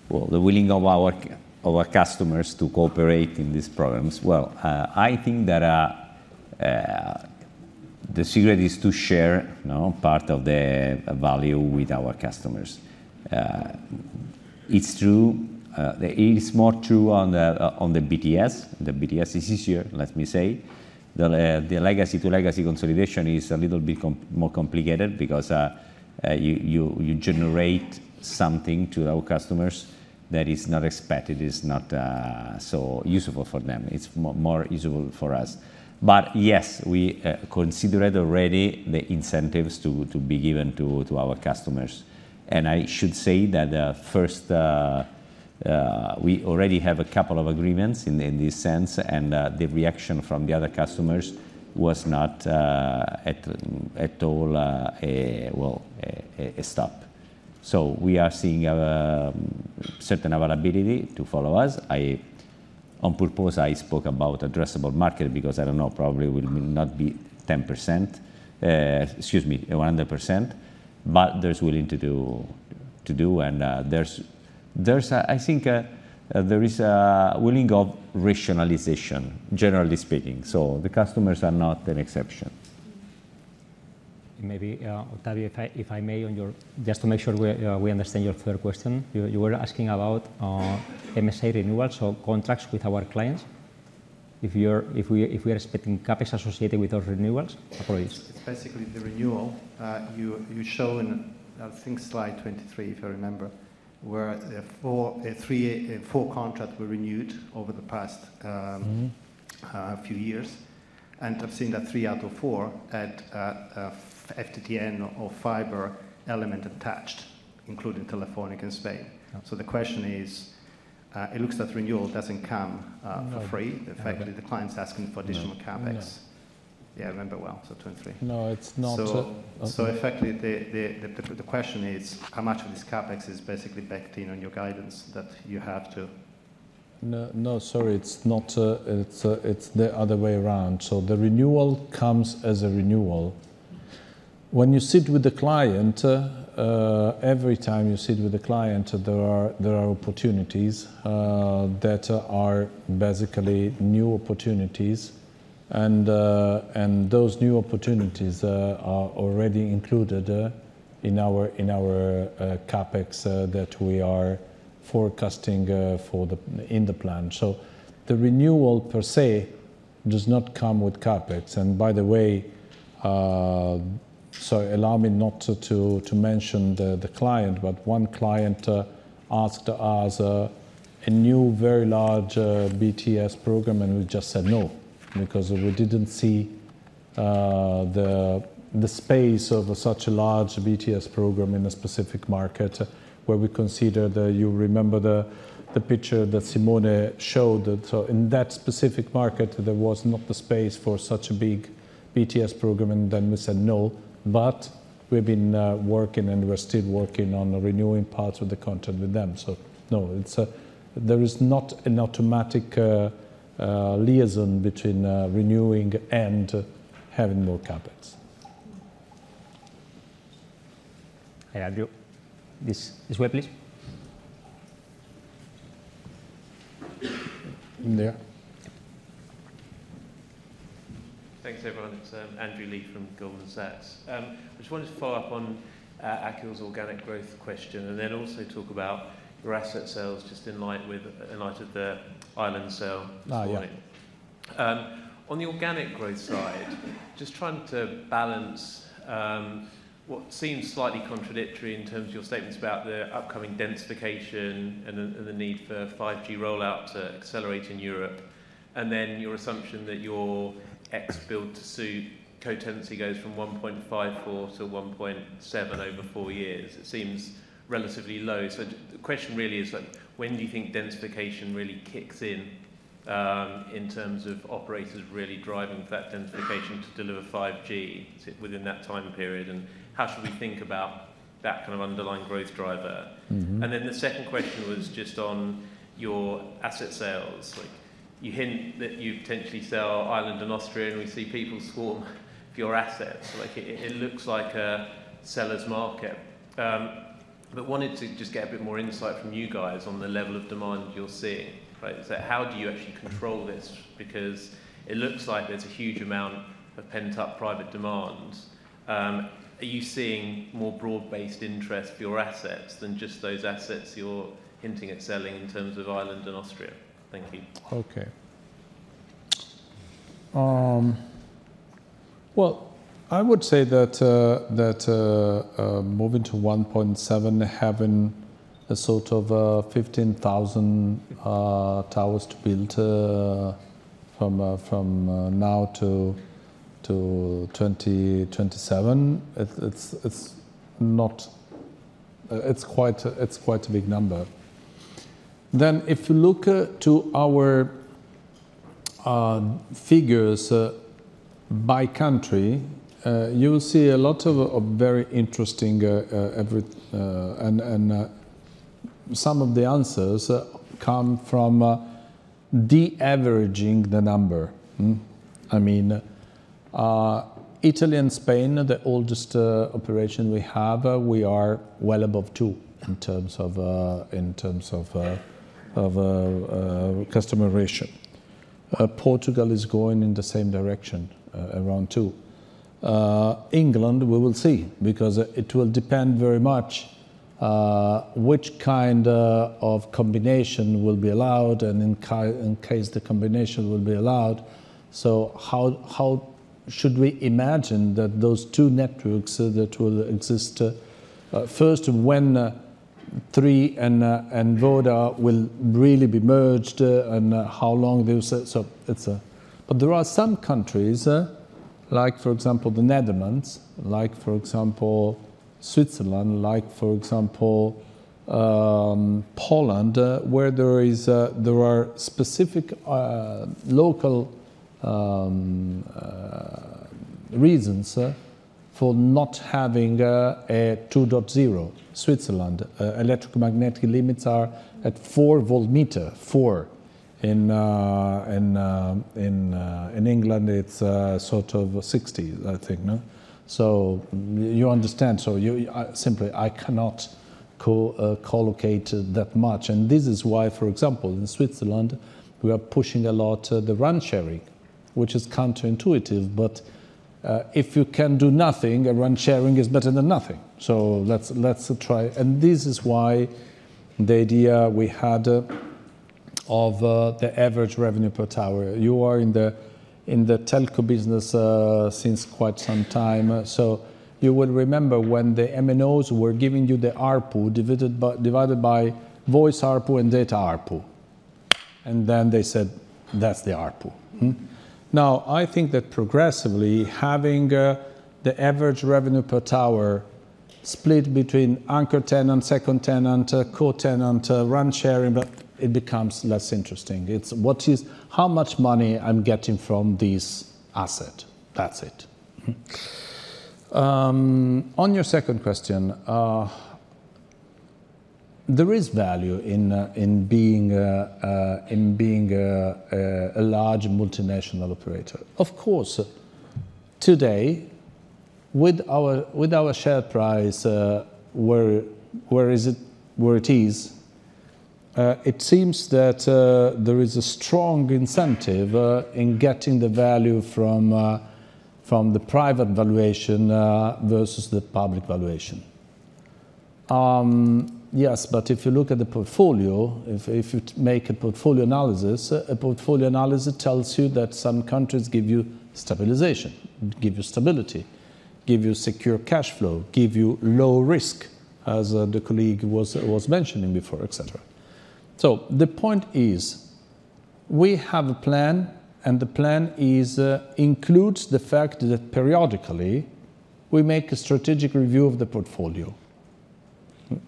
well, the willingness of our customers to cooperate in these programs. Well, I think that the secret is to share part of the value with our customers. It's true. It is more true on the BTS. The BTS is easier, let me say. The legacy-to-legacy consolidation is a little bit more complicated because you generate something to our customers that is not expected. It's not so useful for them. It's more useful for us. But yes, we considered already the incentives to be given to our customers. And I should say that first, we already have a couple of agreements in this sense, and the reaction from the other customers was not at all, well, a stop. So we are seeing a certain availability to follow us. On purpose, I spoke about addressable market because I don't know. Probably it will not be 10%, excuse me, 100%. But there's willingness to do. I think there is a willingness of rationalization, generally speaking. So the customers are not an exception. Maybe, Taio, if I may, just to make sure we understand your third question. You were asking about MSA renewals, so contracts with our clients. If we are expecting CapEx associated with those renewals. Apologies. It's basically the renewal. You show in, I think, slide 23, if I remember, where four contracts were renewed over the past few years. And I've seen that three out of four had FTTN or fiber element attached, including Telefónica in Spain. So the question is it looks that renewal doesn't come for free. Effectively, the client's asking for additional CapEx. Yeah, I remember well. So two and three. No, it's not. So effectively, the question is how much of this CapEx is basically backed in on your guidance that you have to. No, sorry. It's the other way around. So the renewal comes as a renewal. When you sit with the client, every time you sit with the client, there are opportunities that are basically new opportunities. And those new opportunities are already included in our CapEx that we are forecasting in the plan. So the renewal, per se, does not come with CapEx. And by the way sorry, allow me not to mention the client, but one client asked us a new, very large BTS program, and we just said no because we didn't see the space of such a large BTS program in a specific market where we considered you remember the picture that Simone showed? So in that specific market, there was not the space for such a big BTS program, and then we said no. But we've been working, and we're still working on renewing parts of the content with them. So no, there is not an automatic liaison between renewing and having more CapEx. Hi, Andrew. This way, please. In there? Thanks, everyone. It's Andrew Lee from Goldman Sachs. I just wanted to follow up on Taio's organic growth question and then also talk about your asset sales just in light of the Ireland sale this morning. On the organic growth side, just trying to balance what seems slightly contradictory in terms of your statements about the upcoming densification and the need for 5G rollout to accelerate in Europe and then your assumption that your BTS build-to-suit co-tenancy goes from 1.54 to 1.7 over four years. It seems relatively low. The question really is when do you think densification really kicks in in terms of operators really driving for that densification to deliver 5G? Is it within that time period? How should we think about that kind of underlying growth driver? Then the second question was just on your asset sales. You hint that you potentially sell Ireland and Austria, and we see people swarm for your assets. It looks like a seller's market. I wanted to just get a bit more insight from you guys on the level of demand you're seeing. How do you actually control this? Because it looks like there's a huge amount of pent-up private demand. Are you seeing more broad-based interest for your assets than just those assets you're hinting at selling in terms of Ireland and Austria? Thank you. Okay. Well, I would say that moving to 1.7, having a sort of 15,000 towers to build from now to 2027, it's quite a big number. Then if you look to our figures by country, you will see a lot of very interesting and some of the answers come from de-averaging the number. I mean, Italy and Spain, the oldest operation we have, we are well above two in terms of customer ratio. Portugal is going in the same direction, around two. England, we will see because it will depend very much which kind of combination will be allowed and in case the combination will be allowed. So how should we imagine that those two networks that will exist first, when Three and Vodafone will really be merged and how long they will so but there are some countries, like for example, the Netherlands, like for example, Switzerland, like for example, Poland, where there are specific local reasons for not having a 2.0. Switzerland, electromagnetic limits are at 4 volts per meter, 4. In England, it's sort of 60, I think. So you understand. So simply, I cannot co-locate that much. And this is why, for example, in Switzerland, we are pushing a lot the run-sharing, which is counterintuitive. But if you can do nothing, a run-sharing is better than nothing. So let's try. And this is why the idea we had of the average revenue per tower. You are in the telco business since quite some time. So you will remember when the MNOs were giving you the ARPU divided by voice ARPU and data ARPU. And then they said, "That's the ARPU." Now, I think that progressively, having the average revenue per tower split between anchor tenant, second tenant, co-tenant, run-sharing, it becomes less interesting. It's how much money I'm getting from this asset. That's it. On your second question, there is value in being a large multinational operator. Of course, today, with our share price where it is, it seems that there is a strong incentive in getting the value from the private valuation versus the public valuation. Yes, but if you look at the portfolio, if you make a portfolio analysis, a portfolio analysis tells you that some countries give you stabilization, give you stability, give you secure cash flow, give you low risk, as the colleague was mentioning before, etc. So the point is we have a plan, and the plan includes the fact that periodically, we make a strategic review of the portfolio.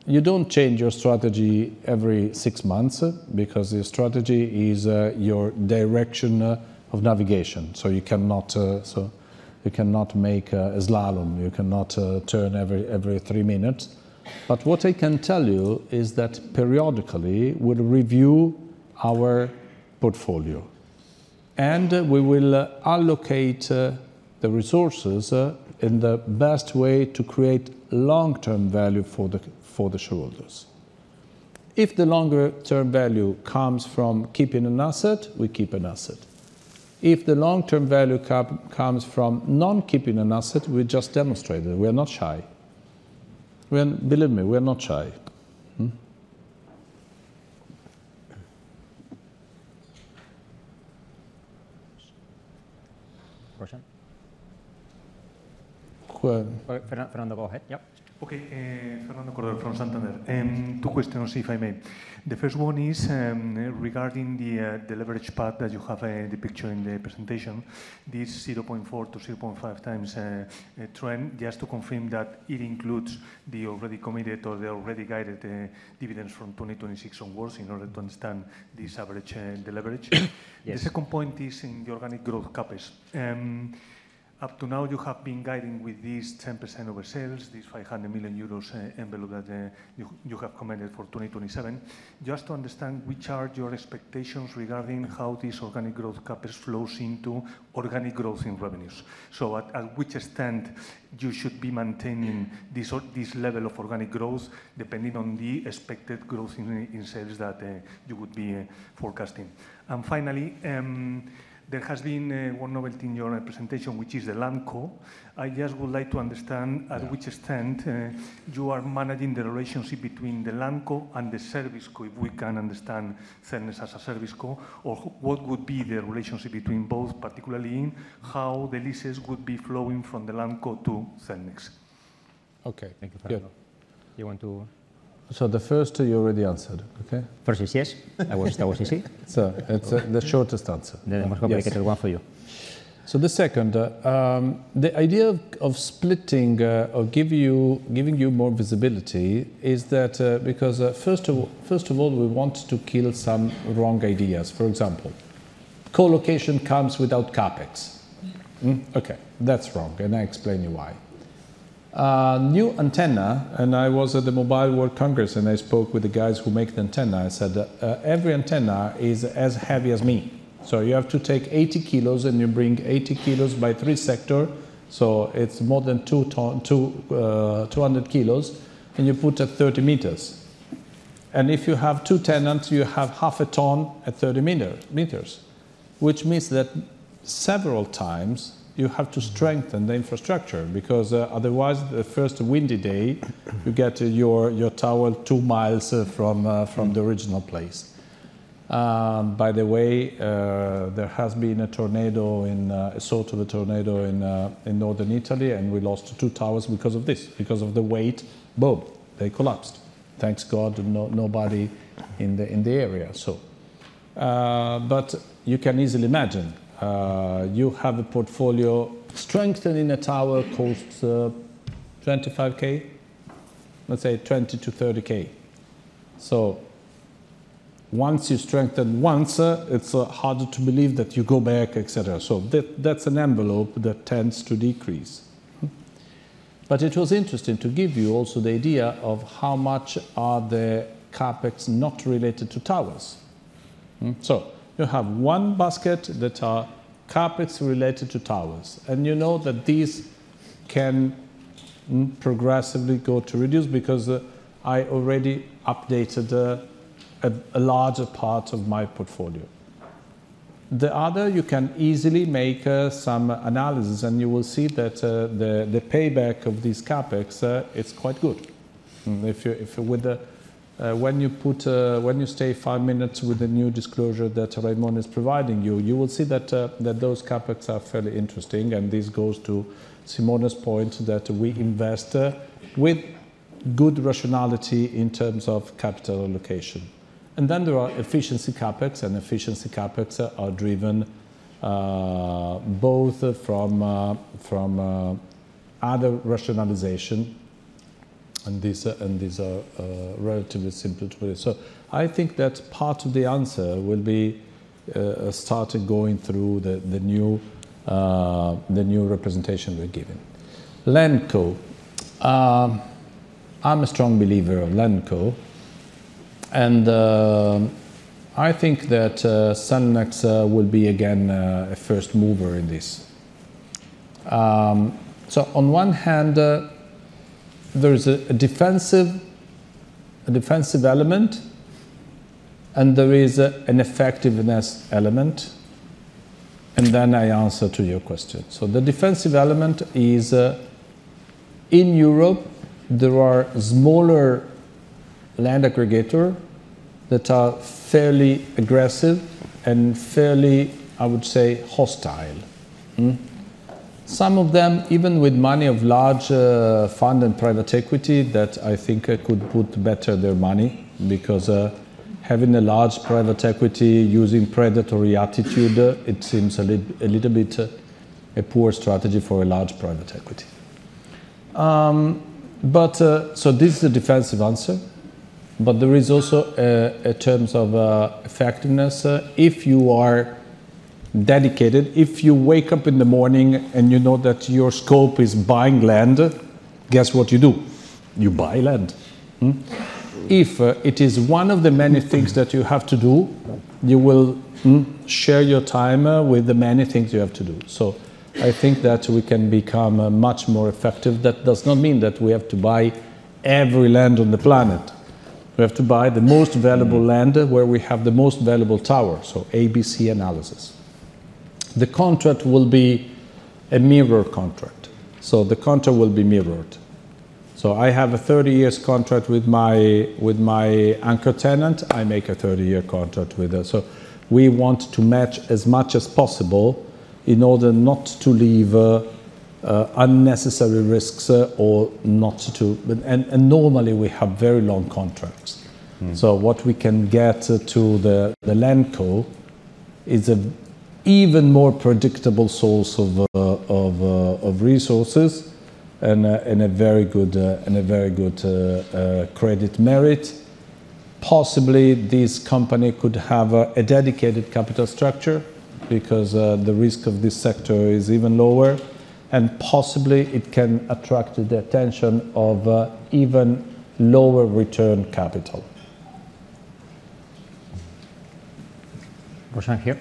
You don't change your strategy every six months because your strategy is your direction of navigation. So you cannot make a slalom. You cannot turn every three minutes. But what I can tell you is that periodically, we'll review our portfolio, and we will allocate the resources in the best way to create long-term value for the shareholders. If the longer-term value comes from keeping an asset, we keep an asset. If the long-term value comes from non-keeping an asset, we just demonstrate it. We are not shy. Believe me, we are not shy. Question? Fernando Cordón? Yep. Okay. Fernando Cordón, from Santander. Two questions, if I may. The first one is regarding the leverage path that you have in the picture in the presentation. This 0.4-0.5 times trend, just to confirm that it includes the already committed or the already guided dividends from 2026 onwards in order to understand this average deleverage. The second point is in the organic growth CapEx. Up to now, you have been guiding with this 10% oversell, this 500 million euros envelope that you have committed for 2027. Just to understand, what are your expectations regarding how this organic growth CapEx flows into organic growth in revenues. So to what extent you should be maintaining this level of organic growth depending on the expected growth in sales that you would be forecasting. Finally, there has been one novelty in your presentation, which is the Land Co. I just would like to understand at which extent you are managing the relationship between the land co and the service co, if we can understand Cellnex as a service co, or what would be the relationship between both, particularly in how the leases would be flowing from the land co to Cellnex. Okay. Thank you, Fernando. You want to? So the first, you already answered. Okay? Francis, yes. That was easy. So it's the shortest answer. The most complicated one for you. So the second. The idea of splitting or giving you more visibility is that because first of all, we want to kill some wrong ideas. For example, co-location comes without CapEx. Okay. That's wrong. And I explain you why. New antenna, and I was at the Mobile World Congress, and I spoke with the guys who make the antenna. I said, "Every antenna is as heavy as me." So you have to take 80 kilos, and you bring 80 kilos by three sectors. So it's more than 200 kilos, and you put at 30 meters. And if you have two tenants, you have half a ton at 30 meters, which means that several times, you have to strengthen the infrastructure because otherwise, the first windy day, you get your tower two miles from the original place. By the way, there has been a tornado, a sort of a tornado in northern Italy, and we lost two towers because of this, because of the weight. Boom. They collapsed. Thank God, nobody in the area, so. But you can easily imagine. You have a portfolio. Strengthening a tower costs 25,000. Let's say 20,000-30,000. So once you strengthen once, it's harder to believe that you go back, etc. So that's an envelope that tends to decrease. But it was interesting to give you also the idea of how much are the CapEx not related to towers. So you have one basket that are CapEx related to towers, and you know that these can progressively go to reduce because I already updated a larger part of my portfolio. The other, you can easily make some analysis, and you will see that the payback of these CapEx, it's quite good. When you stay five minutes with the new disclosure that Raimon is providing you, you will see that those CapEx are fairly interesting. And this goes to Simone's point that we invest with good rationality in terms of capital allocation. And then there are efficiency CapEx, and efficiency CapEx are driven both from other rationalization, and these are relatively simple to believe. So I think that part of the answer will be starting going through the new representation we're giving. Land Co. I'm a strong believer of Land Co, and I think that Cellnex will be, again, a first mover in this. So on one hand, there is a defensive element, and there is an effectiveness element. Then I answer to your question. So the defensive element is in Europe, there are smaller land aggregators that are fairly aggressive and fairly, I would say, hostile. Some of them, even with money of large fund and private equity, that I think could put better their money because having a large private equity, using predatory attitude, it seems a little bit a poor strategy for a large private equity. So this is the defensive answer. But there is also in terms of effectiveness, if you are dedicated, if you wake up in the morning and you know that your scope is buying land, guess what you do? You buy land. If it is one of the many things that you have to do, you will share your time with the many things you have to do. So I think that we can become much more effective. That does not mean that we have to buy every land on the planet. We have to buy the most valuable land where we have the most valuable tower, so ABC analysis. The contract will be a mirror contract. So the contract will be mirrored. So I have a 30-year contract with my anchor tenant. I make a 30-year contract with her. So we want to match as much as possible in order not to leave unnecessary risks or not to and normally, we have very long contracts. So what we can get to the Land Co is an even more predictable source of resources and a very good credit merit. Possibly, this company could have a dedicated capital structure because the risk of this sector is even lower. And possibly, it can attract the attention of even lower-return capital. Question here?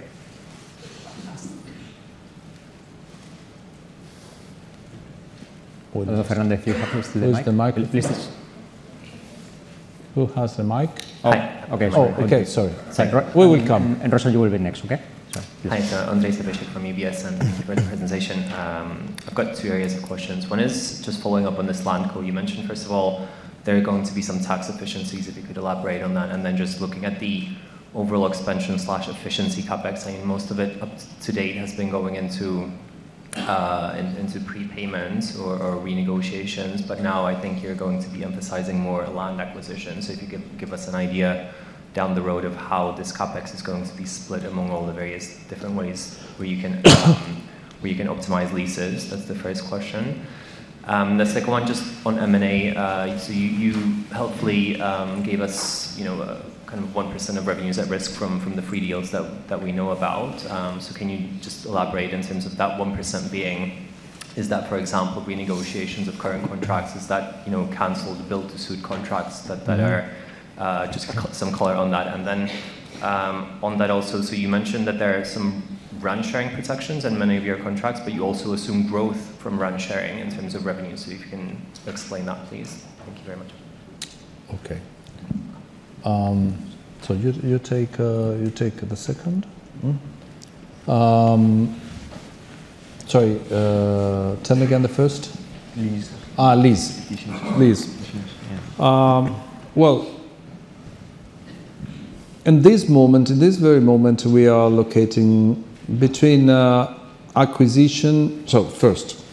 Fernando, if you have the mic. Who has the mic? Oh, okay. Sorry. We will come. And Russell, you will be next. Okay? Hi. Andrei Stepeshchuk from UBS, and thank you for the presentation. I've got two areas of questions. One is just following up on this Land Co you mentioned. First of all, there are going to be some tax efficiencies. If you could elaborate on that. And then just looking at the overall expansion/efficiency CapEx, I mean, most of it up to date has been going into prepayments or renegotiations. But now, I think you're going to be emphasizing more land acquisition. So if you could give us an idea down the road of how this CapEx is going to be split among all the various different ways where you can optimize leases. That's the first question. The second one, just on M&A. So you helpfully gave us kind of 1% of revenues at risk from the three deals that we know about. So can you just elaborate in terms of that 1% being? Is that, for example, renegotiations of current contracts? Is that canceled, build-to-suit contracts that are just some color on that? And then on that also, so you mentioned that there are some run-sharing protections in many of your contracts, but you also assume growth from run-sharing in terms of revenue. So if you can explain that, please. Thank you very much. Okay. So you take the second? Sorry. Tell me again the first. Lease. Lease. Well, in this moment, in this very moment, we are locating between acquisition so first,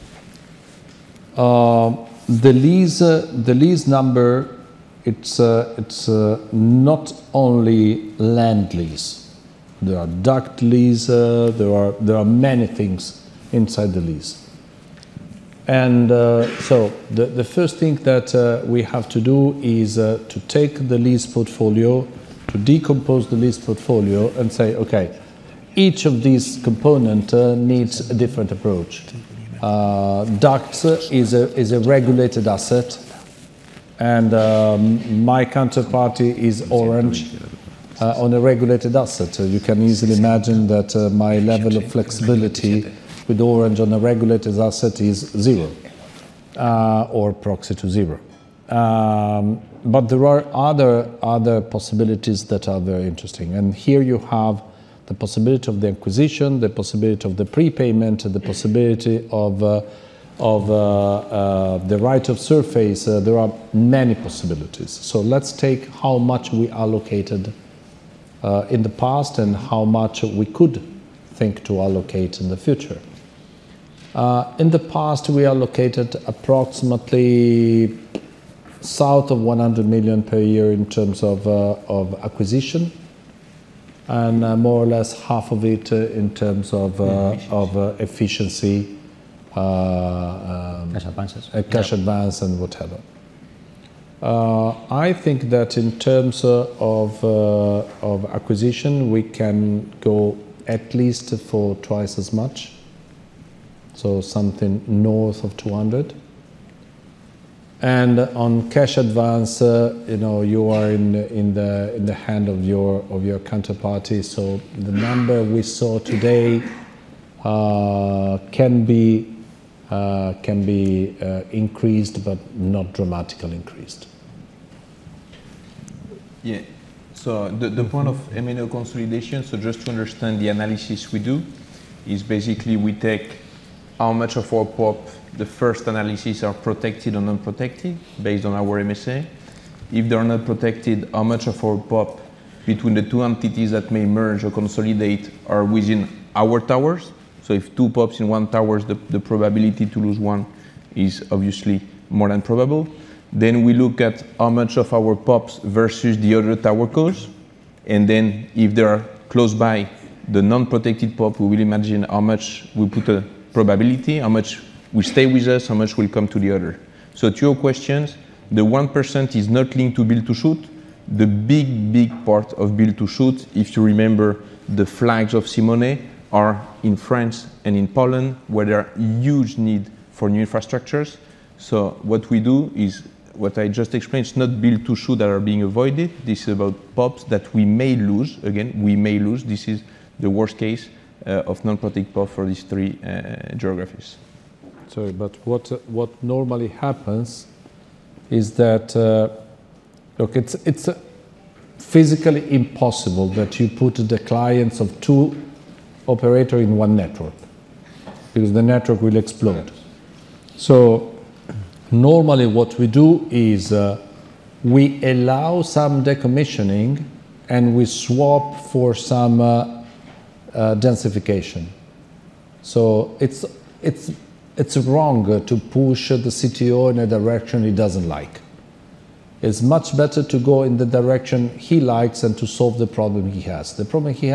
the lease number, it's not only land lease. There are duct leases. There are many things inside the lease. And so the first thing that we have to do is to take the lease portfolio, to decompose the lease portfolio, and say, "Okay. Each of these components needs a different approach." Duct is a regulated asset, and my counterparty is Orange on a regulated asset. So you can easily imagine that my level of flexibility with Orange on a regulated asset is zero or proxy to zero. But there are other possibilities that are very interesting. Here, you have the possibility of the acquisition, the possibility of the prepayment, the possibility of the right of surface. There are many possibilities. So let's take how much we allocated in the past and how much we could think to allocate in the future. In the past, we allocated approximately south of 100 million per year in terms of acquisition and more or less EUR 50 million in terms of efficiency cash advances. Cash advance and whatever. I think that in terms of acquisition, we can go at least for twice as much, so something north of 200 million. And on cash advance, you are in the hand of your counterparty. So the number we saw today can be increased but not dramatically increased. Yeah. So the point of M&A consolidation, so just to understand the analysis we do, is basically we take how much of our POP, the first analysis, are protected or unprotected based on our MSA. If they are not protected, how much of our POP between the two entities that may merge or consolidate are within our towers? So if two POPs in one tower, the probability to lose one is obviously more than probable. Then we look at how much of our POPs versus the other tower costs. And then if they are close by the non-protected POP, we will imagine how much we put a probability, how much will stay with us, how much will come to the other. So to your questions, the 1% is not linked to build-to-suit. The big, big part of build-to-suit, if you remember the flags of Simone, are in France and in Poland where there are huge needs for new infrastructures. So what we do is what I just explained. It's not build-to-suit that are being avoided. This is about POPs that we may lose. Again, we may lose. This is the worst case of non-protected POP for these three geographies. Sorry. But what normally happens is that look, it's physically impossible that you put the clients of two operators in one network because the network will explode. So normally, what we do is we allow some decommissioning, and we swap for some densification. So it's wrong to push the CTO in a direction he doesn't like. It's much better to go in the direction he likes and to solve the problem he has. The problem he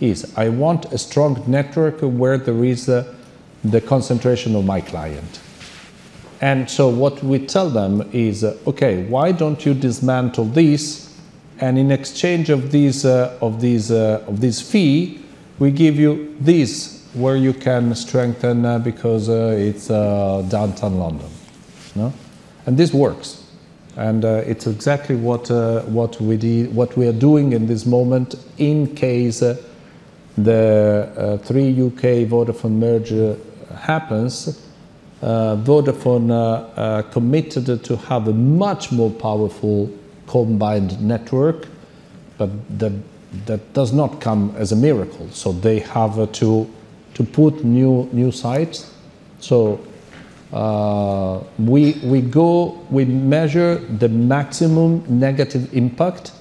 has is, "I want a strong network where there is the concentration of my client." And so what we tell them is, "Okay. Why don't you dismantle these, and in exchange of this fee, we give you this where you can strengthen because it's downtown London?" And this works. And it's exactly what we are doing in this moment in case the Three UK-Vodafone merger happens. Vodafone committed to have a much more powerful combined network, but that does not come as a miracle. So they have to put new sites. So we measure the maximum negative impact.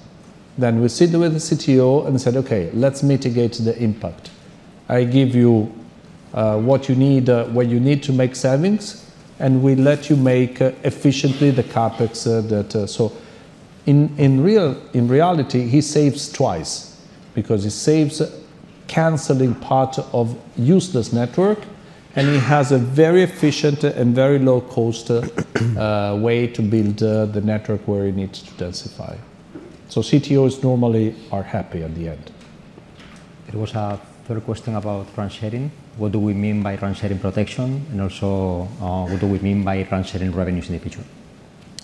Then we sit with the CTO and said, "Okay. Let's mitigate the impact. I give you what you need, where you need to make savings, and we let you make efficiently the CapEx that, so in reality, he saves twice because he saves canceling part of useless network, and he has a very efficient and very low-cost way to build the network where he needs to densify. So CTOs normally are happy at the end. It was a third question about run-sharing. What do we mean by run-sharing protection? And also, what do we mean by run-sharing revenues in the future?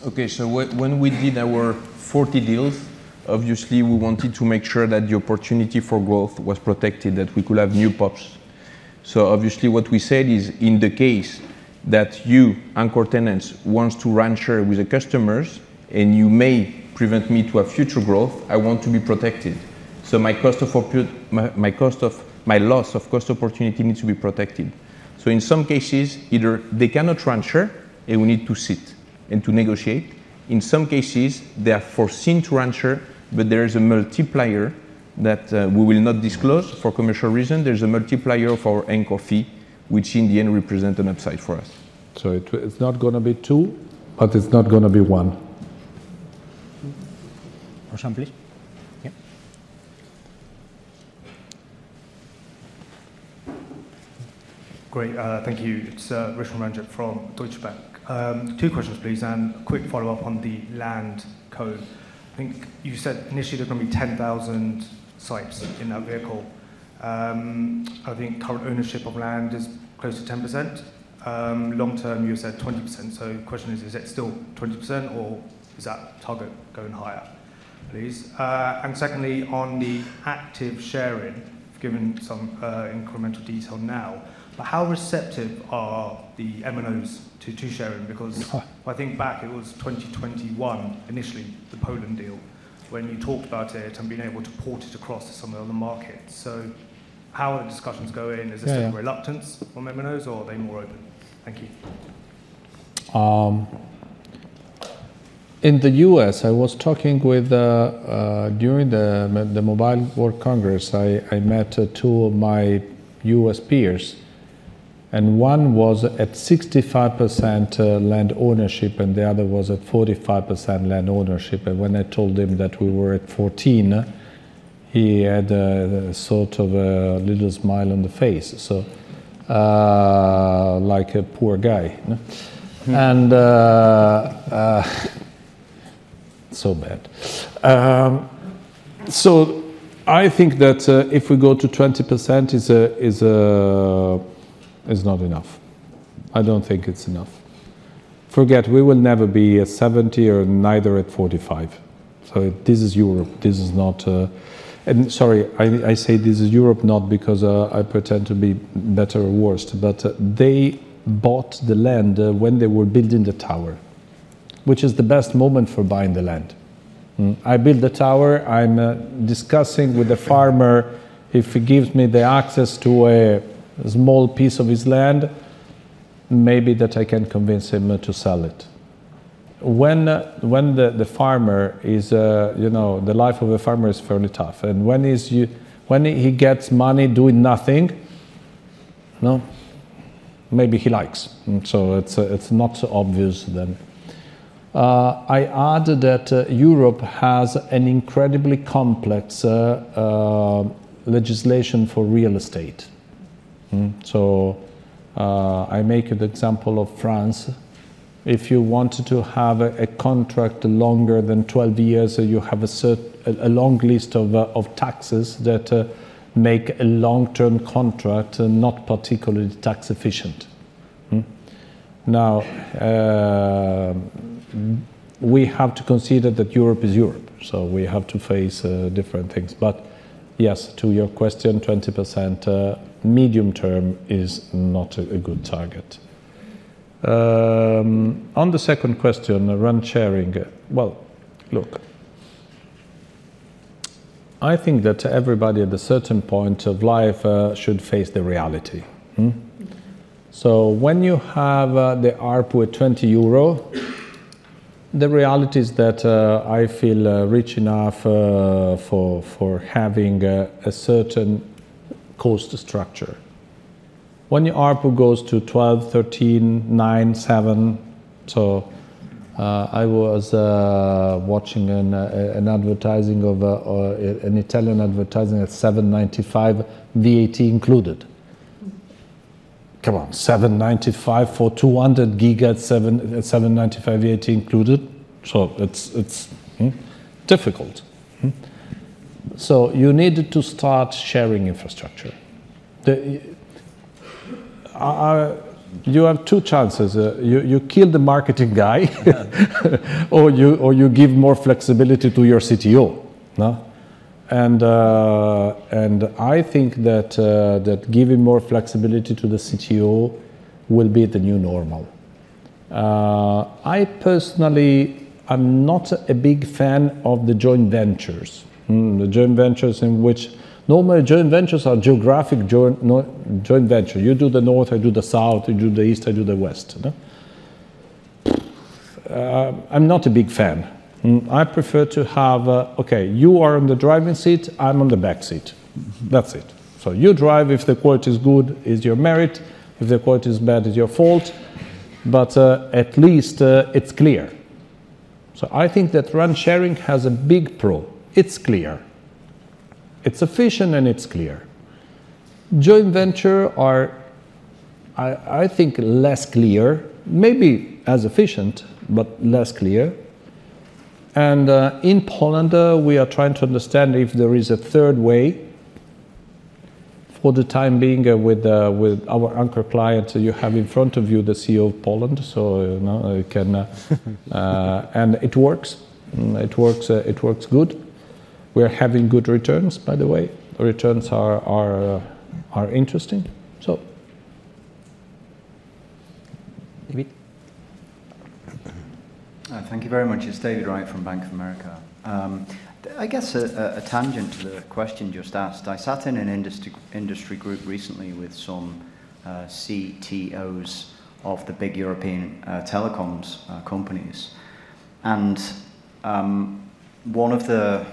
Okay. So when we did our 40 deals, obviously, we wanted to make sure that the opportunity for growth was protected, that we could have new POPs. So obviously, what we said is, "In the case that you, anchor tenants, want to run-share with the customers, and you may prevent me to have future growth, I want to be protected. So my cost of my loss of cost opportunity needs to be protected." So in some cases, either they cannot run-share, and we need to sit and to negotiate. In some cases, they are foreseen to run-share, but there is a multiplier that we will not disclose for commercial reasons. There's a multiplier of our anchor fee, which in the end represents an upside for us. So it's not going to be two, but it's not going to be one. Question, please. Great. Thank you. It's Rachel Ranjak from Deutsche Bank. Two questions, please, and a quick follow-up on the Land Co. I think you said initially there are going to be 10,000 sites in that vehicle. I think current ownership of land is close to 10%. Long term, you said 20%. So the question is, is it still 20%, or is that target going higher? Please. And secondly, on the active sharing, given some incremental detail now, but how receptive are the MNOs to two-sharing? Because if I think back, it was 2021 initially, the Poland deal, when you talked about it and being able to port it across to some of the other markets. So how are the discussions going? Is there some reluctance from MNOs, or are they more open? Thank you. In the U.S., I was talking with during the Mobile World Congress, I met two of my U.S. peers. And one was at 65% land ownership, and the other was at 45% land ownership. And when I told him that we were at 14%, he had sort of a little smile on the face, so like a poor guy. And so bad. So I think that if we go to 20%, it's not enough. I don't think it's enough. Forget, we will never be at 70 or neither at 45. So this is Europe. This is not and sorry, I say this is Europe not because I pretend to be better or worse, but they bought the land when they were building the tower, which is the best moment for buying the land. I build the tower. I'm discussing with the farmer. If he gives me the access to a small piece of his land, maybe that I can convince him to sell it. When the farmer is the life of a farmer is fairly tough. And when he gets money doing nothing, maybe he likes. So it's not so obvious then. I add that Europe has an incredibly complex legislation for real estate. So I make an example of France. If you wanted to have a contract longer than 12 years, you have a long list of taxes that make a long-term contract not particularly tax-efficient. Now, we have to consider that Europe is Europe. So we have to face different things. But yes, to your question, 20%, medium-term is not a good target. On the second question, run-sharing, well, look, I think that everybody at a certain point of life should face the reality. So when you have the ARPU at 20 euro, the reality is that I feel rich enough for having a certain cost structure. When your ARPU goes to 12, 13, 9, 7 so I was watching an Italian advertising at 7.95 VAT included. Come on. 7.95 for 200 GB at 7.95 VAT included? So it's difficult. So you needed to start sharing infrastructure. You have two chances. You kill the marketing guy, or you give more flexibility to your CTO. I think that giving more flexibility to the CTO will be the new normal. I personally am not a big fan of the joint ventures, the joint ventures in which normally, joint ventures are geographic joint ventures. You do the north. I do the south. You do the east. I do the west. I'm not a big fan. I prefer to have, "Okay. You are on the driving seat. I'm on the backseat." That's it. You drive. If the quality is good, it's your merit. If the quality is bad, it's your fault. But at least it's clear. I think that run-sharing has a big pro. It's clear. It's efficient, and it's clear. Joint ventures are, I think, less clear, maybe as efficient but less clear. And in Poland, we are trying to understand if there is a third way. For the time being, with our anchor client, you have in front of you the CEO of Poland, so you can and it works. It works good. We are having good returns, by the way. Returns are interesting, so. David? Thank you very much. It's David Wright from Bank of America. I guess a tangent to the question just asked. I sat in an industry group recently with some CTOs of the big European telecoms companies. And one of the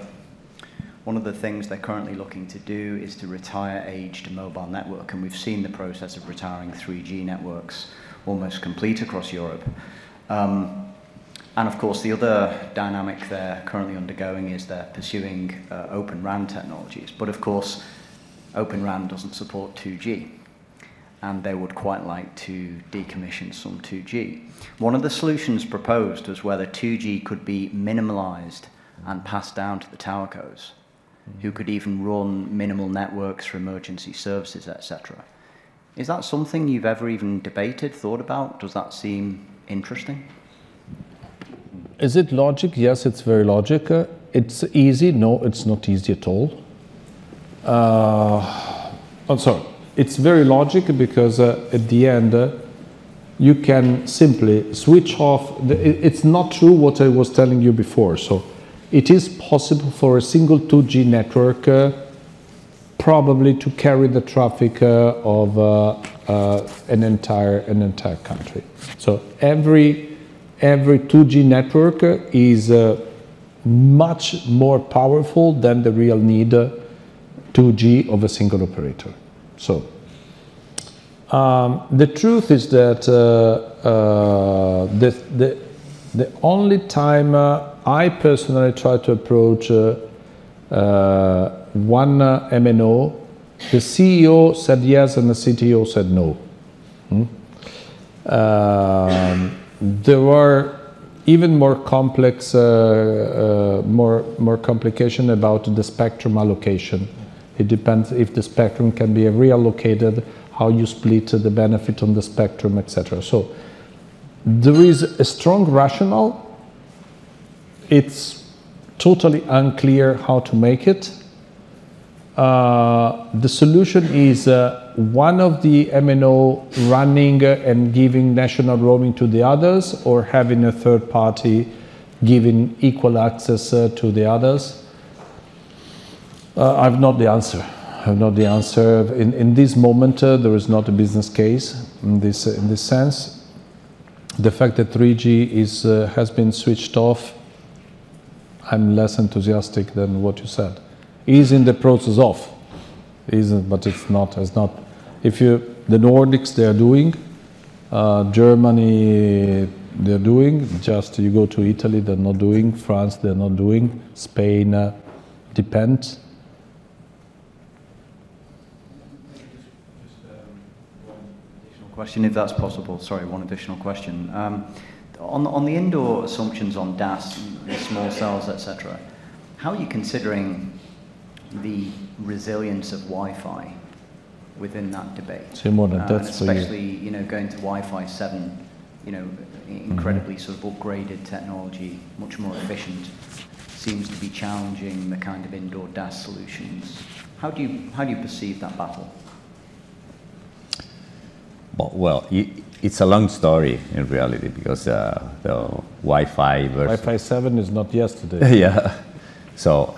things they're currently looking to do is to retire aged mobile network. And we've seen the process of retiring 3G networks almost complete across Europe. And of course, the other dynamic they're currently undergoing is they're pursuing Open RAN technologies. But of course, Open RAN doesn't support 2G, and they would quite like to decommission some 2G. One of the solutions proposed is whether 2G could be minimized and passed down to the towerco's, who could even run minimal networks for emergency services, etc. Is that something you've ever even debated, thought about? Does that seem interesting? Is it logical? Yes, it's very logical. It's easy. No, it's not easy at all. I'm sorry. It's very logical because at the end, you can simply switch off. It's not true what I was telling you before. So it is possible for a single 2G network probably to carry the traffic of an entire country. So every 2G network is much more powerful than the real need 2G of a single operator, so. The truth is that the only time I personally tried to approach one MNO, the CEO said yes, and the CTO said no. There were even more complex more complication about the spectrum allocation. It depends if the spectrum can be reallocated, how you split the benefit on the spectrum, etc. So there is a strong rationale. It's totally unclear how to make it. The solution is one of the MNOs running and giving national roaming to the others or having a third party giving equal access to the others. I have not the answer. I have not the answer. In this moment, there is not a business case in this sense. The fact that 3G has been switched off, I'm less enthusiastic than what you said. It is in the process of. It isn't, but it's not. If you the Nordics, they are doing. Germany, they are doing. Just, you go to Italy, they're not doing. France, they're not doing. Spain, depends. Just one additional question, if that's possible. Sorry, one additional question. On the indoor assumptions on DAS and small cells, etc., how are you considering the resilience of Wi-Fi within that debate? Simone, that's for you. And especially going to Wi-Fi 7, incredibly sort of upgraded technology, much more efficient, seems to be challenging the kind of indoor DAS solutions. How do you perceive that battle? Well, it's a long story, in reality, because the Wi-Fi version. Wi-Fi 7 is not yesterday. Yeah. So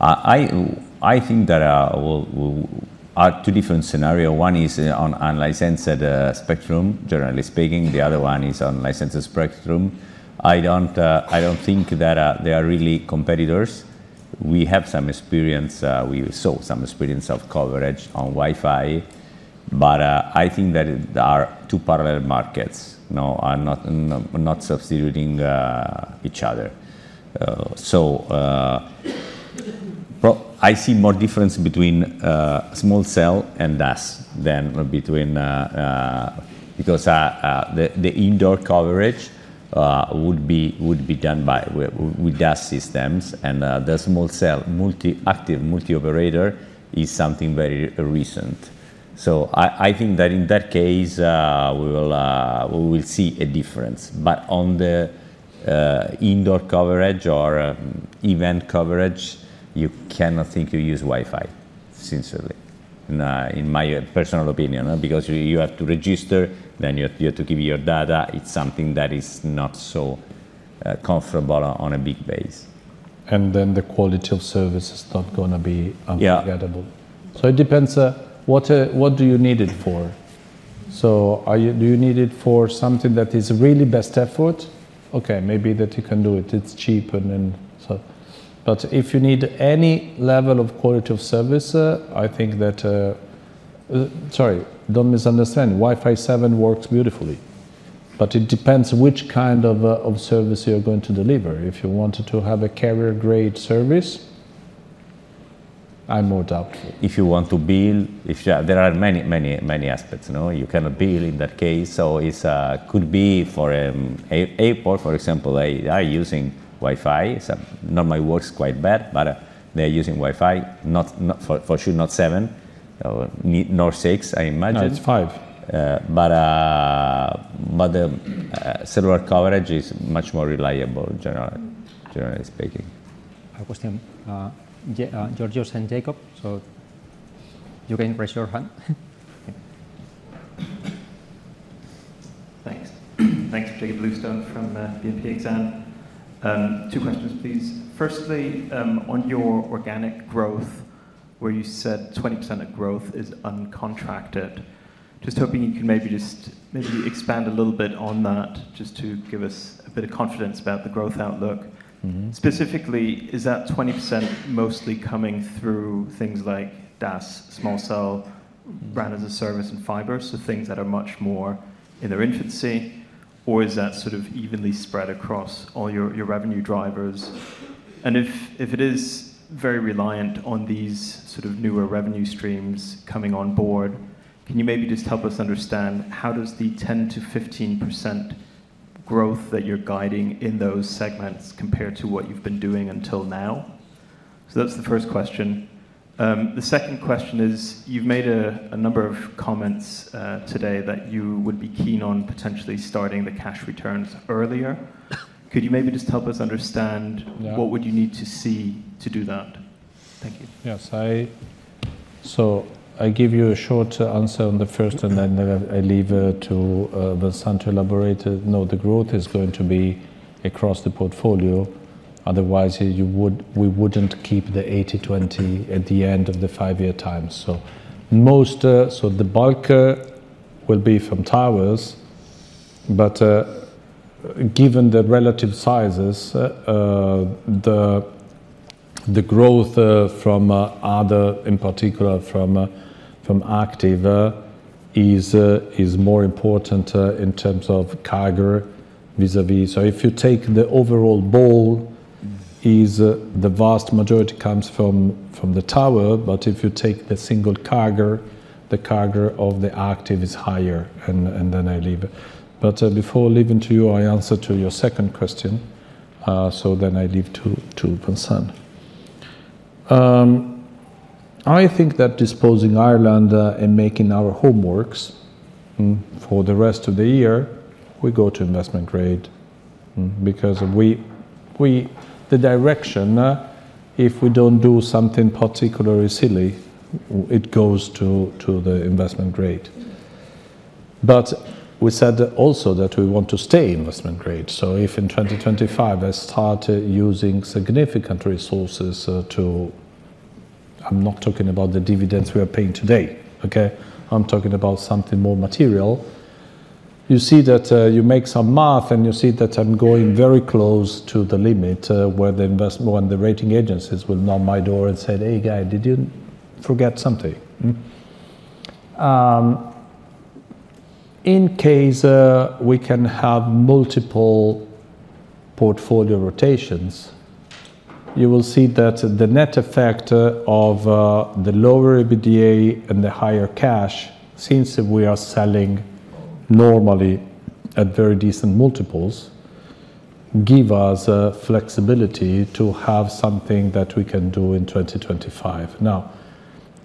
I think there are two different scenarios. One is on unlicensed spectrum, generally speaking. The other one is on licensed spectrum. I don't think that they are really competitors. We have some experience. We saw some experience of coverage on Wi-Fi. But I think that there are two parallel markets that are not substituting each other. I see more difference between small cell and DAS than between because the indoor coverage would be done by with DAS systems. The small cell active multi-operator is something very recent. I think that in that case, we will see a difference. But on the indoor coverage or event coverage, you cannot think you use Wi-Fi, sincerely, in my personal opinion, because you have to register. Then you have to give your data. It's something that is not so comfortable on a big base. And then the quality of service is not going to be unforgettable. It depends what do you need it for. Do you need it for something that is really best effort? Okay, maybe that you can do it. It's cheaper than, so. But if you need any level of quality of service, I think that, sorry, don't misunderstand. Wi-Fi 7 works beautifully. But it depends which kind of service you're going to deliver. If you wanted to have a carrier-grade service, I'm more doubtful. If you want to build, there are many, many, many aspects. You cannot build in that case. So it could be for airport, for example, they are using Wi-Fi. Normally, it works quite bad. But they are using Wi-Fi, for sure not 7 nor 6, I imagine. No, it's 5. But the cellular coverage is much more reliable, generally speaking. I was thinking Giorgio Saint-Jacob. So you can raise your hand. Thanks. Thanks to Jacob Bluestone from BNP Exane. Two questions, please. Firstly, on your organic growth, where you said 20% of growth is uncontracted, just hoping you can maybe just maybe expand a little bit on that just to give us a bit of confidence about the growth outlook. Specifically, is that 20% mostly coming through things like DAS, small cell, RAN as a service, and fiber, so things that are much more in their infancy? Or is that sort of evenly spread across all your revenue drivers? And if it is very reliant on these sort of newer revenue streams coming on board, can you maybe just help us understand how does the 10%-15% growth that you're guiding in those segments compare to what you've been doing until now? So that's the first question. The second question is, you've made a number of comments today that you would be keen on potentially starting the cash returns earlier. Could you maybe just help us understand what would you need to see to do that? Thank you. Yes. So I give you a short answer on the first, and then I leave it to Vincent to elaborate. No, the growth is going to be across the portfolio. Otherwise, we wouldn't keep the 80/20 at the end of the five-year time. So the bulk will be from towers. But given the relative sizes, the growth from other, in particular from active, is more important in terms of CAGR vis-à-vis. So if you take the overall pool, the vast majority comes from the tower. But if you take the single CAGR, the CAGR of the active is higher. And then I leave it. But before leaving to you, I answer to your second question. So then I leave to Vincent. I think that disposing of Ireland and making our homework for the rest of the year, we go to investment grade because the direction, if we don't do something particularly silly, it goes to the Investment Grade. But we said also that we want to stay investment grade. So if in 2025, I start using significant resources to I'm not talking about the dividends we are paying today, okay? I'm talking about something more material. You see that you make some math, and you see that I'm going very close to the limit when the rating agencies will knock my door and say, "Hey, guys, did you forget something?" In case we can have multiple portfolio rotations, you will see that the net effect of the lower EBITDA and the higher cash, since we are selling normally at very decent multiples, gives us flexibility to have something that we can do in 2025. Now,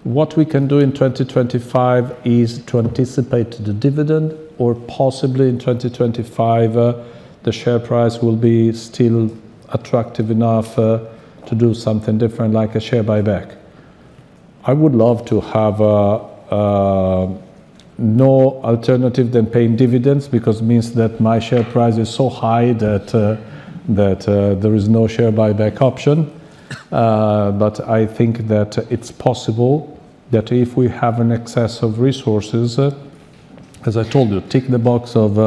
what we can do in 2025 is to anticipate the dividend, or possibly in 2025, the share price will be still attractive enough to do something different like a share buyback. I would love to have no alternative than paying dividends because it means that my share price is so high that there is no share buyback option. But I think that it's possible that if we have an excess of resources as I told you, tick the box of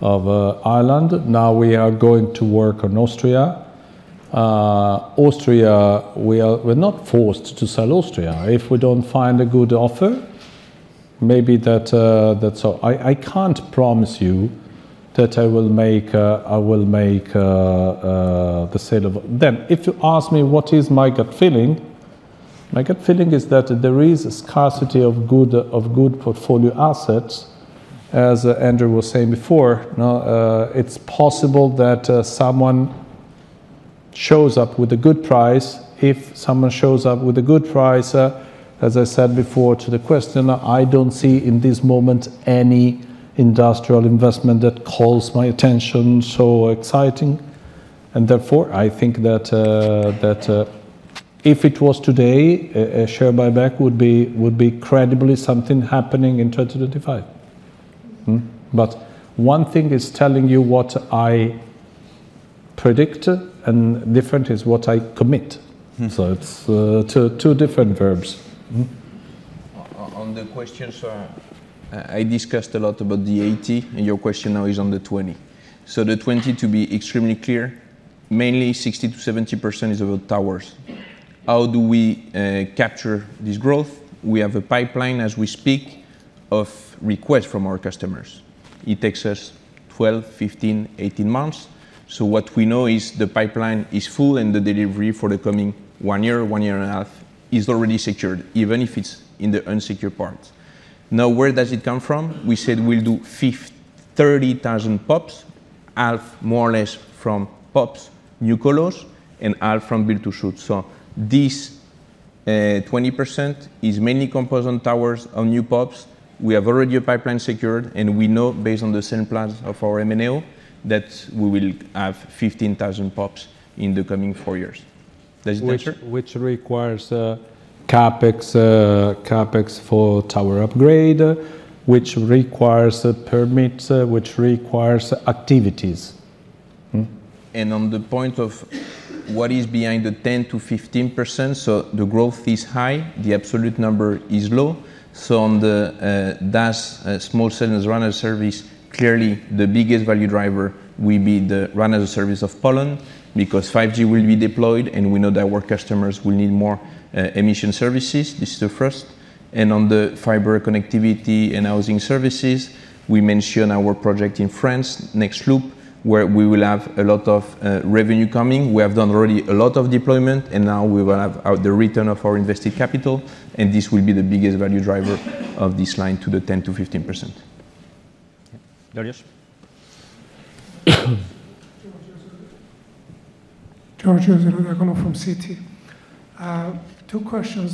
Ireland. Now, we are going to work on Austria. We're not forced to sell Austria. If we don't find a good offer, maybe that's so I can't promise you that I will make the sale of then. If you ask me what is my gut feeling, my gut feeling is that there is a scarcity of good portfolio assets. As Andrew was saying before, it's possible that someone shows up with a good price. If someone shows up with a good price, as I said before to the questioner, I don't see in this moment any industrial investment that calls my attention so exciting. And therefore, I think that if it was today, a share buyback would be credibly something happening in 2025. But one thing is telling you what I predict, and different is what I commit. So it's two different verbs. On the questions, I discussed a lot about the 80, and your question now is on the 20. So the 20, to be extremely clear, mainly 60%-70% is about towers. How do we capture this growth? We have a pipeline, as we speak, of requests from our customers. It takes us 12, 15, 18 months. So what we know is the pipeline is full, and the delivery for the coming 1 year, 1 year and a half, is already secured, even if it's in the unsecure parts. Now, where does it come from? We said we'll do 30,000 POPs, half more or less from POPs new co-locations and half from build-to-suit. So this 20% is mainly composed on towers, on new POPs. We have already a pipeline secured, and we know, based on the cell plans of our MNOs, that we will have 15,000 POPs in the coming four years. Does it answer? Which requires CapEx for tower upgrade, which requires permits, which requires activities. And on the point of what is behind the 10%-15%, so the growth is high, the absolute number is low. So on the DAS, small cell and run-as-a-service, clearly, the biggest value driver will be the run-as-a-service of Poland because 5G will be deployed, and we know that our customers will need more emission services. This is the first. And on the fiber connectivity and housing services, we mention our project in France, Nexloop, where we will have a lot of revenue coming. We have done already a lot of deployment, and now we will have the return of our invested capital. This will be the biggest value driver of this line to the 10%-15%. Giorgio? Giorgio Zerodacono from Citi. Two questions.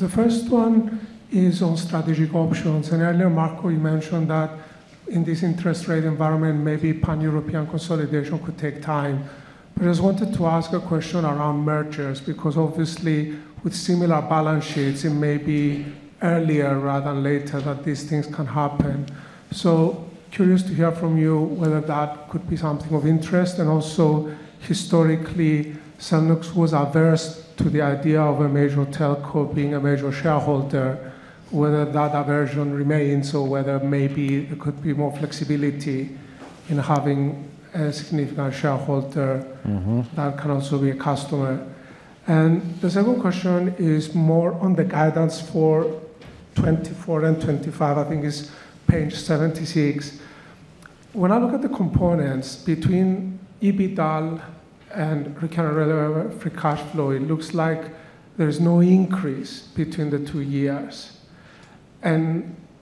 The first one is on strategic options. Earlier, Marco, you mentioned that in this interest rate environment, maybe pan-European consolidation could take time. But I just wanted to ask a question around mergers because, obviously, with similar balance sheets, it may be earlier rather than later that these things can happen. So curious to hear from you whether that could be something of interest. And also, historically, Cellnex was averse to the idea of a major telco being a major shareholder, whether that aversion remains or whether maybe there could be more flexibility in having a significant shareholder that can also be a customer. And the second question is more on the guidance for 2024 and 2025. I think it's page 76. When I look at the components between EBITDA and recurring levered free cash flow, it looks like there is no increase between the two years.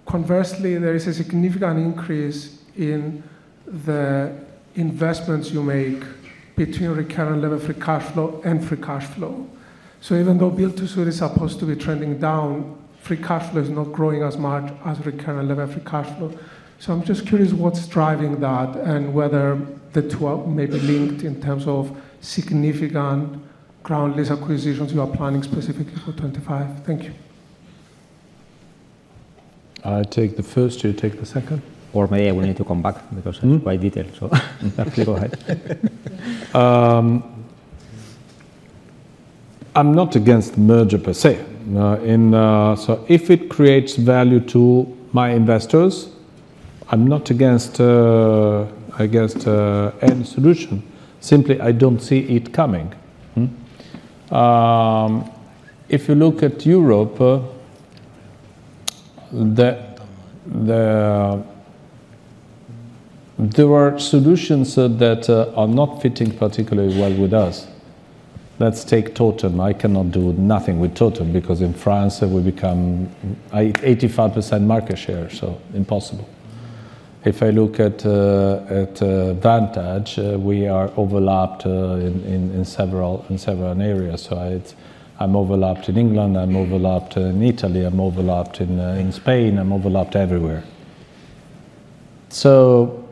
Conversely, there is a significant increase in the investments you make between recurring levered free cash flow and free cash flow. So even though Build-to-Suit is supposed to be trending down, free cash flow is not growing as much as recurring levered free cash flow. So I'm just curious what's driving that and whether the two are maybe linked in terms of significant ground lease acquisitions you are planning specifically for 2025. Thank you. I take the first. You take the second. Or maybe I will need to come back because it's quite detailed. So actually, go ahead. I'm not against merger per se. So if it creates value to my investors, I'm not against any solution. Simply, I don't see it coming. If you look at Europe, there are solutions that are not fitting particularly well with us. Let's take Totem. I cannot do nothing with Totem because in France, we become 85% market share, so impossible. If I look at Vantage, we are overlapped in several areas. So I'm overlapped in England. I'm overlapped in Italy. I'm overlapped in Spain. I'm overlapped everywhere. So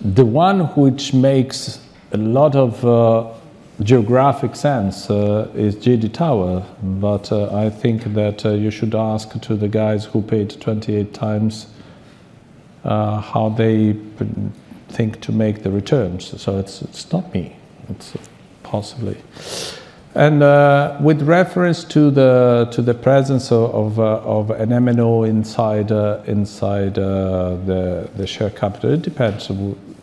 the one which makes a lot of geographic sense is GD Towers. But I think that you should ask to the guys who paid 28x how they think to make the returns. So it's not me. It's possibly. And with reference to the presence of an MNO inside the share capital, it depends.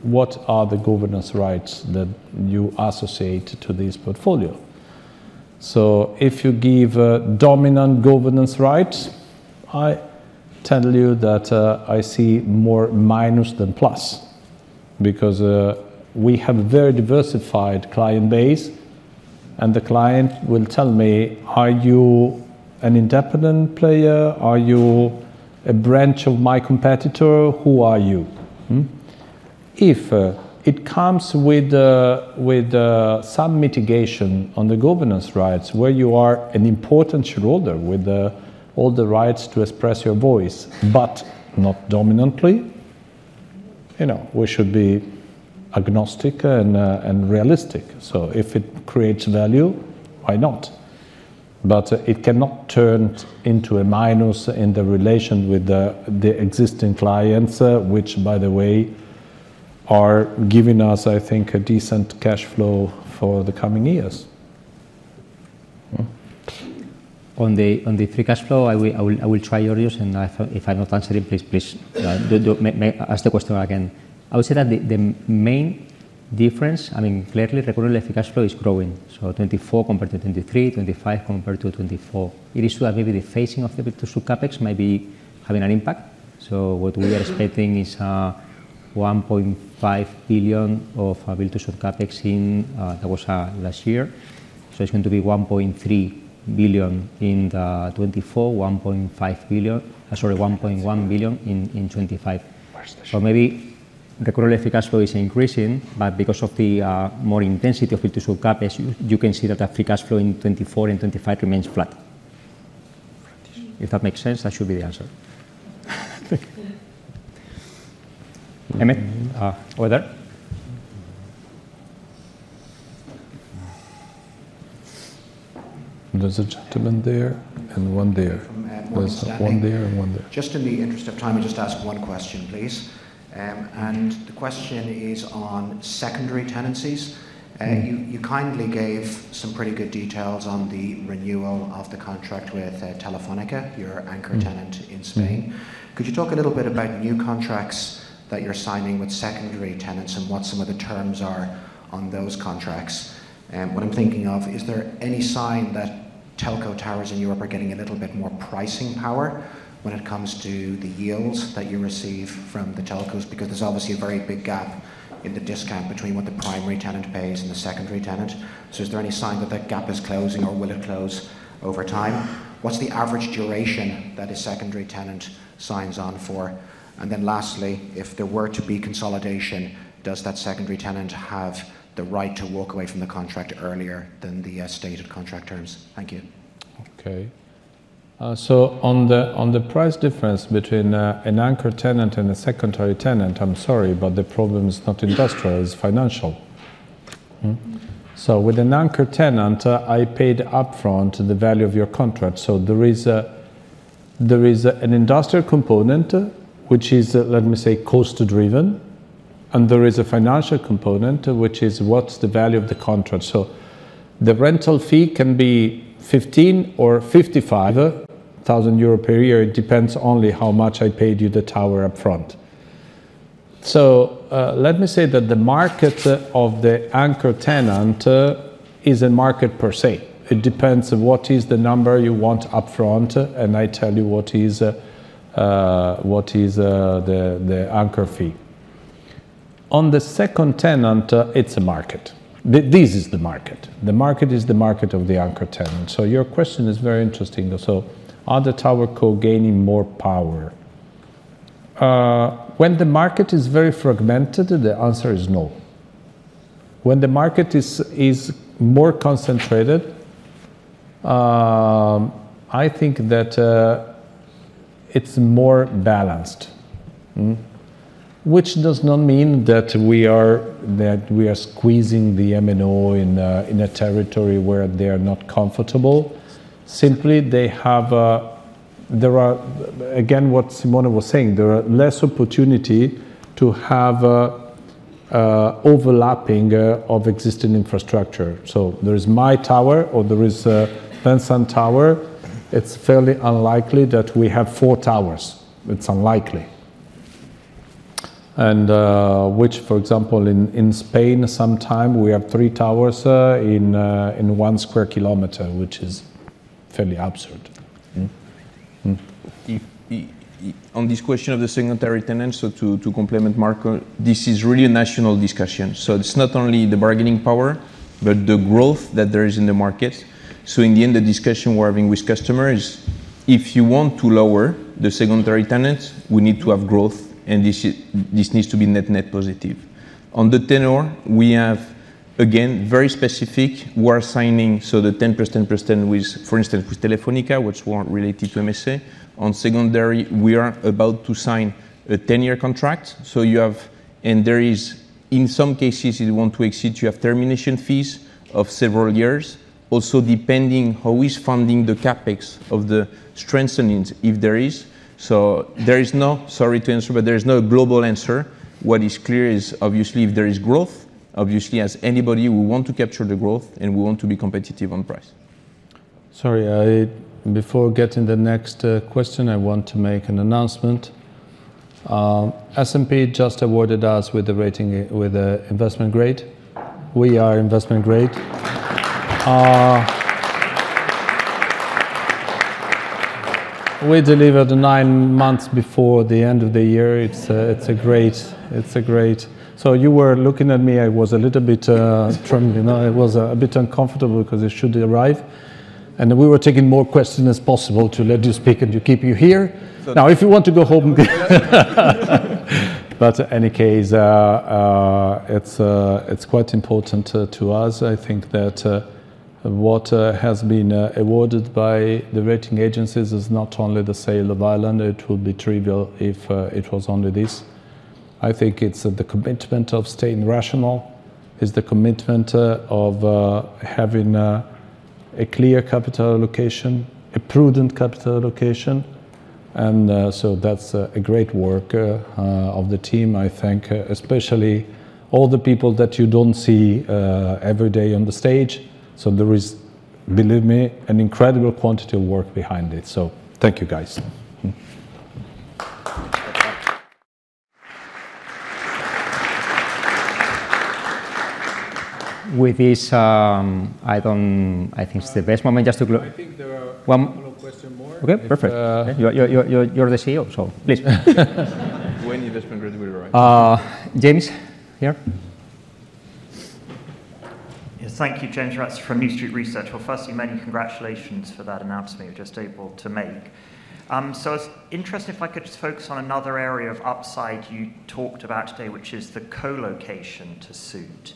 What are the governance rights that you associate to this portfolio? So if you give dominant governance rights, I tell you that I see more minus than plus because we have a very diversified client base. And the client will tell me, "Are you an independent player? Are you a branch of my competitor? Who are you?" If it comes with some mitigation on the governance rights, where you are an important shareholder with all the rights to express your voice but not dominantly, we should be agnostic and realistic. So if it creates value, why not? But it cannot turn into a minus in the relation with the existing clients, which, by the way, are giving us, I think, a decent cash flow for the coming years. On the free cash flow, I will try, Giorgio. And if I'm not answering, please, please ask the question again. I would say that the main difference, I mean, clearly, recurring levered free cash flow is growing, so 2024 compared to 2023, 2025 compared to 2024. It is true that maybe the phasing of the Build-to-Suit CapEx might be having an impact. So what we are expecting is 1.5 billion of Build-to-Suit CapEx that was last year. So it's going to be 1.3 billion in 2024, 1.5 billion sorry, 1.1 billion in 2025. So maybe recurring levered free cash flow is increasing. But because of the more intensity of Build-to-Suit CapEx, you can see that the free cash flow in 2024 and 2025 remains flat. If that makes sense, that should be the answer. Emmet? Others? There's a gentleman there and one there. There's one there and one there. Just in the interest of time, I'll just ask one question, please. The question is on secondary tenancies. You kindly gave some pretty good details on the renewal of the contract with Telefónica, your anchor tenant in Spain. Could you talk a little bit about new contracts that you're signing with secondary tenants and what some of the terms are on those contracts? What I'm thinking of, is there any sign that telco towers in Europe are getting a little bit more pricing power when it comes to the yields that you receive from the telcos? Because there's obviously a very big gap in the discount between what the primary tenant pays and the secondary tenant. So is there any sign that that gap is closing, or will it close over time? What's the average duration that a secondary tenant signs on for? And then lastly, if there were to be consolidation, does that secondary tenant have the right to walk away from the contract earlier than the stated contract terms? Thank you. Okay. So on the price difference between an anchor tenant and a secondary tenant, I'm sorry, but the problem is not industrial. It's financial. So with an anchor tenant, I paid upfront the value of your contract. So there is an industrial component, which is, let me say, cost-driven. And there is a financial component, which is what's the value of the contract. So the rental fee can be 15 thousand or 55 thousand euro per year. It depends only how much I paid you the tower upfront. So let me say that the market of the anchor tenant is a market per se. It depends on what is the number you want upfront, and I tell you what is the anchor fee. On the second tenant, it's a market. This is the market. The market is the market of the anchor tenant. So your question is very interesting. So are the towerco gaining more power? When the market is very fragmented, the answer is no. When the market is more concentrated, I think that it's more balanced, which does not mean that we are squeezing the MNO in a territory where they are not comfortable. Simply, there are again, what Simone was saying, there are less opportunities to have overlapping of existing infrastructure. So there is my tower, or there is Vantage Tower. It's fairly unlikely that we have four towers. It's unlikely. And for example, in Spain, sometimes, we have three towers in one square kilometer, which is fairly absurd. On this question of the secondary tenant, so to complement Marco, this is really a national discussion. So it's not only the bargaining power but the growth that there is in the market. So in the end, the discussion we're having with customers is, if you want to lower the secondary tenants, we need to have growth, and this needs to be net-net positive. On the tenor, we have, again, very specific, we are signing so the 10%, 10%, for instance, with Telefónica, which weren't related to MSA. On secondary, we are about to sign a 10-year contract. And in some cases, if you want to exceed, you have termination fees of several years, also depending on who is funding the CAPEX of the strengthenings, if there is. So there is no sorry to answer, but there is no global answer. What is clear is, obviously, if there is growth, obviously, as anybody, we want to capture the growth, and we want to be competitive on price. Sorry. Before getting to the next question, I want to make an announcement. S&P just awarded us with an investment grade. We are investment grade. We delivered nine months before the end of the year. It's great, so you were looking at me. I was a little bit trembling. It was a bit uncomfortable because it should arrive. And we were taking more questions as possible to let you speak and to keep you here. Now, if you want to go home and get but in any case, it's quite important to us. I think that what has been awarded by the rating agencies is not only the sale of Ireland. It would be trivial if it was only this. I think it's the commitment of staying rational, is the commitment of having a clear capital allocation, a prudent capital allocation. And so that's a great work of the team, I think, especially all the people that you don't see every day on the stage. So there is, believe me, an incredible quantity of work behind it. So thank you, guys. With this, I think it's the best moment just to go. I think there are one follow-up question more. Okay. Perfect. You're the CEO, so please. When investment grade will arrive? James, here. Thank you, James Ratzer, from New Street Research. Well, first of all, many congratulations for that announcement you were just able to make. So it's interesting if I could just focus on another area of upside you talked about today, which is the co-location to suit,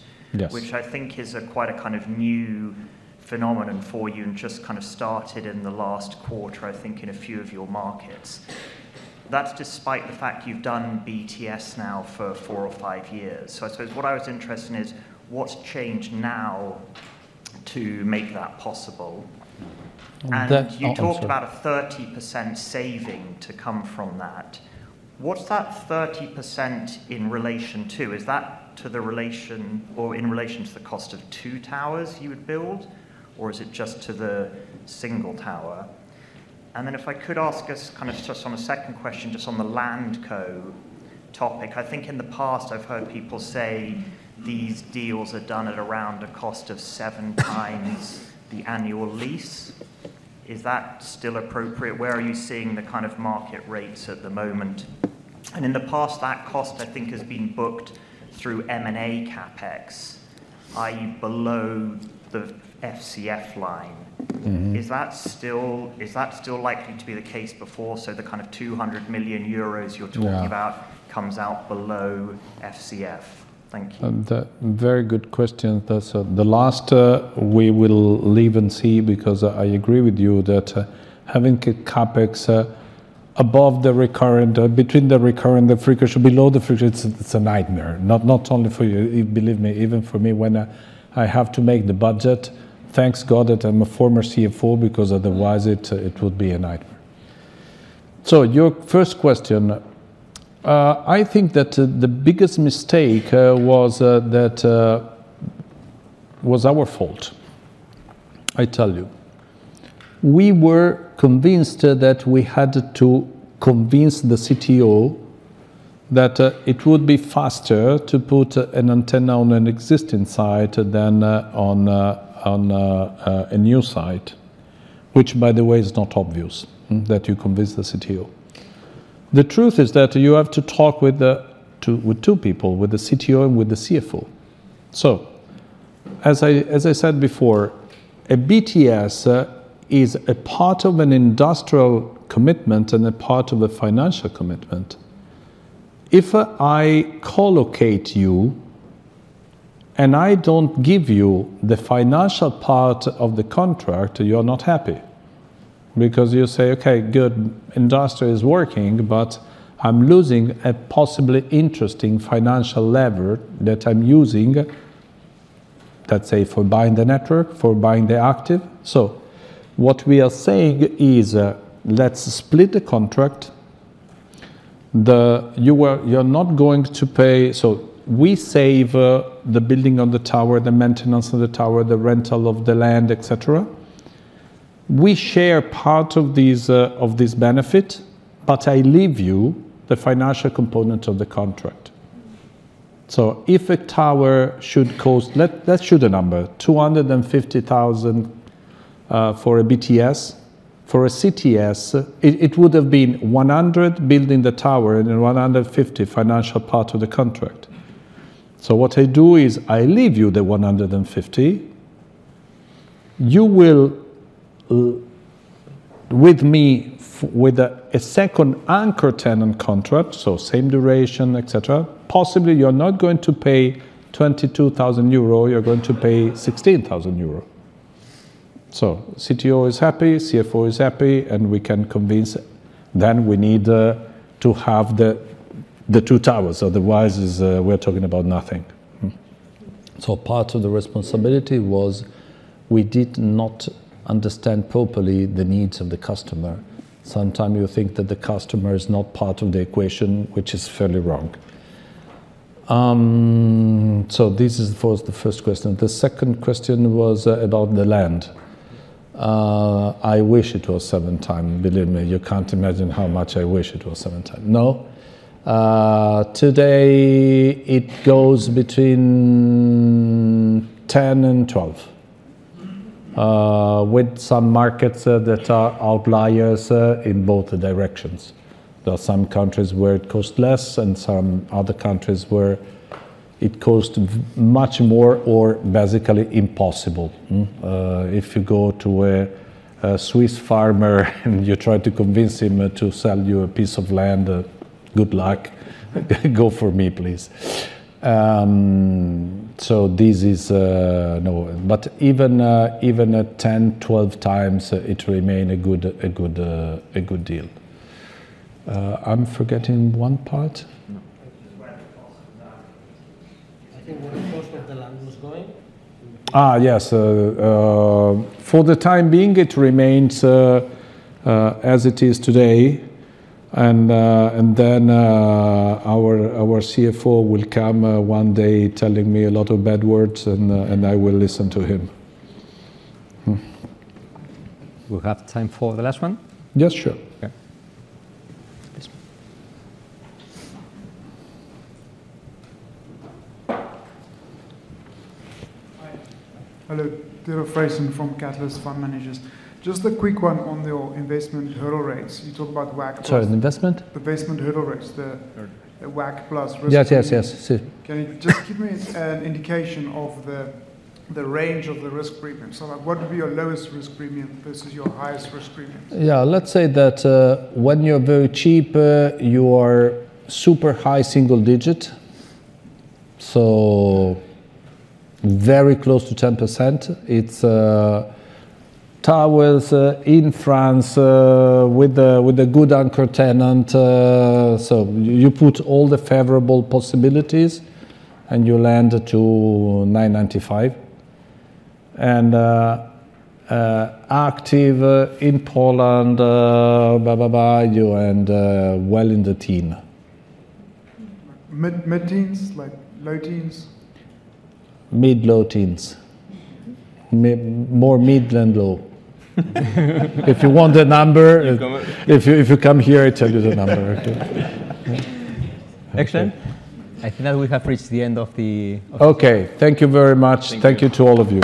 which I think is quite a kind of new phenomenon for you and just kind of started in the last quarter, I think, in a few of your markets. That's despite the fact you've done BTS now for 4 or 5 years. So I suppose what I was interested in is, what's changed now to make that possible? And you talked about a 30% saving to come from that. What's that 30% in relation to? Is that to the relation or in relation to the cost of two towers you would build, or is it just to the single tower? And then if I could ask us kind of just on a second question, just on the Land Co topic, I think in the past, I've heard people say these deals are done at around a cost of 7x the annual lease. Is that still appropriate? Where are you seeing the kind of market rates at the moment? And in the past, that cost, I think, has been booked through M&A CapEx, i.e., below the FCF line. Is that still likely to be the case before? So the kind of 200 million euros you're talking about comes out below FCF. Thank you. That's a very good question. So the last, we will leave and see because I agree with you that having a CapEx above the recurrent between the recurrent and the frequency below the frequency, it's a nightmare, not only for you. Believe me, even for me, when I have to make the budget, thanks God that I'm a former CFO because otherwise, it would be a nightmare. So your first question, I think that the biggest mistake was our fault, I tell you. We were convinced that we had to convince the CTO that it would be faster to put an antenna on an existing site than on a new site, which, by the way, is not obvious that you convince the CTO. The truth is that you have to talk with two people, with the CTO and with the CFO. So as I said before, a BTS is a part of an industrial commitment and a part of a financial commitment. If I co-locate you and I don't give you the financial part of the contract, you're not happy because you say, "Okay, good. Industry is working, but I'm losing a possibly interesting financial lever that I'm using, let's say, for buying the network, for buying the active. So what we are saying is, let's split the contract. You're not going to pay so we save the building on the tower, the maintenance of the tower, the rental of the land, etc. We share part of this benefit, but I leave you the financial component of the contract. So if a tower should cost let's shoot a number, 250,000 for a BTS. For a CTS, it would have been 100 building the tower and then 150 financial part of the contract. So what I do is, I leave you the 150. With me, with a second anchor tenant contract, so same duration, etc., possibly, you're not going to pay 22,000 euro. You're going to pay 16,000 euro. So CTO is happy, CFO is happy, and we can convince. Then we need to have the two towers. Otherwise, we're talking about nothing. So part of the responsibility was we did not understand properly the needs of the customer. Sometimes, you think that the customer is not part of the equation, which is fairly wrong. So this was the first question. The second question was about the land. I wish it was 7x. Believe me, you can't imagine how much I wish it was 7x. No. Today, it goes between 10x-12x with some markets that are outliers in both directions. There are some countries where it costs less and some other countries where it costs much more or basically impossible. If you go to a Swiss farmer and you try to convince him to sell you a piece of land, good luck. Go for me, please. So this is no. But even at 10-12 times, it remained a good deal. I'm forgetting one part. No. That's just why the cost was outlier. You think where the cost of the land was going? Yes. For the time being, it remains as it is today. And then our CFO will come one day telling me a lot of bad words, and I will listen to him. We'll have time for the last one. Yes, sure. Okay. This one. Hi. Hello. Dieter Freysen from Catalyst Fund Managers. Just a quick one on your investment hurdle rates. You talked about WACC+. Sorry. The investment? The basement hurdle rates, the WACC+ risk premium. Yes, yes, yes. Can you just give me an indication of the range of the risk premium? So what would be your lowest risk premium versus your highest risk premium? Yeah. Let's say that when you're very cheap, you are super high single digit, so very close to 10%. It's towers in France with a good anchor tenant. So you put all the favorable possibilities, and you land to 995. And active in Poland, blah, blah, blah, you end well in the teen. Mid-teens? Low-teens? Mid-low-teens. More mid than low. If you want the number if you come here, I tell you the number. Excellent. I think that we have reached the end of the. Okay. Thank you very much. Thank you to all of you.